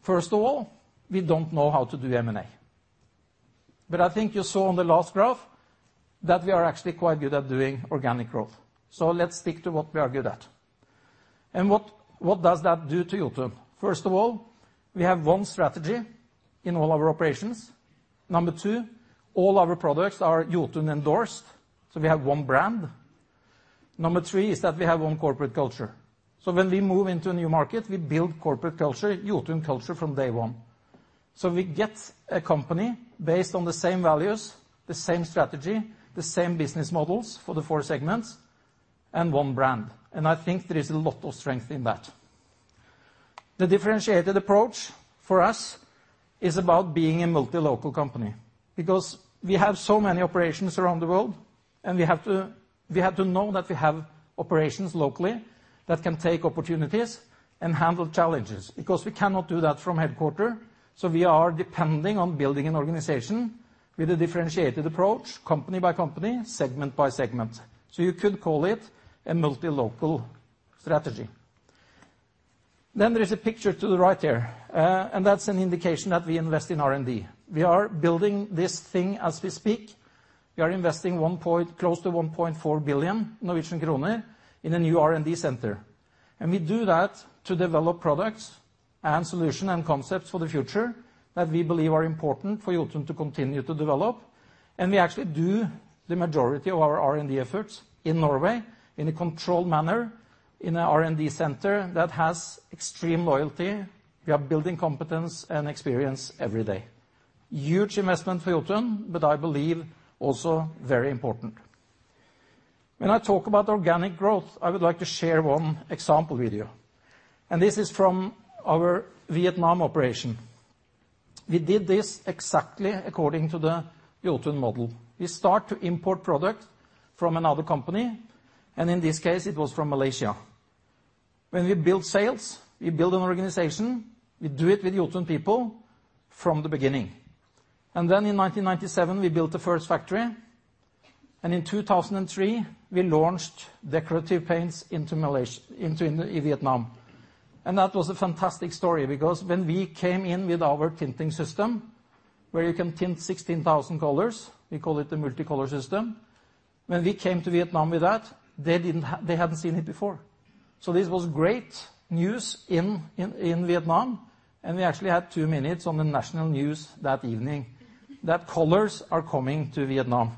S9: First of all, we don't know how to do M&A, but I think you saw on the last graph that we are actually quite good at doing organic growth. Let's stick to what we are good at. What does that do to Jotun? First of all, we have one strategy in all our operations. Number two, all our products are Jotun-endorsed, so we have one brand. Number three is that we have one corporate culture. When we move into a new market, we build corporate culture, Jotun culture, from day one. So we get a company based on the same values, the same strategy, the same business models for the four segments and one brand, and I think there is a lot of strength in that. The differentiated approach for us is about being a multi-local company, because we have so many operations around the world, and we have to, we have to know that we have operations locally that can take opportunities and handle challenges, because we cannot do that from headquarters. So we are depending on building an organization with a differentiated approach, company by company, segment by segment. So you could call it a multi-local strategy. Then there is a picture to the right here, and that's an indication that we invest in R&D. We are building this thing as we speak. We are investing close to 1.4 billion Norwegian kroner in a new R&D center, and we do that to develop products and solutions and concepts for the future that we believe are important for Jotun to continue to develop. We actually do the majority of our R&D efforts in Norway in a controlled manner, in a R&D center that has extreme loyalty. We are building competence and experience every day. Huge investment for Jotun, but I believe also very important. When I talk about organic growth, I would like to share one example with you, and this is from our Vietnam operation. We did this exactly according to the Jotun model. We start to import product from another company, and in this case, it was from Malaysia. When we build sales, we build an organization. We do it with Jotun people from the beginning. Then in 1997, we built the first factory, and in 2003, we launched decorative paints into Malaysia, into Vietnam. That was a fantastic story, because when we came in with our tinting system, where you can tint 16,000 colors, we call it the Multicolor system. When we came to Vietnam with that, they didn't have, they hadn't seen it before. So this was great news in Vietnam, and we actually had 2 minutes on the national news that evening, that colors are coming to Vietnam.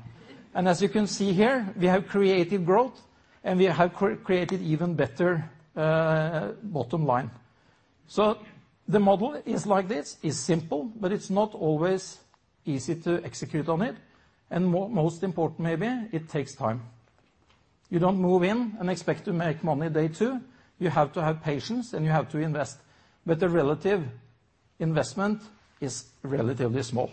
S9: As you can see here, we have created growth, and we have created even better bottom line. The model is like this, it's simple, but it's not always easy to execute on it, and most important, maybe, it takes time. You don't move in and expect to make money day two. You have to have patience, and you have to invest, but the relative investment is relatively small.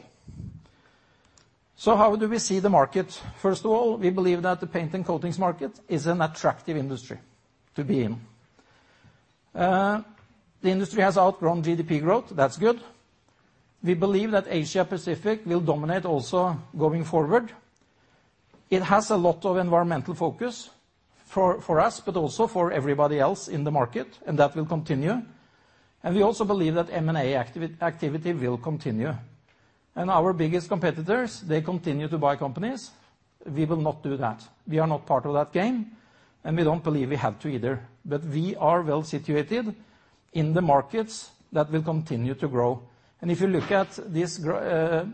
S9: So how do we see the market? First of all, we believe that the paint and coatings market is an attractive industry to be in. The industry has outgrown GDP growth. That's good. We believe that Asia-Pacific will dominate also going forward. It has a lot of environmental focus for us, but also for everybody else in the market, and that will continue. And we also believe that M&A activity will continue. And our biggest competitors, they continue to buy companies. We will not do that. We are not part of that game, and we don't believe we have to either. But we are well-situated in the markets that will continue to grow. If you look at this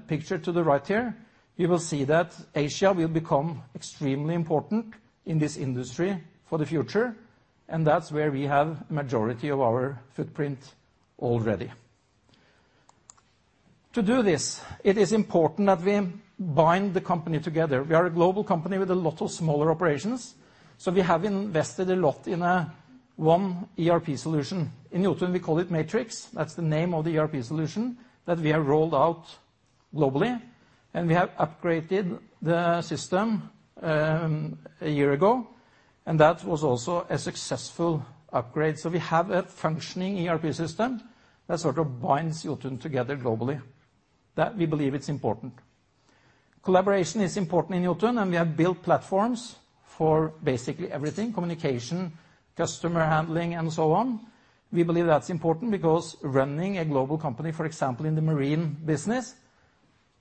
S9: picture to the right here, you will see that Asia will become extremely important in this industry for the future, and that's where we have a majority of our footprint already. To do this, it is important that we bind the company together. We are a global company with a lot of smaller operations, so we have invested a lot in one ERP solution. In Jotun, we call it Matrix. That's the name of the ERP solution that we have rolled out globally, and we have upgraded the system a year ago, and that was also a successful upgrade. So we have a functioning ERP system that sort of binds Jotun together globally, that we believe it's important. Collaboration is important in Jotun, and we have built platforms for basically everything, communication, customer handling, and so on. We believe that's important because running a global company, for example, in the marine business,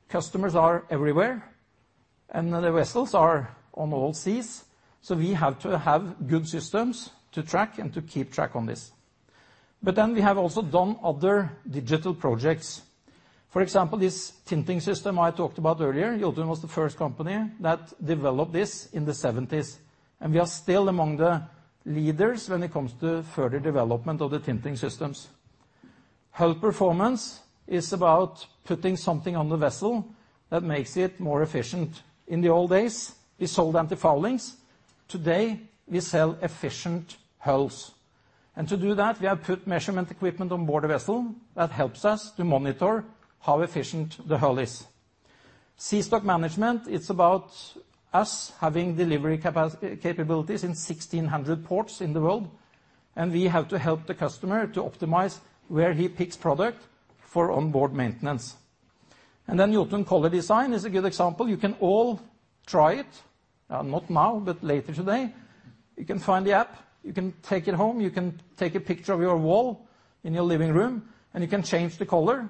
S9: customers are everywhere and the vessels are on all seas, so we have to have good systems to track and to keep track on this, but then we have also done other digital projects. For example, this tinting system I talked about earlier, Jotun was the first company that developed this in the seventies, and we are still among the leaders when it comes to further development of the tinting systems. Hull performance is about putting something on the vessel that makes it more efficient. In the old days, we sold antifoulings. Today, we sell efficient hulls, and to do that, we have put measurement equipment on board the vessel that helps us to monitor how efficient the hull is. SeaStock management, it's about us having delivery capabilities in 1,600 ports in the world, and we have to help the customer to optimize where he picks product for onboard maintenance. And then Jotun Color Design is a good example. You can all try it, not now, but later today. You can find the app. You can take it home. You can take a picture of your wall in your living room, and you can change the color.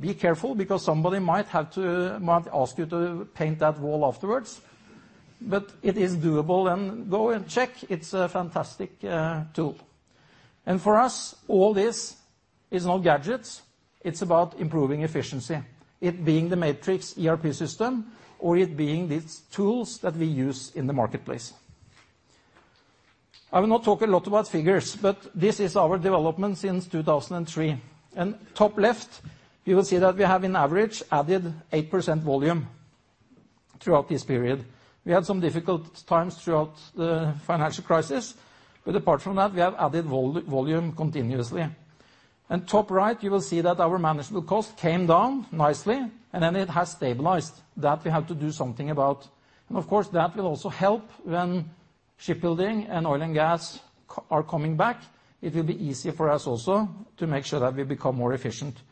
S9: Be Careful, because somebody might have to ask you to paint that wall afterwards. But it is doable, and go and check. It's a fantastic tool. And for us, all this is not gadgets. It's about improving efficiency, it being the Matrix ERP system or it being these tools that we use in the marketplace. I will not talk a lot about figures, but this is our development since two thousand and three. Top left, you will see that we have, in average, added 8% volume throughout this period. We had some difficult times throughout the financial crisis, but apart from that, we have added volume continuously. Top right, you will see that our manageable cost came down nicely, and then it has stabilized. That we have to do something about. Of course, that will also help when shipbuilding and oil and gas are coming back. It will be easier for us also to make sure that we become more efficient.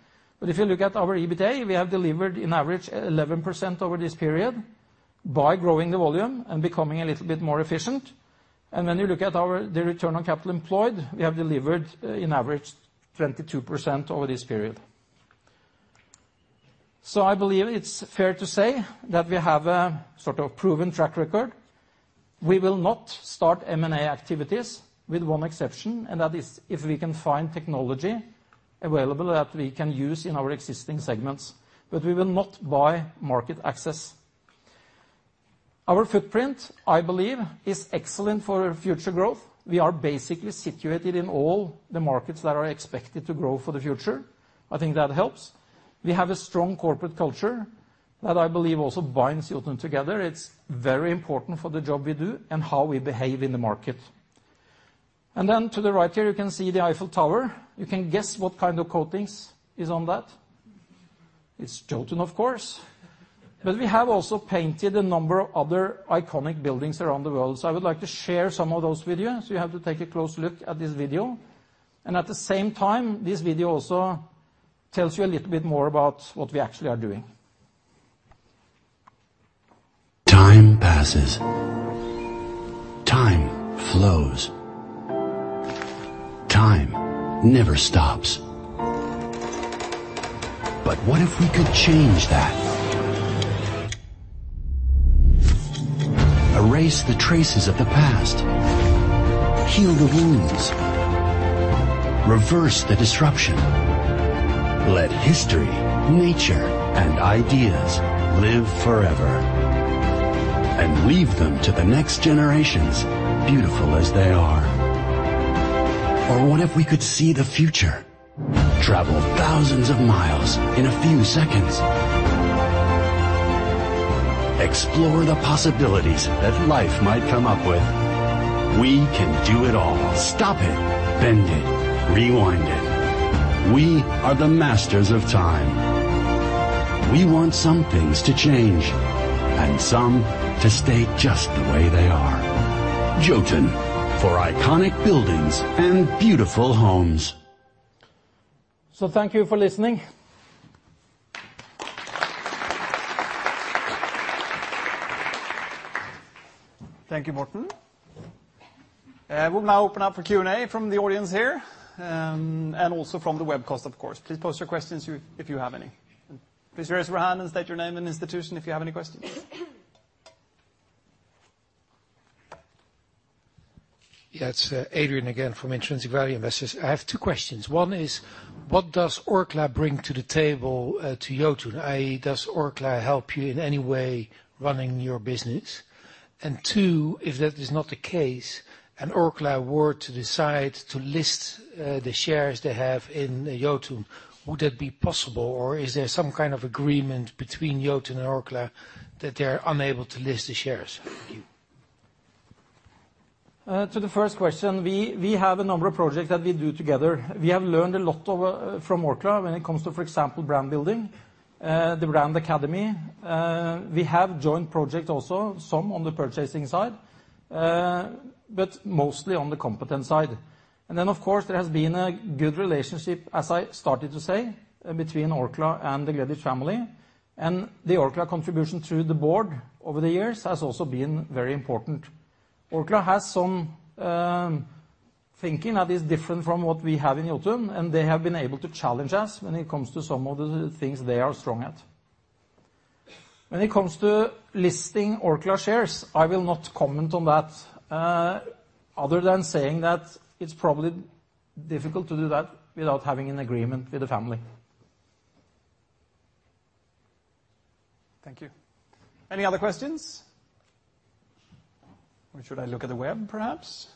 S9: If you look at our EBITA, we have delivered in average 11% over this period by growing the volume and becoming a little bit more efficient. And when you look at our return on capital employed, we have delivered on average 22% over this period. So I believe it's fair to say that we have a sort of proven track record. We will not start M&A activities, with one exception, and that is if we can find technology available that we can use in our existing segments, but we will not buy market access. Our footprint, I believe, is excellent for future growth. We are basically situated in all the markets that are expected to grow for the future. I think that helps. We have a strong corporate culture that I believe also binds Jotun together. It's very important for the job we do and how we behave in the market. And then to the right here, you can see the Eiffel Tower. You can guess what kind of coatings is on that. It's Jotun, of course. But we have also painted a number of other iconic buildings around the world. So I would like to share some of those videos. You have to take a close look at this video, and at the same time, this video also tells you a little bit more about what we actually are doing. Time passes. Time flows. Time never stops. But what if we could change that? Erase the traces of the past, heal the wounds, reverse the disruption. Let history, nature, and ideas live forever and leave them to the next generations, beautiful as they are. Or what if we could see the future? Travel thousands of miles in a few seconds. Explore the possibilities that life might come up with. We can do it all. Stop it, bend it, rewind it. We are the masters of time. We want some things to change and some to stay just the way they are. Jotun, for iconic buildings and beautiful homes. So thank you for listening.
S1: Thank you, Morten. We'll now open up for Q&A from the audience here, and also from the webcast, of course. Please post your questions if you have any. Please raise your hand and state your name and institution if you have any questions. Yeah, it's Adrian again from Intrinsic Value Investors. I have two questions. One is, what does Orkla bring to the table to Jotun? I.e., does Orkla help you in any way running your business? And two, if that is not the case, and Orkla were to decide to list the shares they have in Jotun, would that be possible, or is there some kind of agreement between Jotun and Orkla that they are unable to list the shares? Thank you.
S9: To the first question, we have a number of projects that we do together. We have learned a lot from Orkla when it comes to, for example, brand building, the Brand Academy. We have joint projects also, some on the purchasing side, but mostly on the competence side. And then, of course, there has been a good relationship, as I started to say, between Orkla and the Gleditsch family, and the Orkla contribution to the board over the years has also been very important. Orkla has some thinking that is different from what we have in Jotun, and they have been able to challenge us when it comes to some of the things they are strong at. When it comes to listing Orkla shares, I will not comment on that, other than saying that it's probably difficult to do that without having an agreement with the family.
S1: Thank you. Any other questions? Or should I look at the web, perhaps?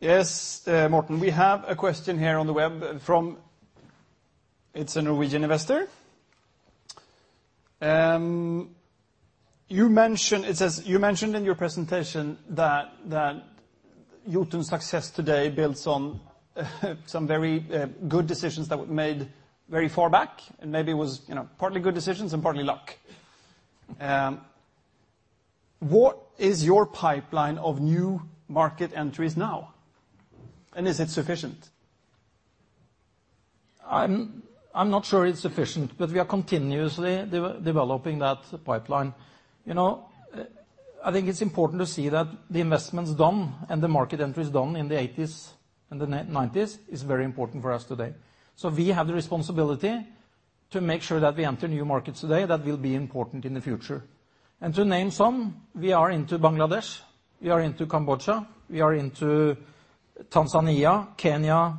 S1: Yes, Morten, we have a question here on the web from—it's a Norwegian investor. You mentioned in your presentation that Jotun's success today builds on some very good decisions that were made very far back, and maybe it was, you know, partly good decisions and partly luck. What is your pipeline of new market entries now, and is it sufficient?
S9: I'm not sure it's sufficient, but we are continuously developing that pipeline. You know, I think it's important to see that the investments done and the market entries done in the '80s and the '90s is very important for us today. So we have the responsibility to make sure that we enter new markets today that will be important in the future. And to name some, we are into Bangladesh, we are into Cambodia, we are into Tanzania, Kenya,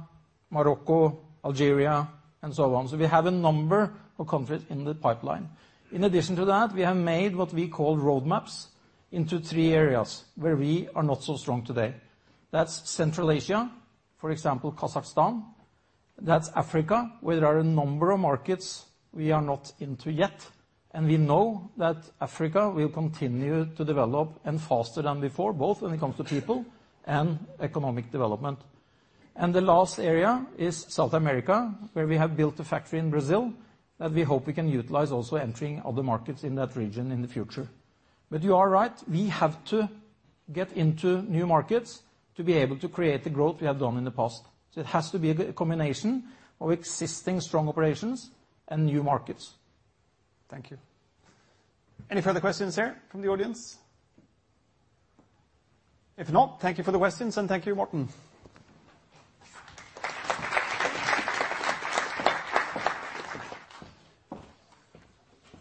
S9: Morocco, Algeria, and so on. So we have a number of countries in the pipeline. In addition to that, we have made what we call roadmaps into three areas where we are not so strong today. That's Central Asia, for example, Kazakhstan. That's Africa, where there are a number of markets we are not into yet, and we know that Africa will continue to develop, and faster than before, both when it comes to people and economic development, and the last area is South America, where we have built a factory in Brazil, that we hope we can utilize also entering other markets in that region in the future, but you are right, we have to get into new markets to be able to create the growth we have done in the past, so it has to be a combination of existing strong operations and new markets.
S1: Thank you. Any further questions here from the audience? If not, thank you for the questions, and thank you, Morten.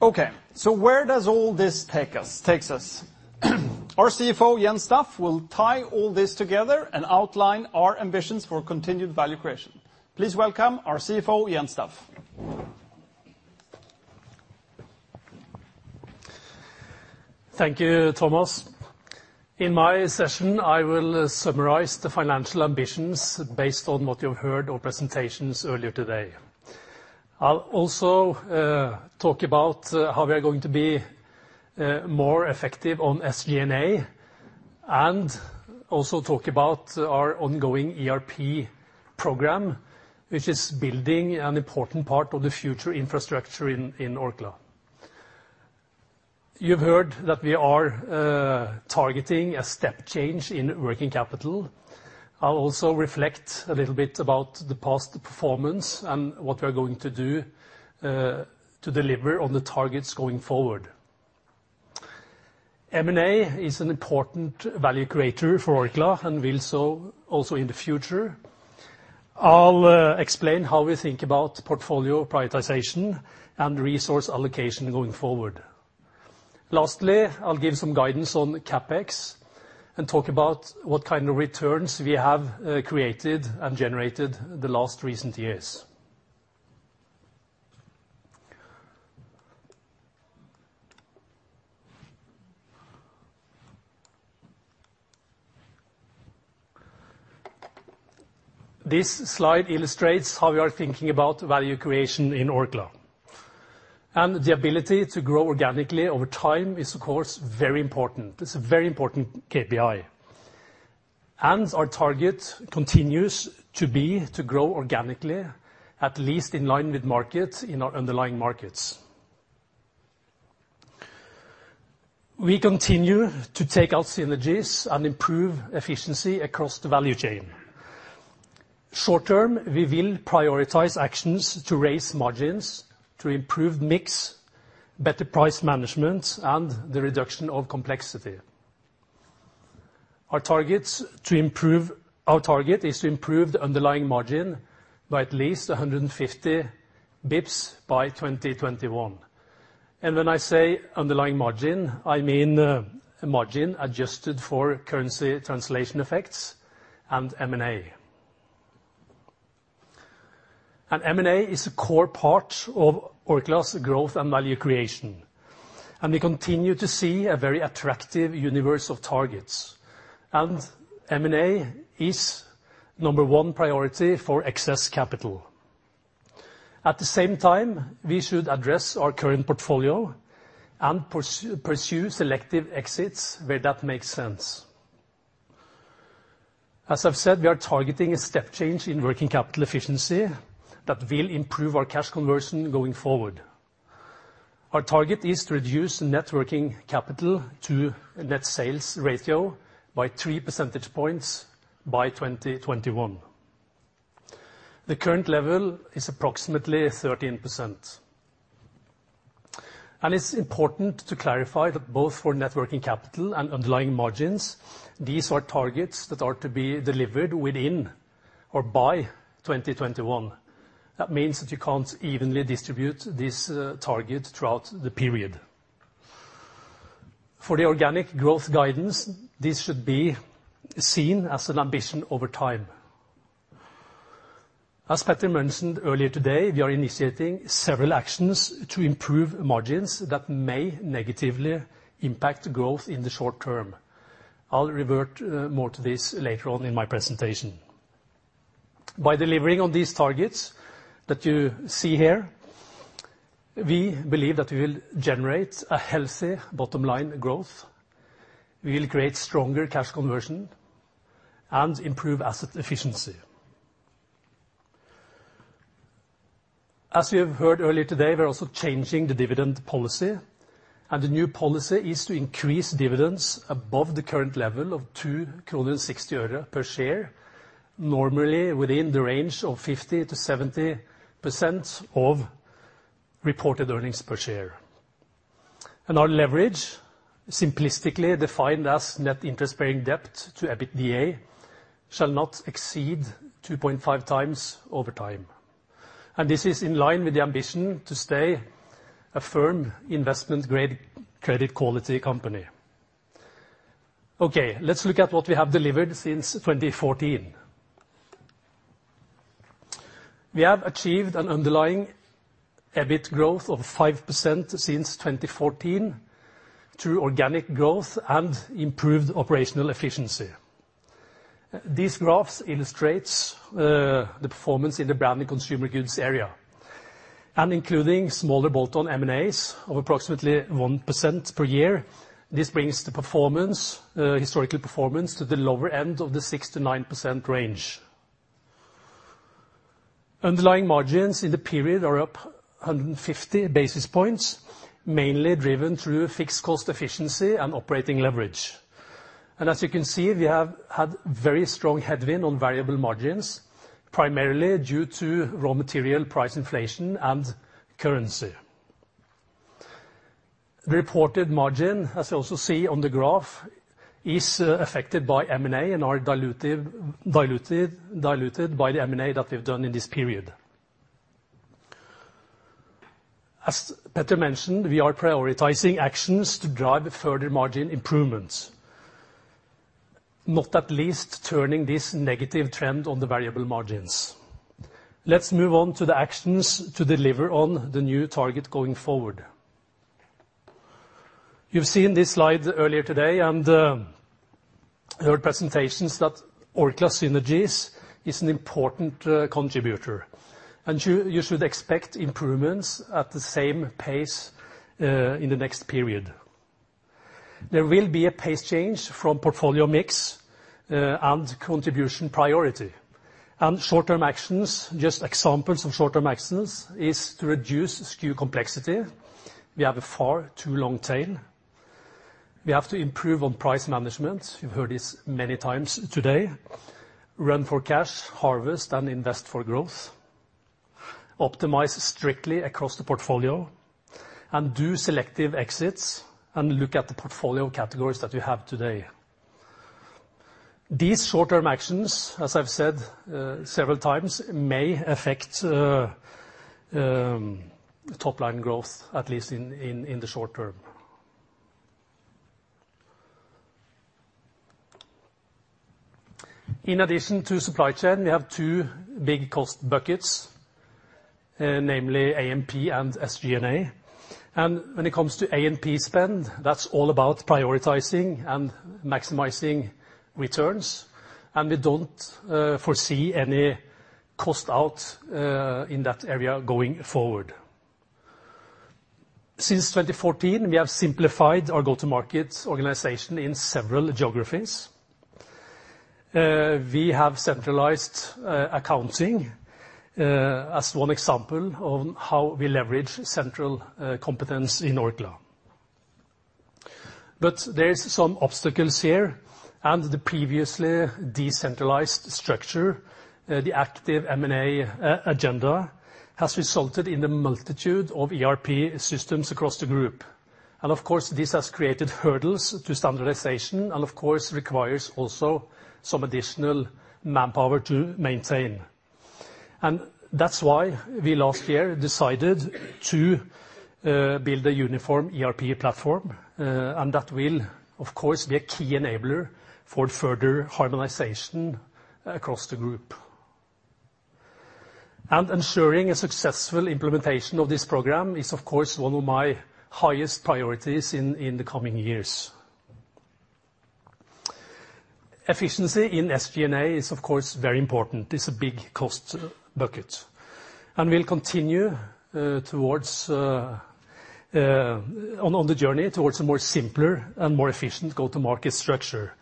S1: Okay, so where does all this take us, takes us? Our CFO, Jens Staff, will tie all this together and outline our ambitions for continued value creation. Please welcome our CFO, Jens Staff.
S10: Thank you, Thomas. In my session, I will summarize the financial ambitions based on what you've heard on presentations earlier today. I'll also talk about how we are going to be more effective on SG&A, and also talk about our ongoing ERP program, which is building an important part of the future infrastructure in Orkla. You've heard that we are targeting a step change in working capital. I'll also reflect a little bit about the past performance and what we are going to do to deliver on the targets going forward. M&A is an important value creator for Orkla and will so also in the future. I'll explain how we think about portfolio prioritization and resource allocation going forward. Lastly, I'll give some guidance on CapEx and talk about what kind of returns we have created and generated the last recent years. This slide illustrates how we are thinking about value creation in Orkla, and the ability to grow organically over time is, of course, very important. It's a very important KPI, and our target continues to be to grow organically, at least in line with market, in our underlying markets. We continue to take out synergies and improve efficiency across the value chain. Short term, we will prioritize actions to raise margins, to improve mix, better price management, and the reduction of complexity. Our target is to improve the underlying margin by at least a hundred and fifty basis points by 2021. And when I say underlying margin, I mean, margin adjusted for currency translation effects and M&A, and M&A is a core part of Orkla's growth and value creation, and we continue to see a very attractive universe of targets. M&A is number one priority for excess capital. At the same time, we should address our current portfolio and pursue selective exits where that makes sense. As I've said, we are targeting a step change in working capital efficiency that will improve our cash conversion going forward. Our target is to reduce net working capital to net sales ratio by three percentage points by 2021. The current level is approximately 13%.... It's important to clarify that both for net working capital and underlying margins, these are targets that are to be delivered within or by 2021. That means that you can't evenly distribute this target throughout the period. For the organic growth guidance, this should be seen as an ambition over time. As Peter mentioned earlier today, we are initiating several actions to improve margins that may negatively impact growth in the short term. I'll revert more to this later on in my presentation. By delivering on these targets that you see here, we believe that we will generate a healthy bottom line growth, we will create stronger cash conversion, and improve asset efficiency. As you have heard earlier today, we're also changing the dividend policy, and the new policy is to increase dividends above the current level of NOK 2.60 per share, normally within the range of 50%-70% of reported earnings per share, and our leverage, simplistically defined as net interest-bearing debt to EBITDA, shall not exceed 2.5 times over time, and this is in line with the ambition to stay a firm investment-grade credit quality company. Okay, let's look at what we have delivered since 2014. We have achieved an underlying EBIT growth of 5% since 2014 through organic growth and improved operational efficiency. These graphs illustrates the performance in the branded consumer goods area, and including smaller bolt-on M&As of approximately 1% per year, this brings the performance historical performance to the lower end of the 6%-9% range. Underlying margins in the period are up 150 basis points, mainly driven through fixed cost efficiency and operating leverage. As you can see, we have had very strong headwind on variable margins, primarily due to raw material price inflation and currency. Reported margin, as you also see on the graph, is affected by M&A and are diluted by the M&A that we've done in this period. As Peter mentioned, we are prioritizing actions to drive further margin improvements, not least turning this negative trend on the variable margins. Let's move on to the actions to deliver on the new target going forward. You've seen this slide earlier today, and heard presentations that Orkla synergies is an important contributor, and you should expect improvements at the same pace in the next period. There will be a pace change from portfolio mix and contribution priority, and short-term actions, just examples of short-term actions, is to reduce SKU complexity. We have a far too long tail. We have to improve on price management. You've heard this many times today. Run for cash, harvest, and invest for growth. Optimize strictly across the portfolio, and do selective exits, and look at the portfolio categories that we have today. These short-term actions, as I've said, several times, may affect top-line growth, at least in the short term. In addition to supply chain, we have two big cost buckets, namely A&P and SG&A. When it comes to A&P spend, that's all about prioritizing and maximizing returns, and we don't foresee any cost out in that area going forward. Since twenty fourteen, we have simplified our go-to-market organization in several geographies. We have centralized accounting, as one example of how we leverage central competence in Orkla, but there is some obstacles here, and the previously decentralized structure, the active M&A agenda, has resulted in a multitude of ERP systems across the group, and, of course, this has created hurdles to standardization, and, of course, requires also some additional manpower to maintain. That's why we last year decided to build a uniform ERP platform, and that will, of course, be a key enabler for further harmonization across the group. Ensuring a successful implementation of this program is, of course, one of my highest priorities in the coming years. Efficiency in SG&A is, of course, very important. It's a big cost bucket, and we'll continue on the journey towards a more simpler and more efficient go-to-market structure.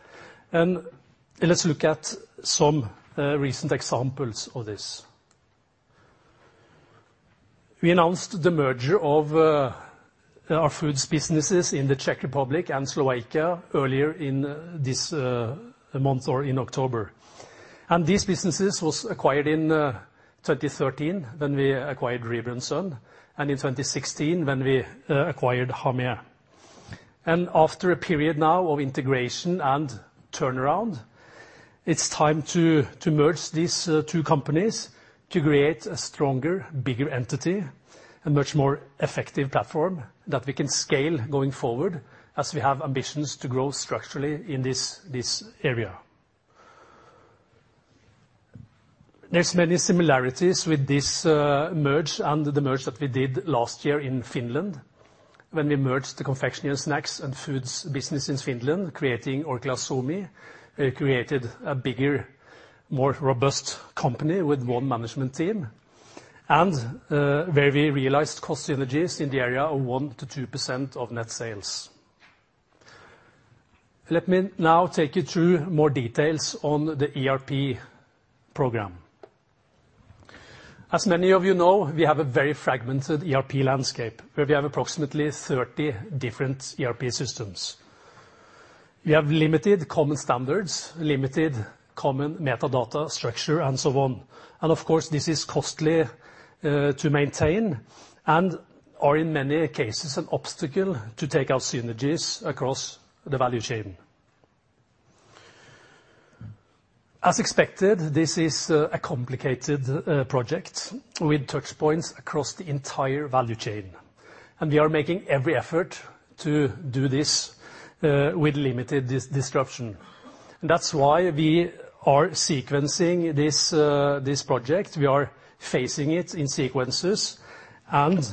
S10: Let's look at some recent examples of this. We announced the merger of our foods businesses in the Czech Republic and Slovakia earlier in this month or in October. These businesses was acquired in twenty thirteen when we acquired Rieber & Søn, and in twenty sixteen when we acquired Hamé. After a period now of integration and turnaround, it's time to merge these two companies to create a stronger, bigger entity, a much more effective platform that we can scale going forward as we have ambitions to grow structurally in this area. There's many similarities with this merge and the merge that we did last year in Finland, when we merged the confectionery snacks and foods business in Finland, creating Orkla Suomi. It created a bigger, more robust company with one management team, and where we realized cost synergies in the area of 1-2% of net sales. Let me now take you through more details on the ERP program. As many of you know, we have a very fragmented ERP landscape, where we have approximately 30 different ERP systems. We have limited common standards, limited common metadata structure, and so on. Of course, this is costly to maintain, and are, in many cases, an obstacle to take out synergies across the value chain. As expected, this is a complicated project with touch points across the entire value chain, and we are making every effort to do this with limited disruption. That's why we are sequencing this project. We are facing it in sequences and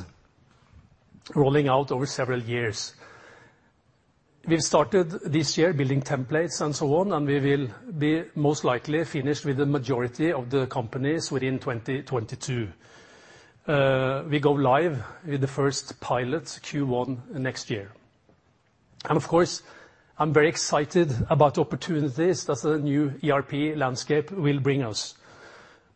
S10: rolling out over several years. We've started this year building templates and so on, and we will be most likely finished with the majority of the companies within 2022. We go live with the first pilot Q1 next year. Of course, I'm very excited about the opportunities that the new ERP landscape will bring us.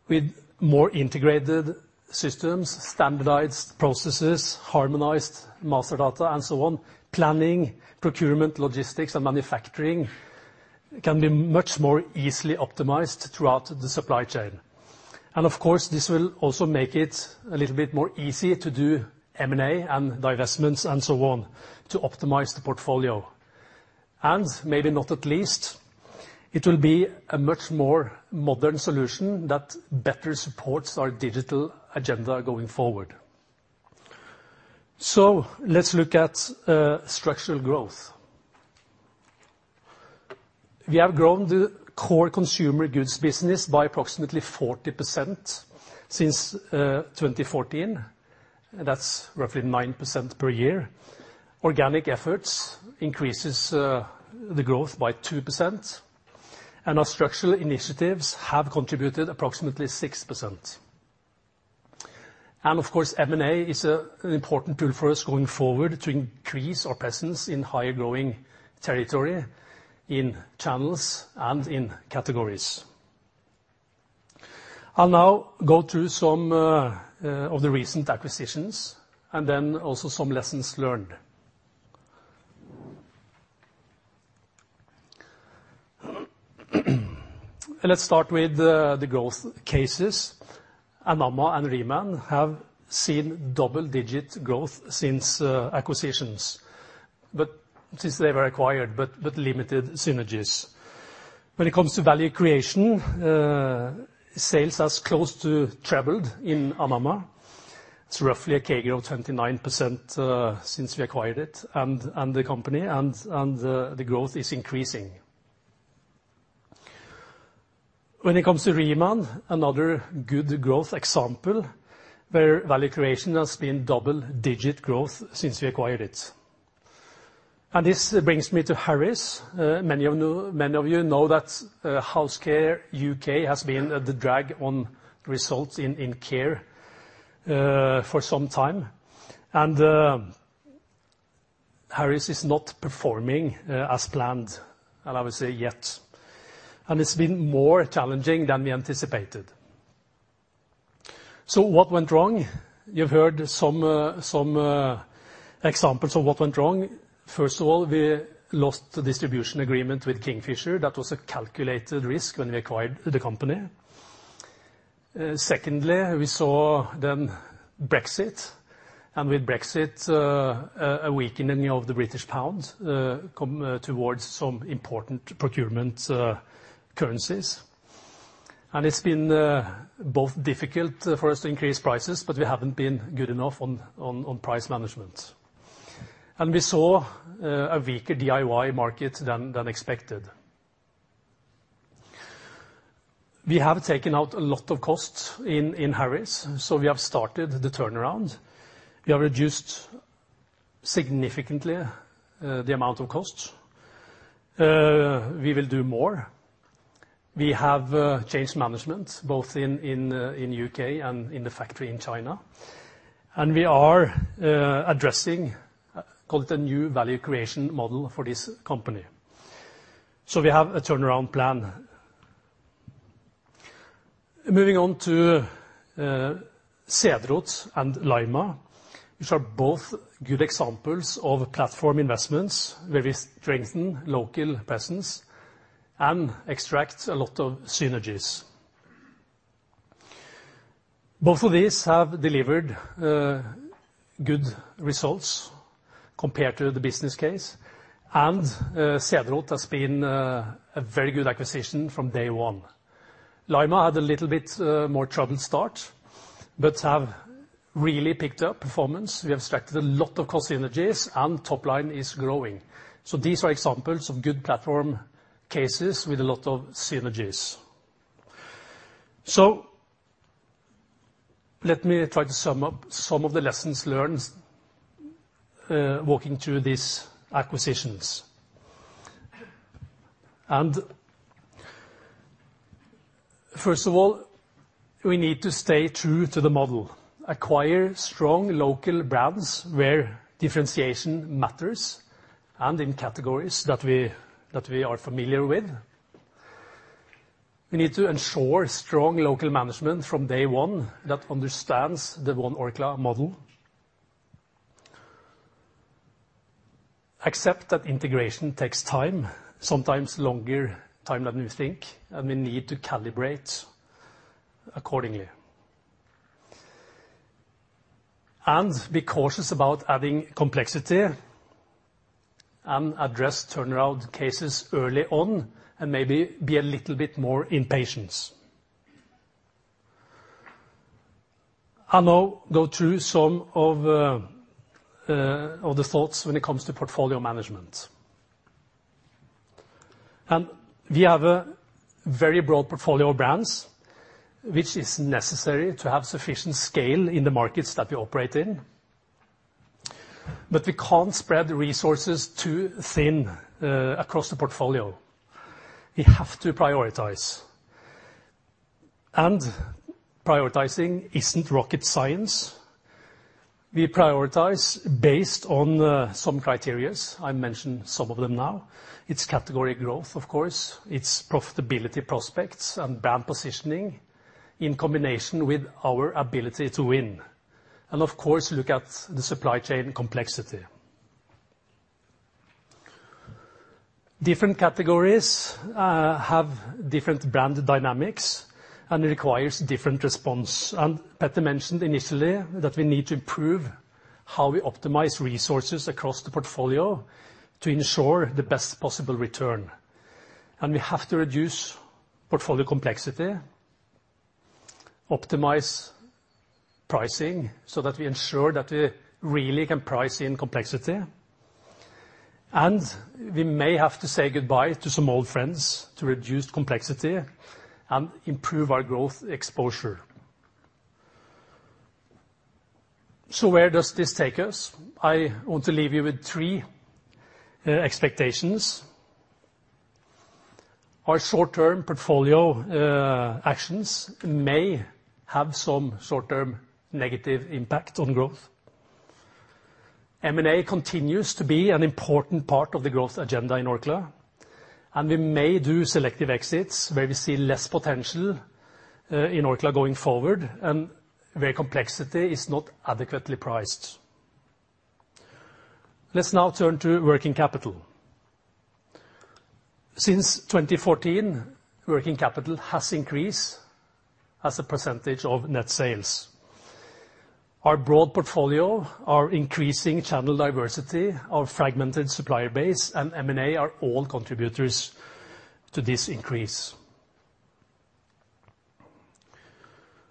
S10: With more integrated systems, standardized processes, harmonized master data, and so on, planning, procurement, logistics, and manufacturing can be much more easily optimized throughout the supply chain. Of course, this will also make it a little bit more easy to do M&A and divestments and so on to optimize the portfolio. Maybe not least, it will be a much more modern solution that better supports our digital agenda going forward. Let's look at structural growth. We have grown the core consumer goods business by approximately 40% since twenty fourteen. That's roughly 9% per year. Organic efforts increases the growth by 2%, and our structural initiatives have contributed approximately 6%. Of course, M&A is an important tool for us going forward to increase our presence in higher growing territory, in channels, and in categories. I'll now go through some of the recent acquisitions, and then also some lessons learned. Let's start with the growth cases. Hamé and REMA have seen double-digit growth since acquisitions, but since they were acquired, but with limited synergies. When it comes to value creation, sales has close to tripled in Hamé. It's roughly a CAGR of 29%, since we acquired it, and the growth is increasing. When it comes to REMA, another good growth example, where value creation has been double-digit growth since we acquired it. This brings me to Harris. Many of you know that House Care UK has been the drag on results in Care, for some time. Harris is not performing as planned, and I would say yet, and it's been more challenging than we anticipated. So what went wrong? You've heard some examples of what went wrong. First of all, we lost the distribution agreement with Kingfisher. That was a calculated risk when we acquired the company. Secondly, we saw then Brexit, and with Brexit, a weakening of the British pound come towards some important procurement currencies, and it's been both difficult for us to increase prices, but we haven't been good enough on price management. And we saw a weaker DIY market than expected. We have taken out a lot of costs in Harris, so we have started the turnaround. We have reduced significantly the amount of costs. We will do more. We have changed management, both in UK and in the factory in China. And we are addressing, call it a new value creation model for this company. So we have a turnaround plan. Moving on to Cederroth and Laima, which are both good examples of platform investments where we strengthen local presence and extract a lot of synergies. Both of these have delivered good results compared to the business case, and Cederroth has been a very good acquisition from day one. Laima had a little bit more troubled start, but have really picked up performance. We have extracted a lot of cost synergies, and top line is growing. So these are examples of good platform cases with a lot of synergies. So let me try to sum up some of the lessons learned walking through these acquisitions. First of all, we need to stay true to the model, acquire strong local brands where differentiation matters, and in categories that we, that we are familiar with. We need to ensure strong local management from day one that understands the One Orkla model. Accept that integration takes time, sometimes longer time than we think, and we need to calibrate accordingly. Be cautious about adding complexity, and address turnaround cases early on, and maybe be a little bit more impatient. I'll now go through some of the, of the thoughts when it comes to portfolio management. We have a very broad portfolio of brands, which is necessary to have sufficient scale in the markets that we operate in. We can't spread the resources too thin, across the portfolio. We have to prioritize, and prioritizing isn't rocket science. We prioritize based on some criteria. I mentioned some of them now. It's category growth, of course, it's profitability prospects and brand positioning in combination with our ability to win, and of course, look at the supply chain complexity. Different categories have different brand dynamics, and it requires different response, and Peter mentioned initially that we need to improve how we optimize resources across the portfolio to ensure the best possible return, and we have to reduce portfolio complexity, optimize pricing, so that we ensure that we really can price in complexity, and we may have to say goodbye to some old friends to reduce complexity and improve our growth exposure, so where does this take us? I want to leave you with three expectations. Our short-term portfolio actions may have some short-term negative impact on growth. M&A continues to be an important part of the growth agenda in Orkla, and we may do selective exits where we see less potential, in Orkla going forward, and where complexity is not adequately priced. Let's now turn to working capital. Since twenty-fourteen, working capital has increased as a percentage of net sales. Our broad portfolio, our increasing channel diversity, our fragmented supplier base, and M&A are all contributors to this increase.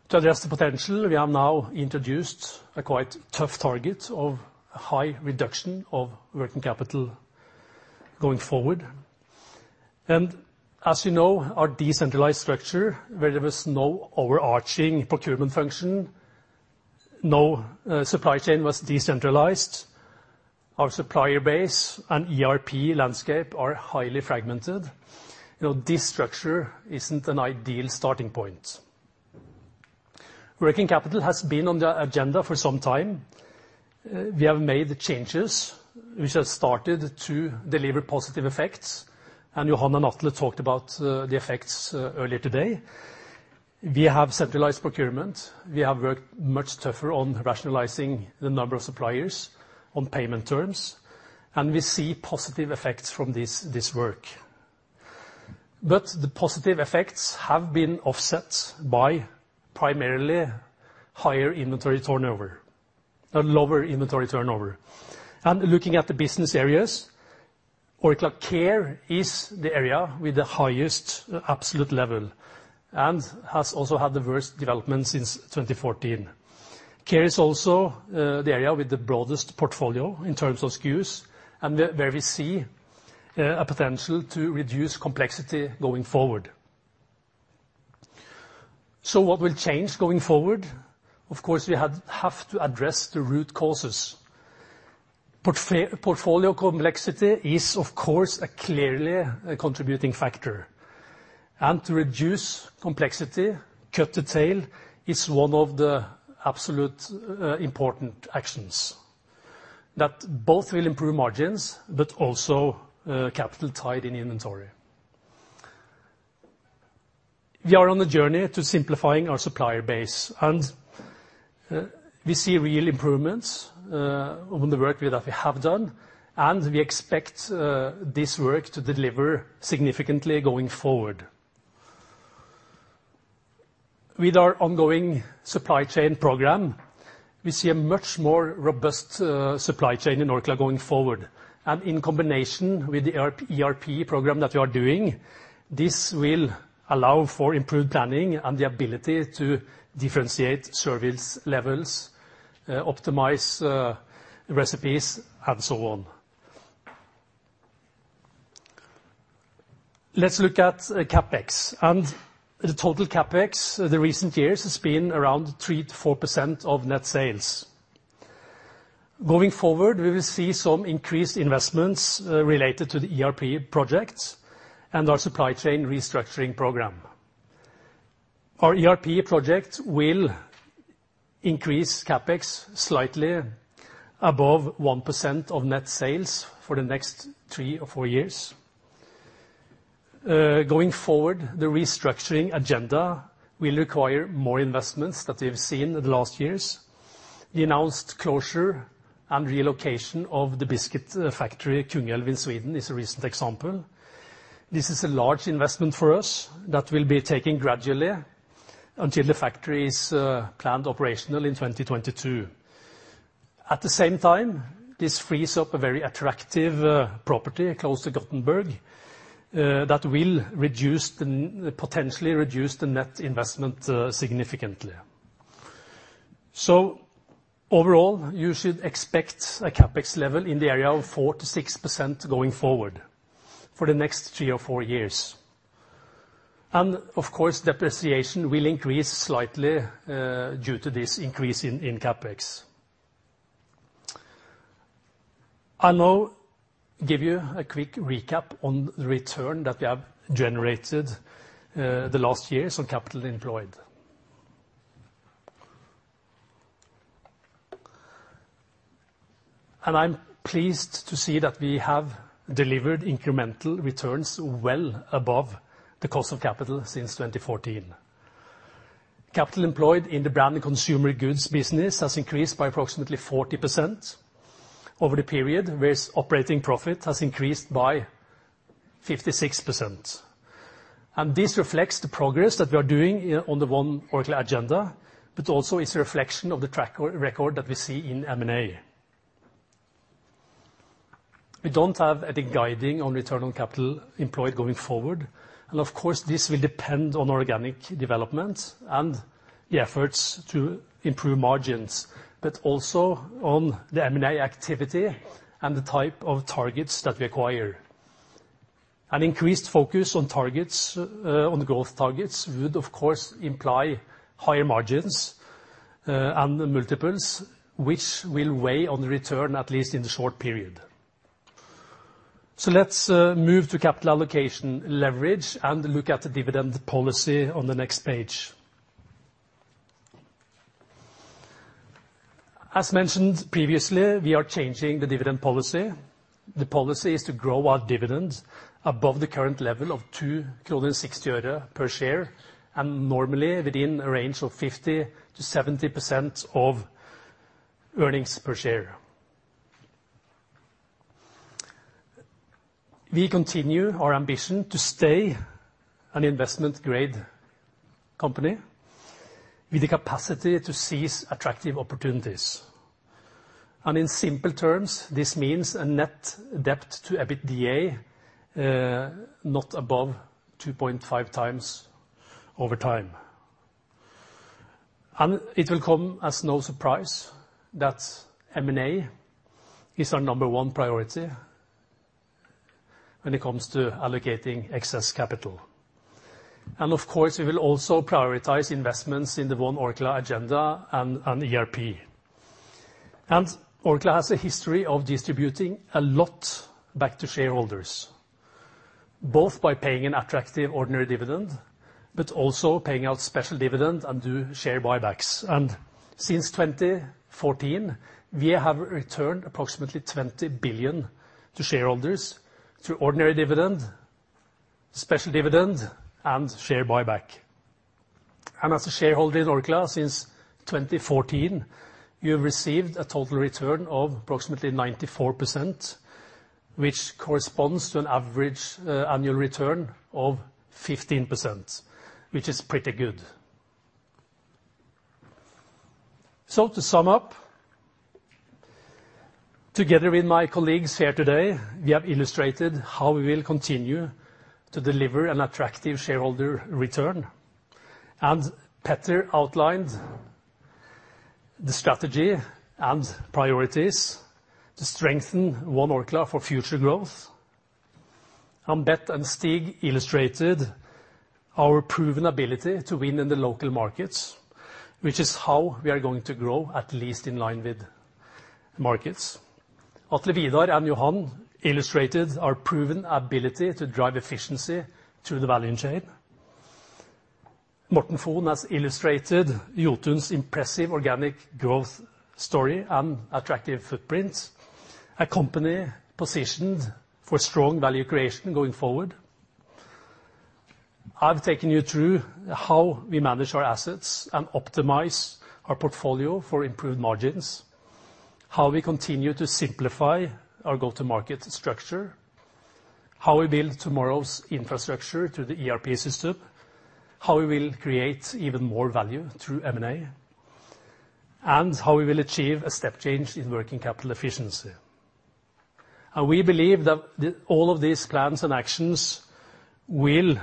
S10: To address the potential, we have now introduced a quite tough target of high reduction of working capital going forward. And as you know, our decentralized structure, where there was no overarching procurement function, supply chain was decentralized. Our supplier base and ERP landscape are highly fragmented. You know, this structure isn't an ideal starting point. Working capital has been on the agenda for some time. We have made the changes, which have started to deliver positive effects, and Johan Clarin talked about the effects earlier today. We have centralized procurement. We have worked much tougher on rationalizing the number of suppliers on payment terms, and we see positive effects from this work. But the positive effects have been offset by primarily higher inventory turnover, or lower inventory turnover. Looking at the business areas, Orkla Care is the area with the highest absolute level, and has also had the worst development since 2014. Care is also the area with the broadest portfolio in terms of SKUs, and where we see a potential to reduce complexity going forward. What will change going forward? Of course, we have to address the root causes. Portfolio complexity is, of course, clearly a contributing factor, and to reduce complexity, cut the tail, is one of the absolutely important actions that both will improve margins, but also, capital tied in inventory. We are on the journey to simplifying our supplier base, and we see real improvements on the work that we have done, and we expect this work to deliver significantly going forward. With our ongoing supply chain program, we see a much more robust supply chain in Orkla going forward. And in combination with the ERP program that we are doing, this will allow for improved planning and the ability to differentiate service levels, optimize recipes, and so on. Let's look at CapEx. And the total CapEx, the recent years, has been around 3%-4% of net sales. Going forward, we will see some increased investments related to the ERP projects and our supply chain restructuring program. Our ERP project will increase CapEx slightly above 1% of net sales for the next three or four years. Going forward, the restructuring agenda will require more investments than we've seen in the last years. The announced closure and relocation of the biscuit factory at Kungälv in Sweden is a recent example. This is a large investment for us that will be taking gradually until the factory is planned operational in 2022. At the same time, this frees up a very attractive property close to Gothenburg that will potentially reduce the net investment significantly. So overall, you should expect a CapEx level in the area of 4%-6% going forward for the next three or four years. Of course, depreciation will increase slightly due to this increase in CapEx. I'll now give you a quick recap on the return that we have generated the last years on capital employed. I'm pleased to see that we have delivered incremental returns well above the cost of capital since twenty fourteen. Capital employed in the Branded Consumer Goods business has increased by approximately 40% over the period, whereas operating profit has increased by 56%. This reflects the progress that we are doing on the One Orkla agenda, but also it's a reflection of the track record that we see in M&A. We don't have any guidance on return on capital employed going forward, and of course, this will depend on organic development and the efforts to improve margins, but also on the M&A activity and the type of targets that we acquire. An increased focus on targets, on growth targets, would, of course, imply higher margins, and multiples, which will weigh on the return, at least in the short period. So let's move to capital allocation leverage and look at the dividend policy on the next page. As mentioned previously, we are changing the dividend policy. The policy is to grow our dividends above the current level of NOK 2.60 per share, and normally within a range of 50%-70% of earnings per share. We continue our ambition to stay an investment-grade company with the capacity to seize attractive opportunities. And in simple terms, this means a net debt to EBITDA not above 2.5 times over time. And it will come as no surprise that M&A is our number one priority when it comes to allocating excess capital. And of course, we will also prioritize investments in the One Orkla agenda and ERP. And Orkla has a history of distributing a lot back to shareholders, both by paying an attractive ordinary dividend, but also paying out special dividend and do share buybacks. And since 2014, we have returned approximately 20 billion to shareholders through ordinary dividend, special dividend, and share buyback. And as a shareholder in Orkla, since 2014, you have received a total return of approximately 94%, which corresponds to an average annual return of 15%, which is pretty good. To sum up, together with my colleagues here today, we have illustrated how we will continue to deliver an attractive shareholder return. Peter outlined the strategy and priorities to strengthen One Orkla for future growth. Beth and Stig illustrated our proven ability to win in the local markets, which is how we are going to grow, at least in line with the markets. Atle Vidar and Johan illustrated our proven ability to drive efficiency through the value chain. ...Morten Fon has illustrated Jotun's impressive organic growth story and attractive footprint, a company positioned for strong value creation going forward. I've taken you through how we manage our assets and optimize our portfolio for improved margins, how we continue to simplify our go-to-market structure, how we build tomorrow's infrastructure through the ERP system, how we will create even more value through M&A, and how we will achieve a step change in working capital efficiency, and we believe that all of these plans and actions will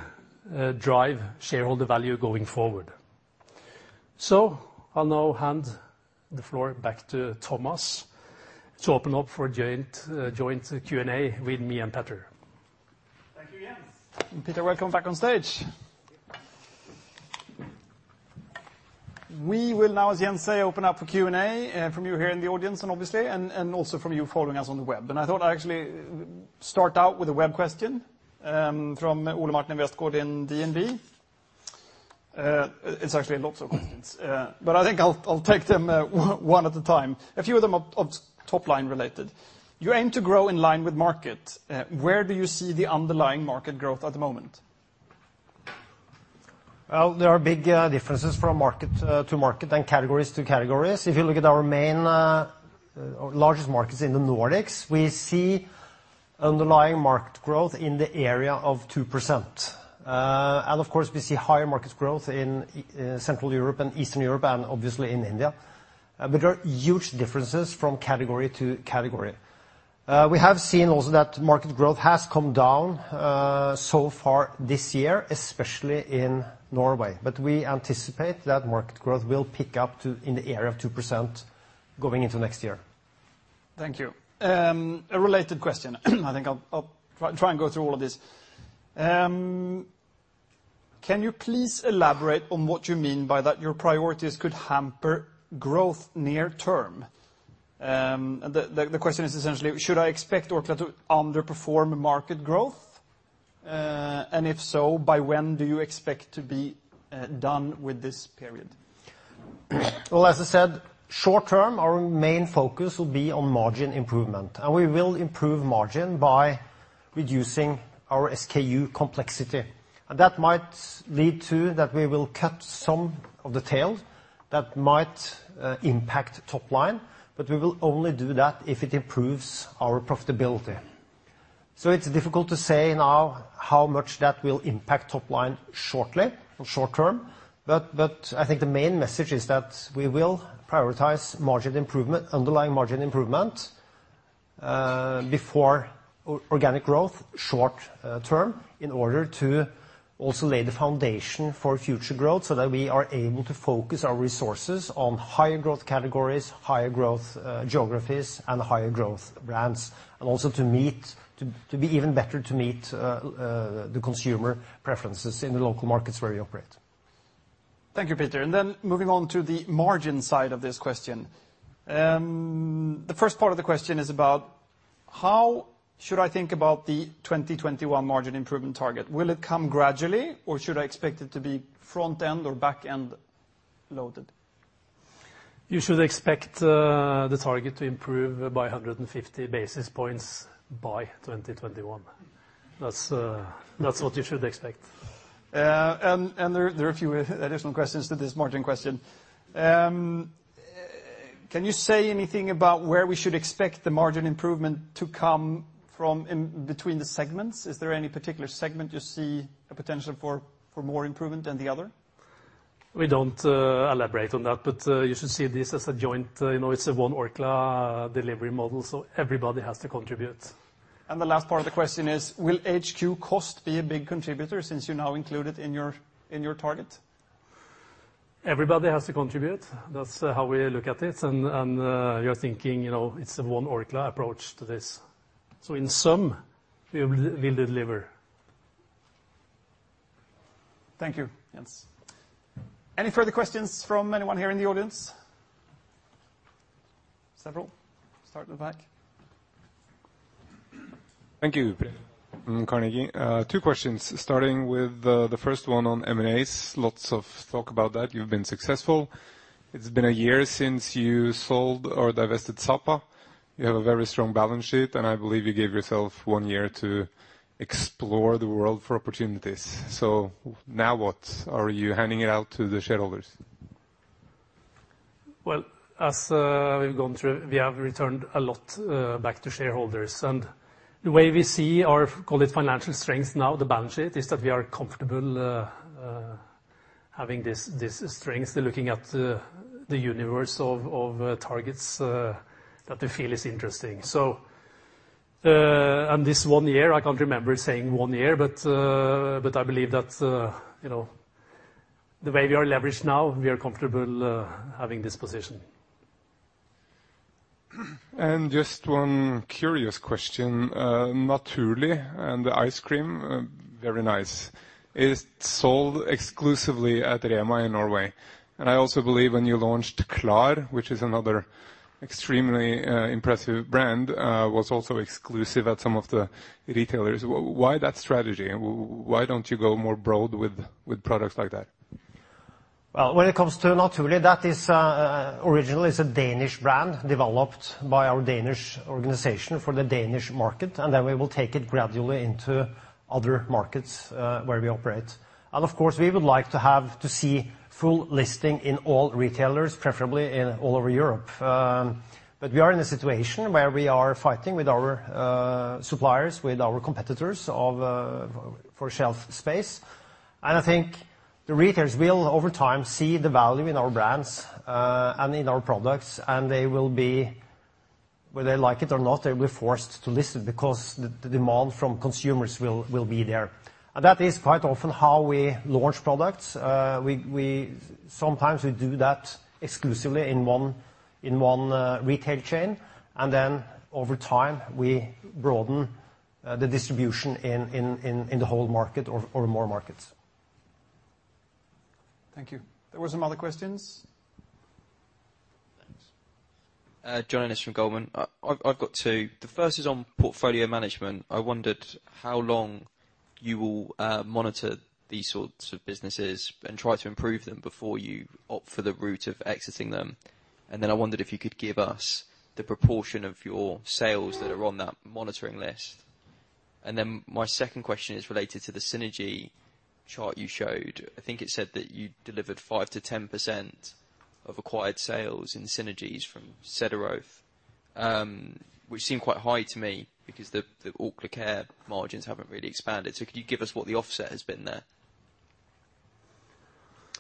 S10: drive shareholder value going forward, so I'll now hand the floor back to Thomas to open up for joint Q&A with me and Peter.
S1: Thank you, Jens. Peter, welcome back on stage.
S10: Thank you.
S1: We will now, as Jens says, open up for Q&A from you here in the audience, and obviously also from you following us on the web. I thought I'd actually start out with a web question from Ole Martin Westgaard in DNB. It's actually lots of questions, but I think I'll take them one at a time. A few of them are top line related. You aim to grow in line with market. Where do you see the underlying market growth at the moment?
S2: There are big differences from market to market and categories to categories. If you look at our main or largest markets in the Nordics, we see underlying market growth in the area of 2%. And of course, we see higher market growth in Central Europe and Eastern Europe, and obviously in India, but there are huge differences from category to category. We have seen also that market growth has come down so far this year, especially in Norway. But we anticipate that market growth will pick up to in the area of 2% going into next year.
S1: Thank you. A related question. I think I'll try and go through all of these. Can you please elaborate on what you mean by that your priorities could hamper growth near term? The question is essentially: should I expect Orkla to underperform market growth? And if so, by when do you expect to be done with this period?
S2: As I said, short term, our main focus will be on margin improvement, and we will improve margin by reducing our SKU complexity. And that might lead to that we will cut some of the tail that might impact top line, but we will only do that if it improves our profitability. So it's difficult to say now how much that will impact top line shortly or short term, but I think the main message is that we will prioritize margin improvement, underlying margin improvement, before organic growth short term in order to also lay the foundation for future growth, so that we are able to focus our resources on higher growth categories, higher growth geographies, and higher growth brands. And also to meet, to be even better to meet the consumer preferences in the local markets where we operate.
S1: Thank you, Peter, and then moving on to the margin side of this question. The first part of the question is about: how should I think about the 2021 margin improvement target? Will it come gradually, or should I expect it to be front-end or back-end loaded?
S10: You should expect the target to improve by 150 basis points by 2021. That's what you should expect.
S1: There are a few additional questions to this margin question. Can you say anything about where we should expect the margin improvement to come from in between the segments? Is there any particular segment you see a potential for more improvement than the other?
S10: We don't elaborate on that, but you should see this as a joint... You know, it's a One Orkla delivery model, so everybody has to contribute.
S1: The last part of the question is: Will HQ cost be a big contributor since you now include it in your target?
S10: Everybody has to contribute. That's how we look at it, and you're thinking, you know, it's a One Orkla approach to this. So in sum, we'll deliver.
S1: Thank you, Jens. Any further questions from anyone here in the audience? Several. Start at the back. Thank you. Carnegie. Two questions, starting with the first one on M&As. Lots of talk about that. You've been successful. It's been a year since you sold or divested Sapa. You have a very strong balance sheet, and I believe you gave yourself one year to explore the world for opportunities. So now what? Are you handing it out to the shareholders?
S10: As we've gone through, we have returned a lot back to shareholders. The way we see our, call it, financial strength now, the balance sheet, is that we are comfortable having this strength, looking at the universe of targets that we feel is interesting. This one year, I can't remember saying one year, but I believe that, you know, the way we are leveraged now, we are comfortable having this position. Just one curious question. Naturli', and the ice cream, very nice, is sold exclusively at REMA in Norway. And I also believe when you launched Klar, which is another extremely impressive brand, was also exclusive at some of the retailers. Why that strategy? Why don't you go more broad with products like that?...
S2: When it comes to Naturli', that is, originally is a Danish brand developed by our Danish organization for the Danish market, and then we will take it gradually into other markets, where we operate. And, of course, we would like to have to see full listing in all retailers, preferably in all over Europe. But we are in a situation where we are fighting with our suppliers, with our competitors for shelf space. And I think the retailers will, over time, see the value in our brands, and in our products, and they will be, whether they like it or not, they'll be forced to listen because the demand from consumers will be there. And that is quite often how we launch products. We sometimes do that exclusively in one retail chain, and then over time, we broaden the distribution in the whole market or more markets.
S1: Thank you. There were some other questions?
S3: Thanks. John Ennis from Goldman Sachs. I've got two. The first is on portfolio management. I wondered how long you will monitor these sorts of businesses and try to improve them before you opt for the route of exiting them? And then I wondered if you could give us the proportion of your sales that are on that monitoring list. And then my second question is related to the synergy chart you showed. I think it said that you delivered 5%-10% of acquired sales in synergies from Cederroth. Which seem quite high to me because the Orkla Care margins haven't really expanded. So could you give us what the offset has been there?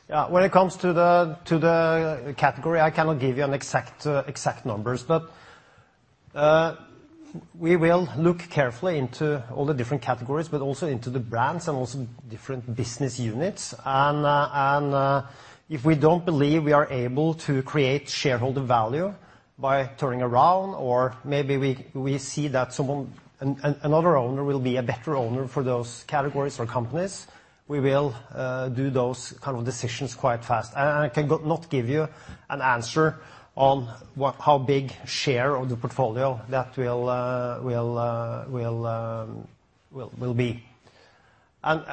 S2: Yeah, when it comes to the category, I cannot give you an exact number, but we will look carefully into all the different categories, but also into the brands and also different business units. And if we don't believe we are able to create shareholder value by turning around, or maybe we see that someone another owner will be a better owner for those categories or companies, we will do those kind of decisions quite fast. And I cannot give you an answer on what how big share of the portfolio that will be. And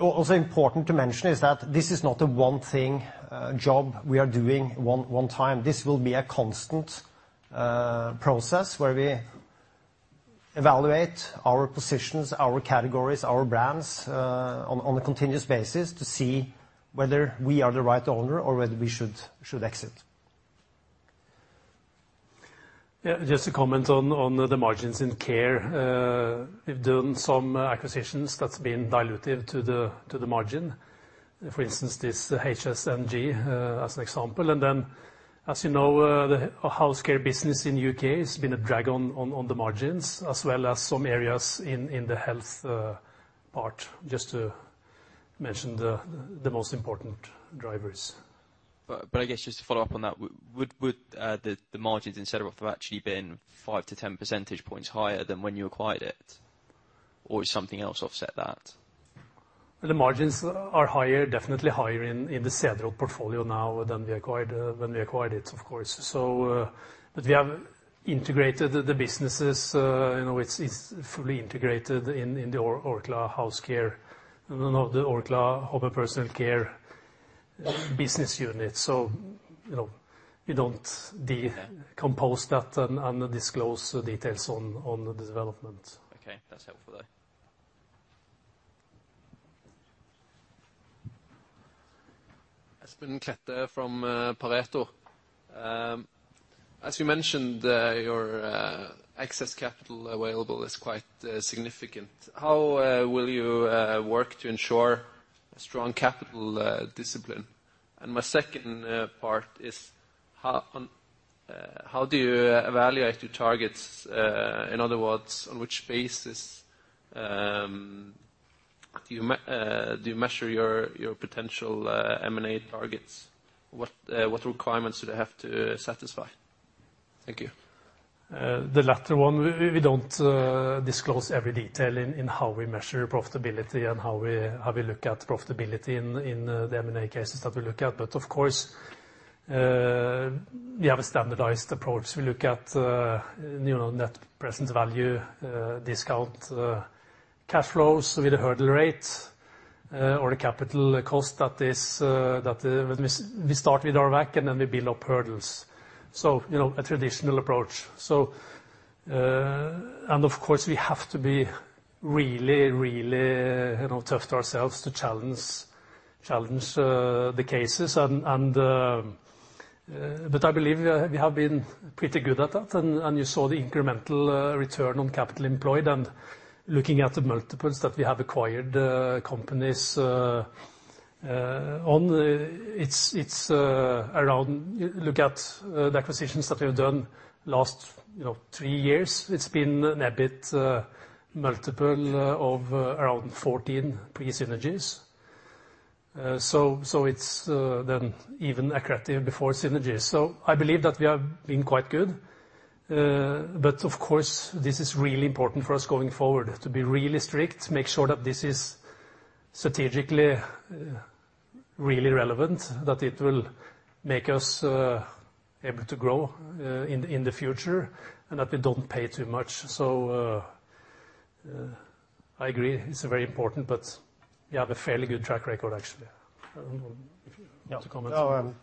S2: also important to mention is that this is not a one thing job we are doing one time. This will be a constant process where we evaluate our positions, our categories, our brands, on a continuous basis to see whether we are the right owner or whether we should exit.
S10: Yeah, just to comment on the margins in Care. We've done some acquisitions that's been dilutive to the margin. For instance, this HSNG, as an example. And then, as you know, the House Care business in UK has been a drag on the margins, as well as some areas in the health part, just to mention the most important drivers.
S3: But I guess just to follow up on that, would the margins in Cederroth have actually been five to ten percentage points higher than when you acquired it, or has something else offset that?
S10: The margins are higher, definitely higher in the Cederroth portfolio now than we acquired when we acquired it, of course. So, but we have integrated the businesses, you know, it's fully integrated in the Orkla House Care and the Orkla Home and Personal Care business unit. So, you know, we don't decompose that and disclose the details on the development.
S3: Okay, that's helpful, though.
S11: Espen Klette from Pareto. As you mentioned, your excess capital available is quite significant. How will you work to ensure a strong capital discipline? And my second part is, how do you evaluate your targets? In other words, on which basis do you measure your potential M&A targets? What requirements do they have to satisfy? Thank you.
S10: The latter one, we don't disclose every detail in how we measure profitability and how we look at profitability in the M&A cases that we look at. But of course, we have a standardized approach. We look at, you know, net present value, discounted cash flows with the hurdle rate, or the capital cost that is. We start with our WACC, and then we build up hurdles. You know, a traditional approach, and of course, we have to be really, really, you know, tough on ourselves to challenge the cases. I believe we have been pretty good at that, and you saw the incremental return on capital employed and looking at the multiples that we have acquired companies on. It's around. Look at the acquisitions that we've done last, you know, 3 years. It's been an EBIT multiple of around 14 pre-synergies. So it's then even accretive before synergies. So I believe that we have been quite good. But of course, this is really important for us going forward, to be really strict, make sure that this is strategically really relevant, that it will make us able to grow in the future, and that we don't pay too much. So. I agree, it's very important, but we have a fairly good track record, actually. I don't know if you want to comment.
S2: No,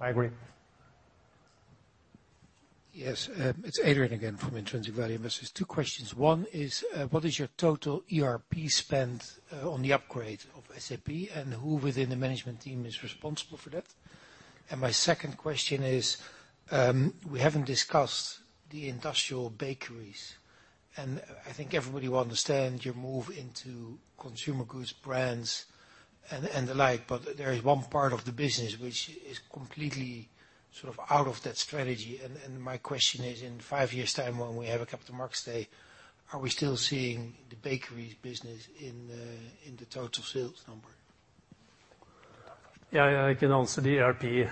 S2: I agree. Yes, it's Adrian again from Intrinsic Value Investors. Two questions. One is, what is your total ERP spend on the upgrade of SAP, and who within the management team is responsible for that? And my second question is, we haven't discussed the industrial bakeries, and I think everybody will understand your move into consumer goods brands and the like, but there is one part of the business which is completely sort of out of that strategy. And my question is, in five years' time, when we have a capital markets day, are we still seeing the bakeries business in the total sales number?
S10: Yeah, I can answer the ERP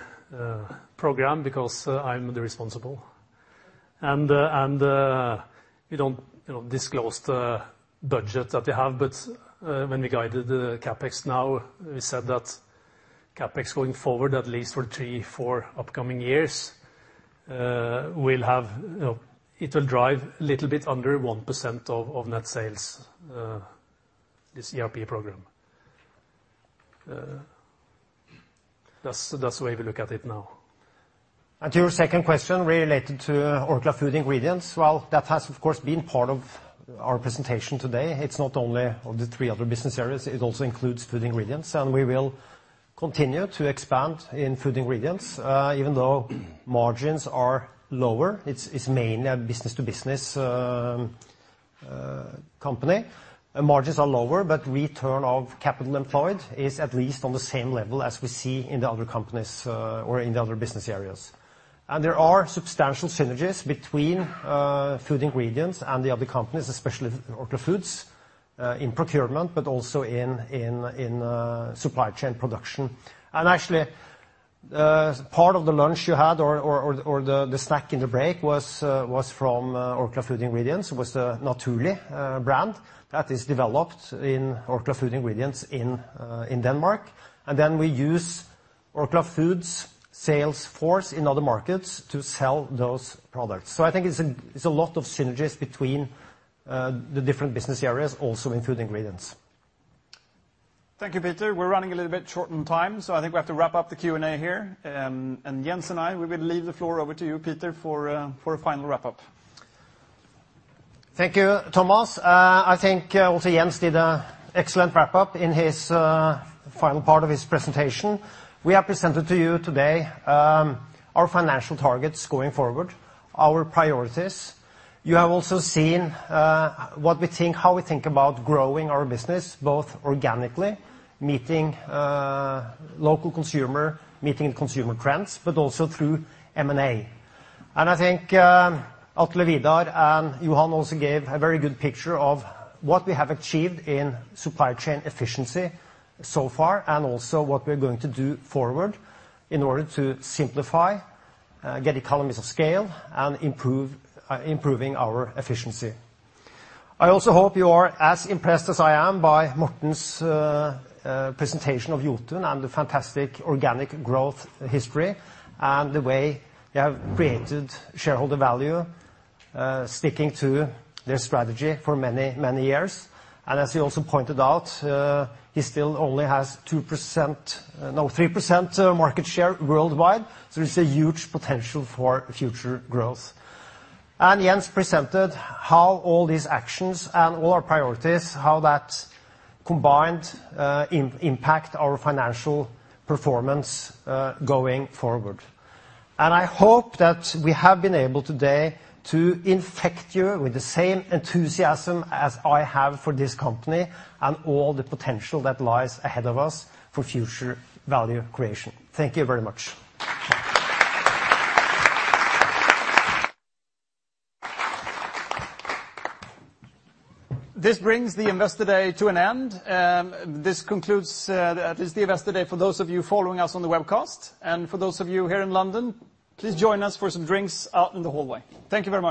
S10: program, because I'm the responsible. And we don't, you know, disclose the budget that we have, but when we guided the CapEx now, we said that CapEx going forward, at least for three, four upcoming years, will have, you know... It will drive a little bit under 1% of net sales, this ERP program. That's the way we look at it now.
S2: And to your second question related to Orkla Food Ingredients, well, that has, of course, been part of our presentation today. It's not only of the three other business areas, it also includes food ingredients, and we will continue to expand in food ingredients. Even though margins are lower, it's mainly a business-to-business company, and margins are lower, but return of capital employed is at least on the same level as we see in the other companies, or in the other business areas. And there are substantial synergies between food ingredients and the other companies, especially Orkla Foods, in procurement, but also in supply chain production. Actually, part of the lunch you had or the snack in the break was from Orkla Food Ingredients, was the Naturli' brand that is developed in Orkla Food Ingredients in Denmark. Then we use Orkla Foods' sales force in other markets to sell those products. I think it's a lot of synergies between the different business areas, also in food ingredients.
S1: Thank you, Peter. We're running a little bit short on time, so I think we have to wrap up the Q&A here, and Jens and I will leave the floor over to you, Peter, for a final wrap-up.
S2: Thank you, Thomas. I think also Jens did an excellent wrap-up in his final part of his presentation. We have presented to you today our financial targets going forward, our priorities. You have also seen what we think, how we think about growing our business, both organically, meeting local consumer, meeting consumer trends, but also through M&A, and I think Atle Vidar and Johan also gave a very good picture of what we have achieved in supply chain efficiency so far, and also what we're going to do forward in order to simplify, get economies of scale, and improve our efficiency. I also hope you are as impressed as I am by Morten's presentation of Jotun and the fantastic organic growth history, and the way they have created shareholder value, sticking to their strategy for many, many years. As he also pointed out, he still only has 2%, no, 3%, market share worldwide, so it's a huge potential for future growth. Jens presented how all these actions and all our priorities, how that combined, impact our financial performance, going forward. I hope that we have been able today to infect you with the same enthusiasm as I have for this company and all the potential that lies ahead of us for future value creation. Thank you very much.
S1: This brings the Investor Day to an end. This concludes, at least the Investor Day for those of you following us on the webcast. And for those of you here in London, please join us for some drinks out in the hallway. Thank you very much.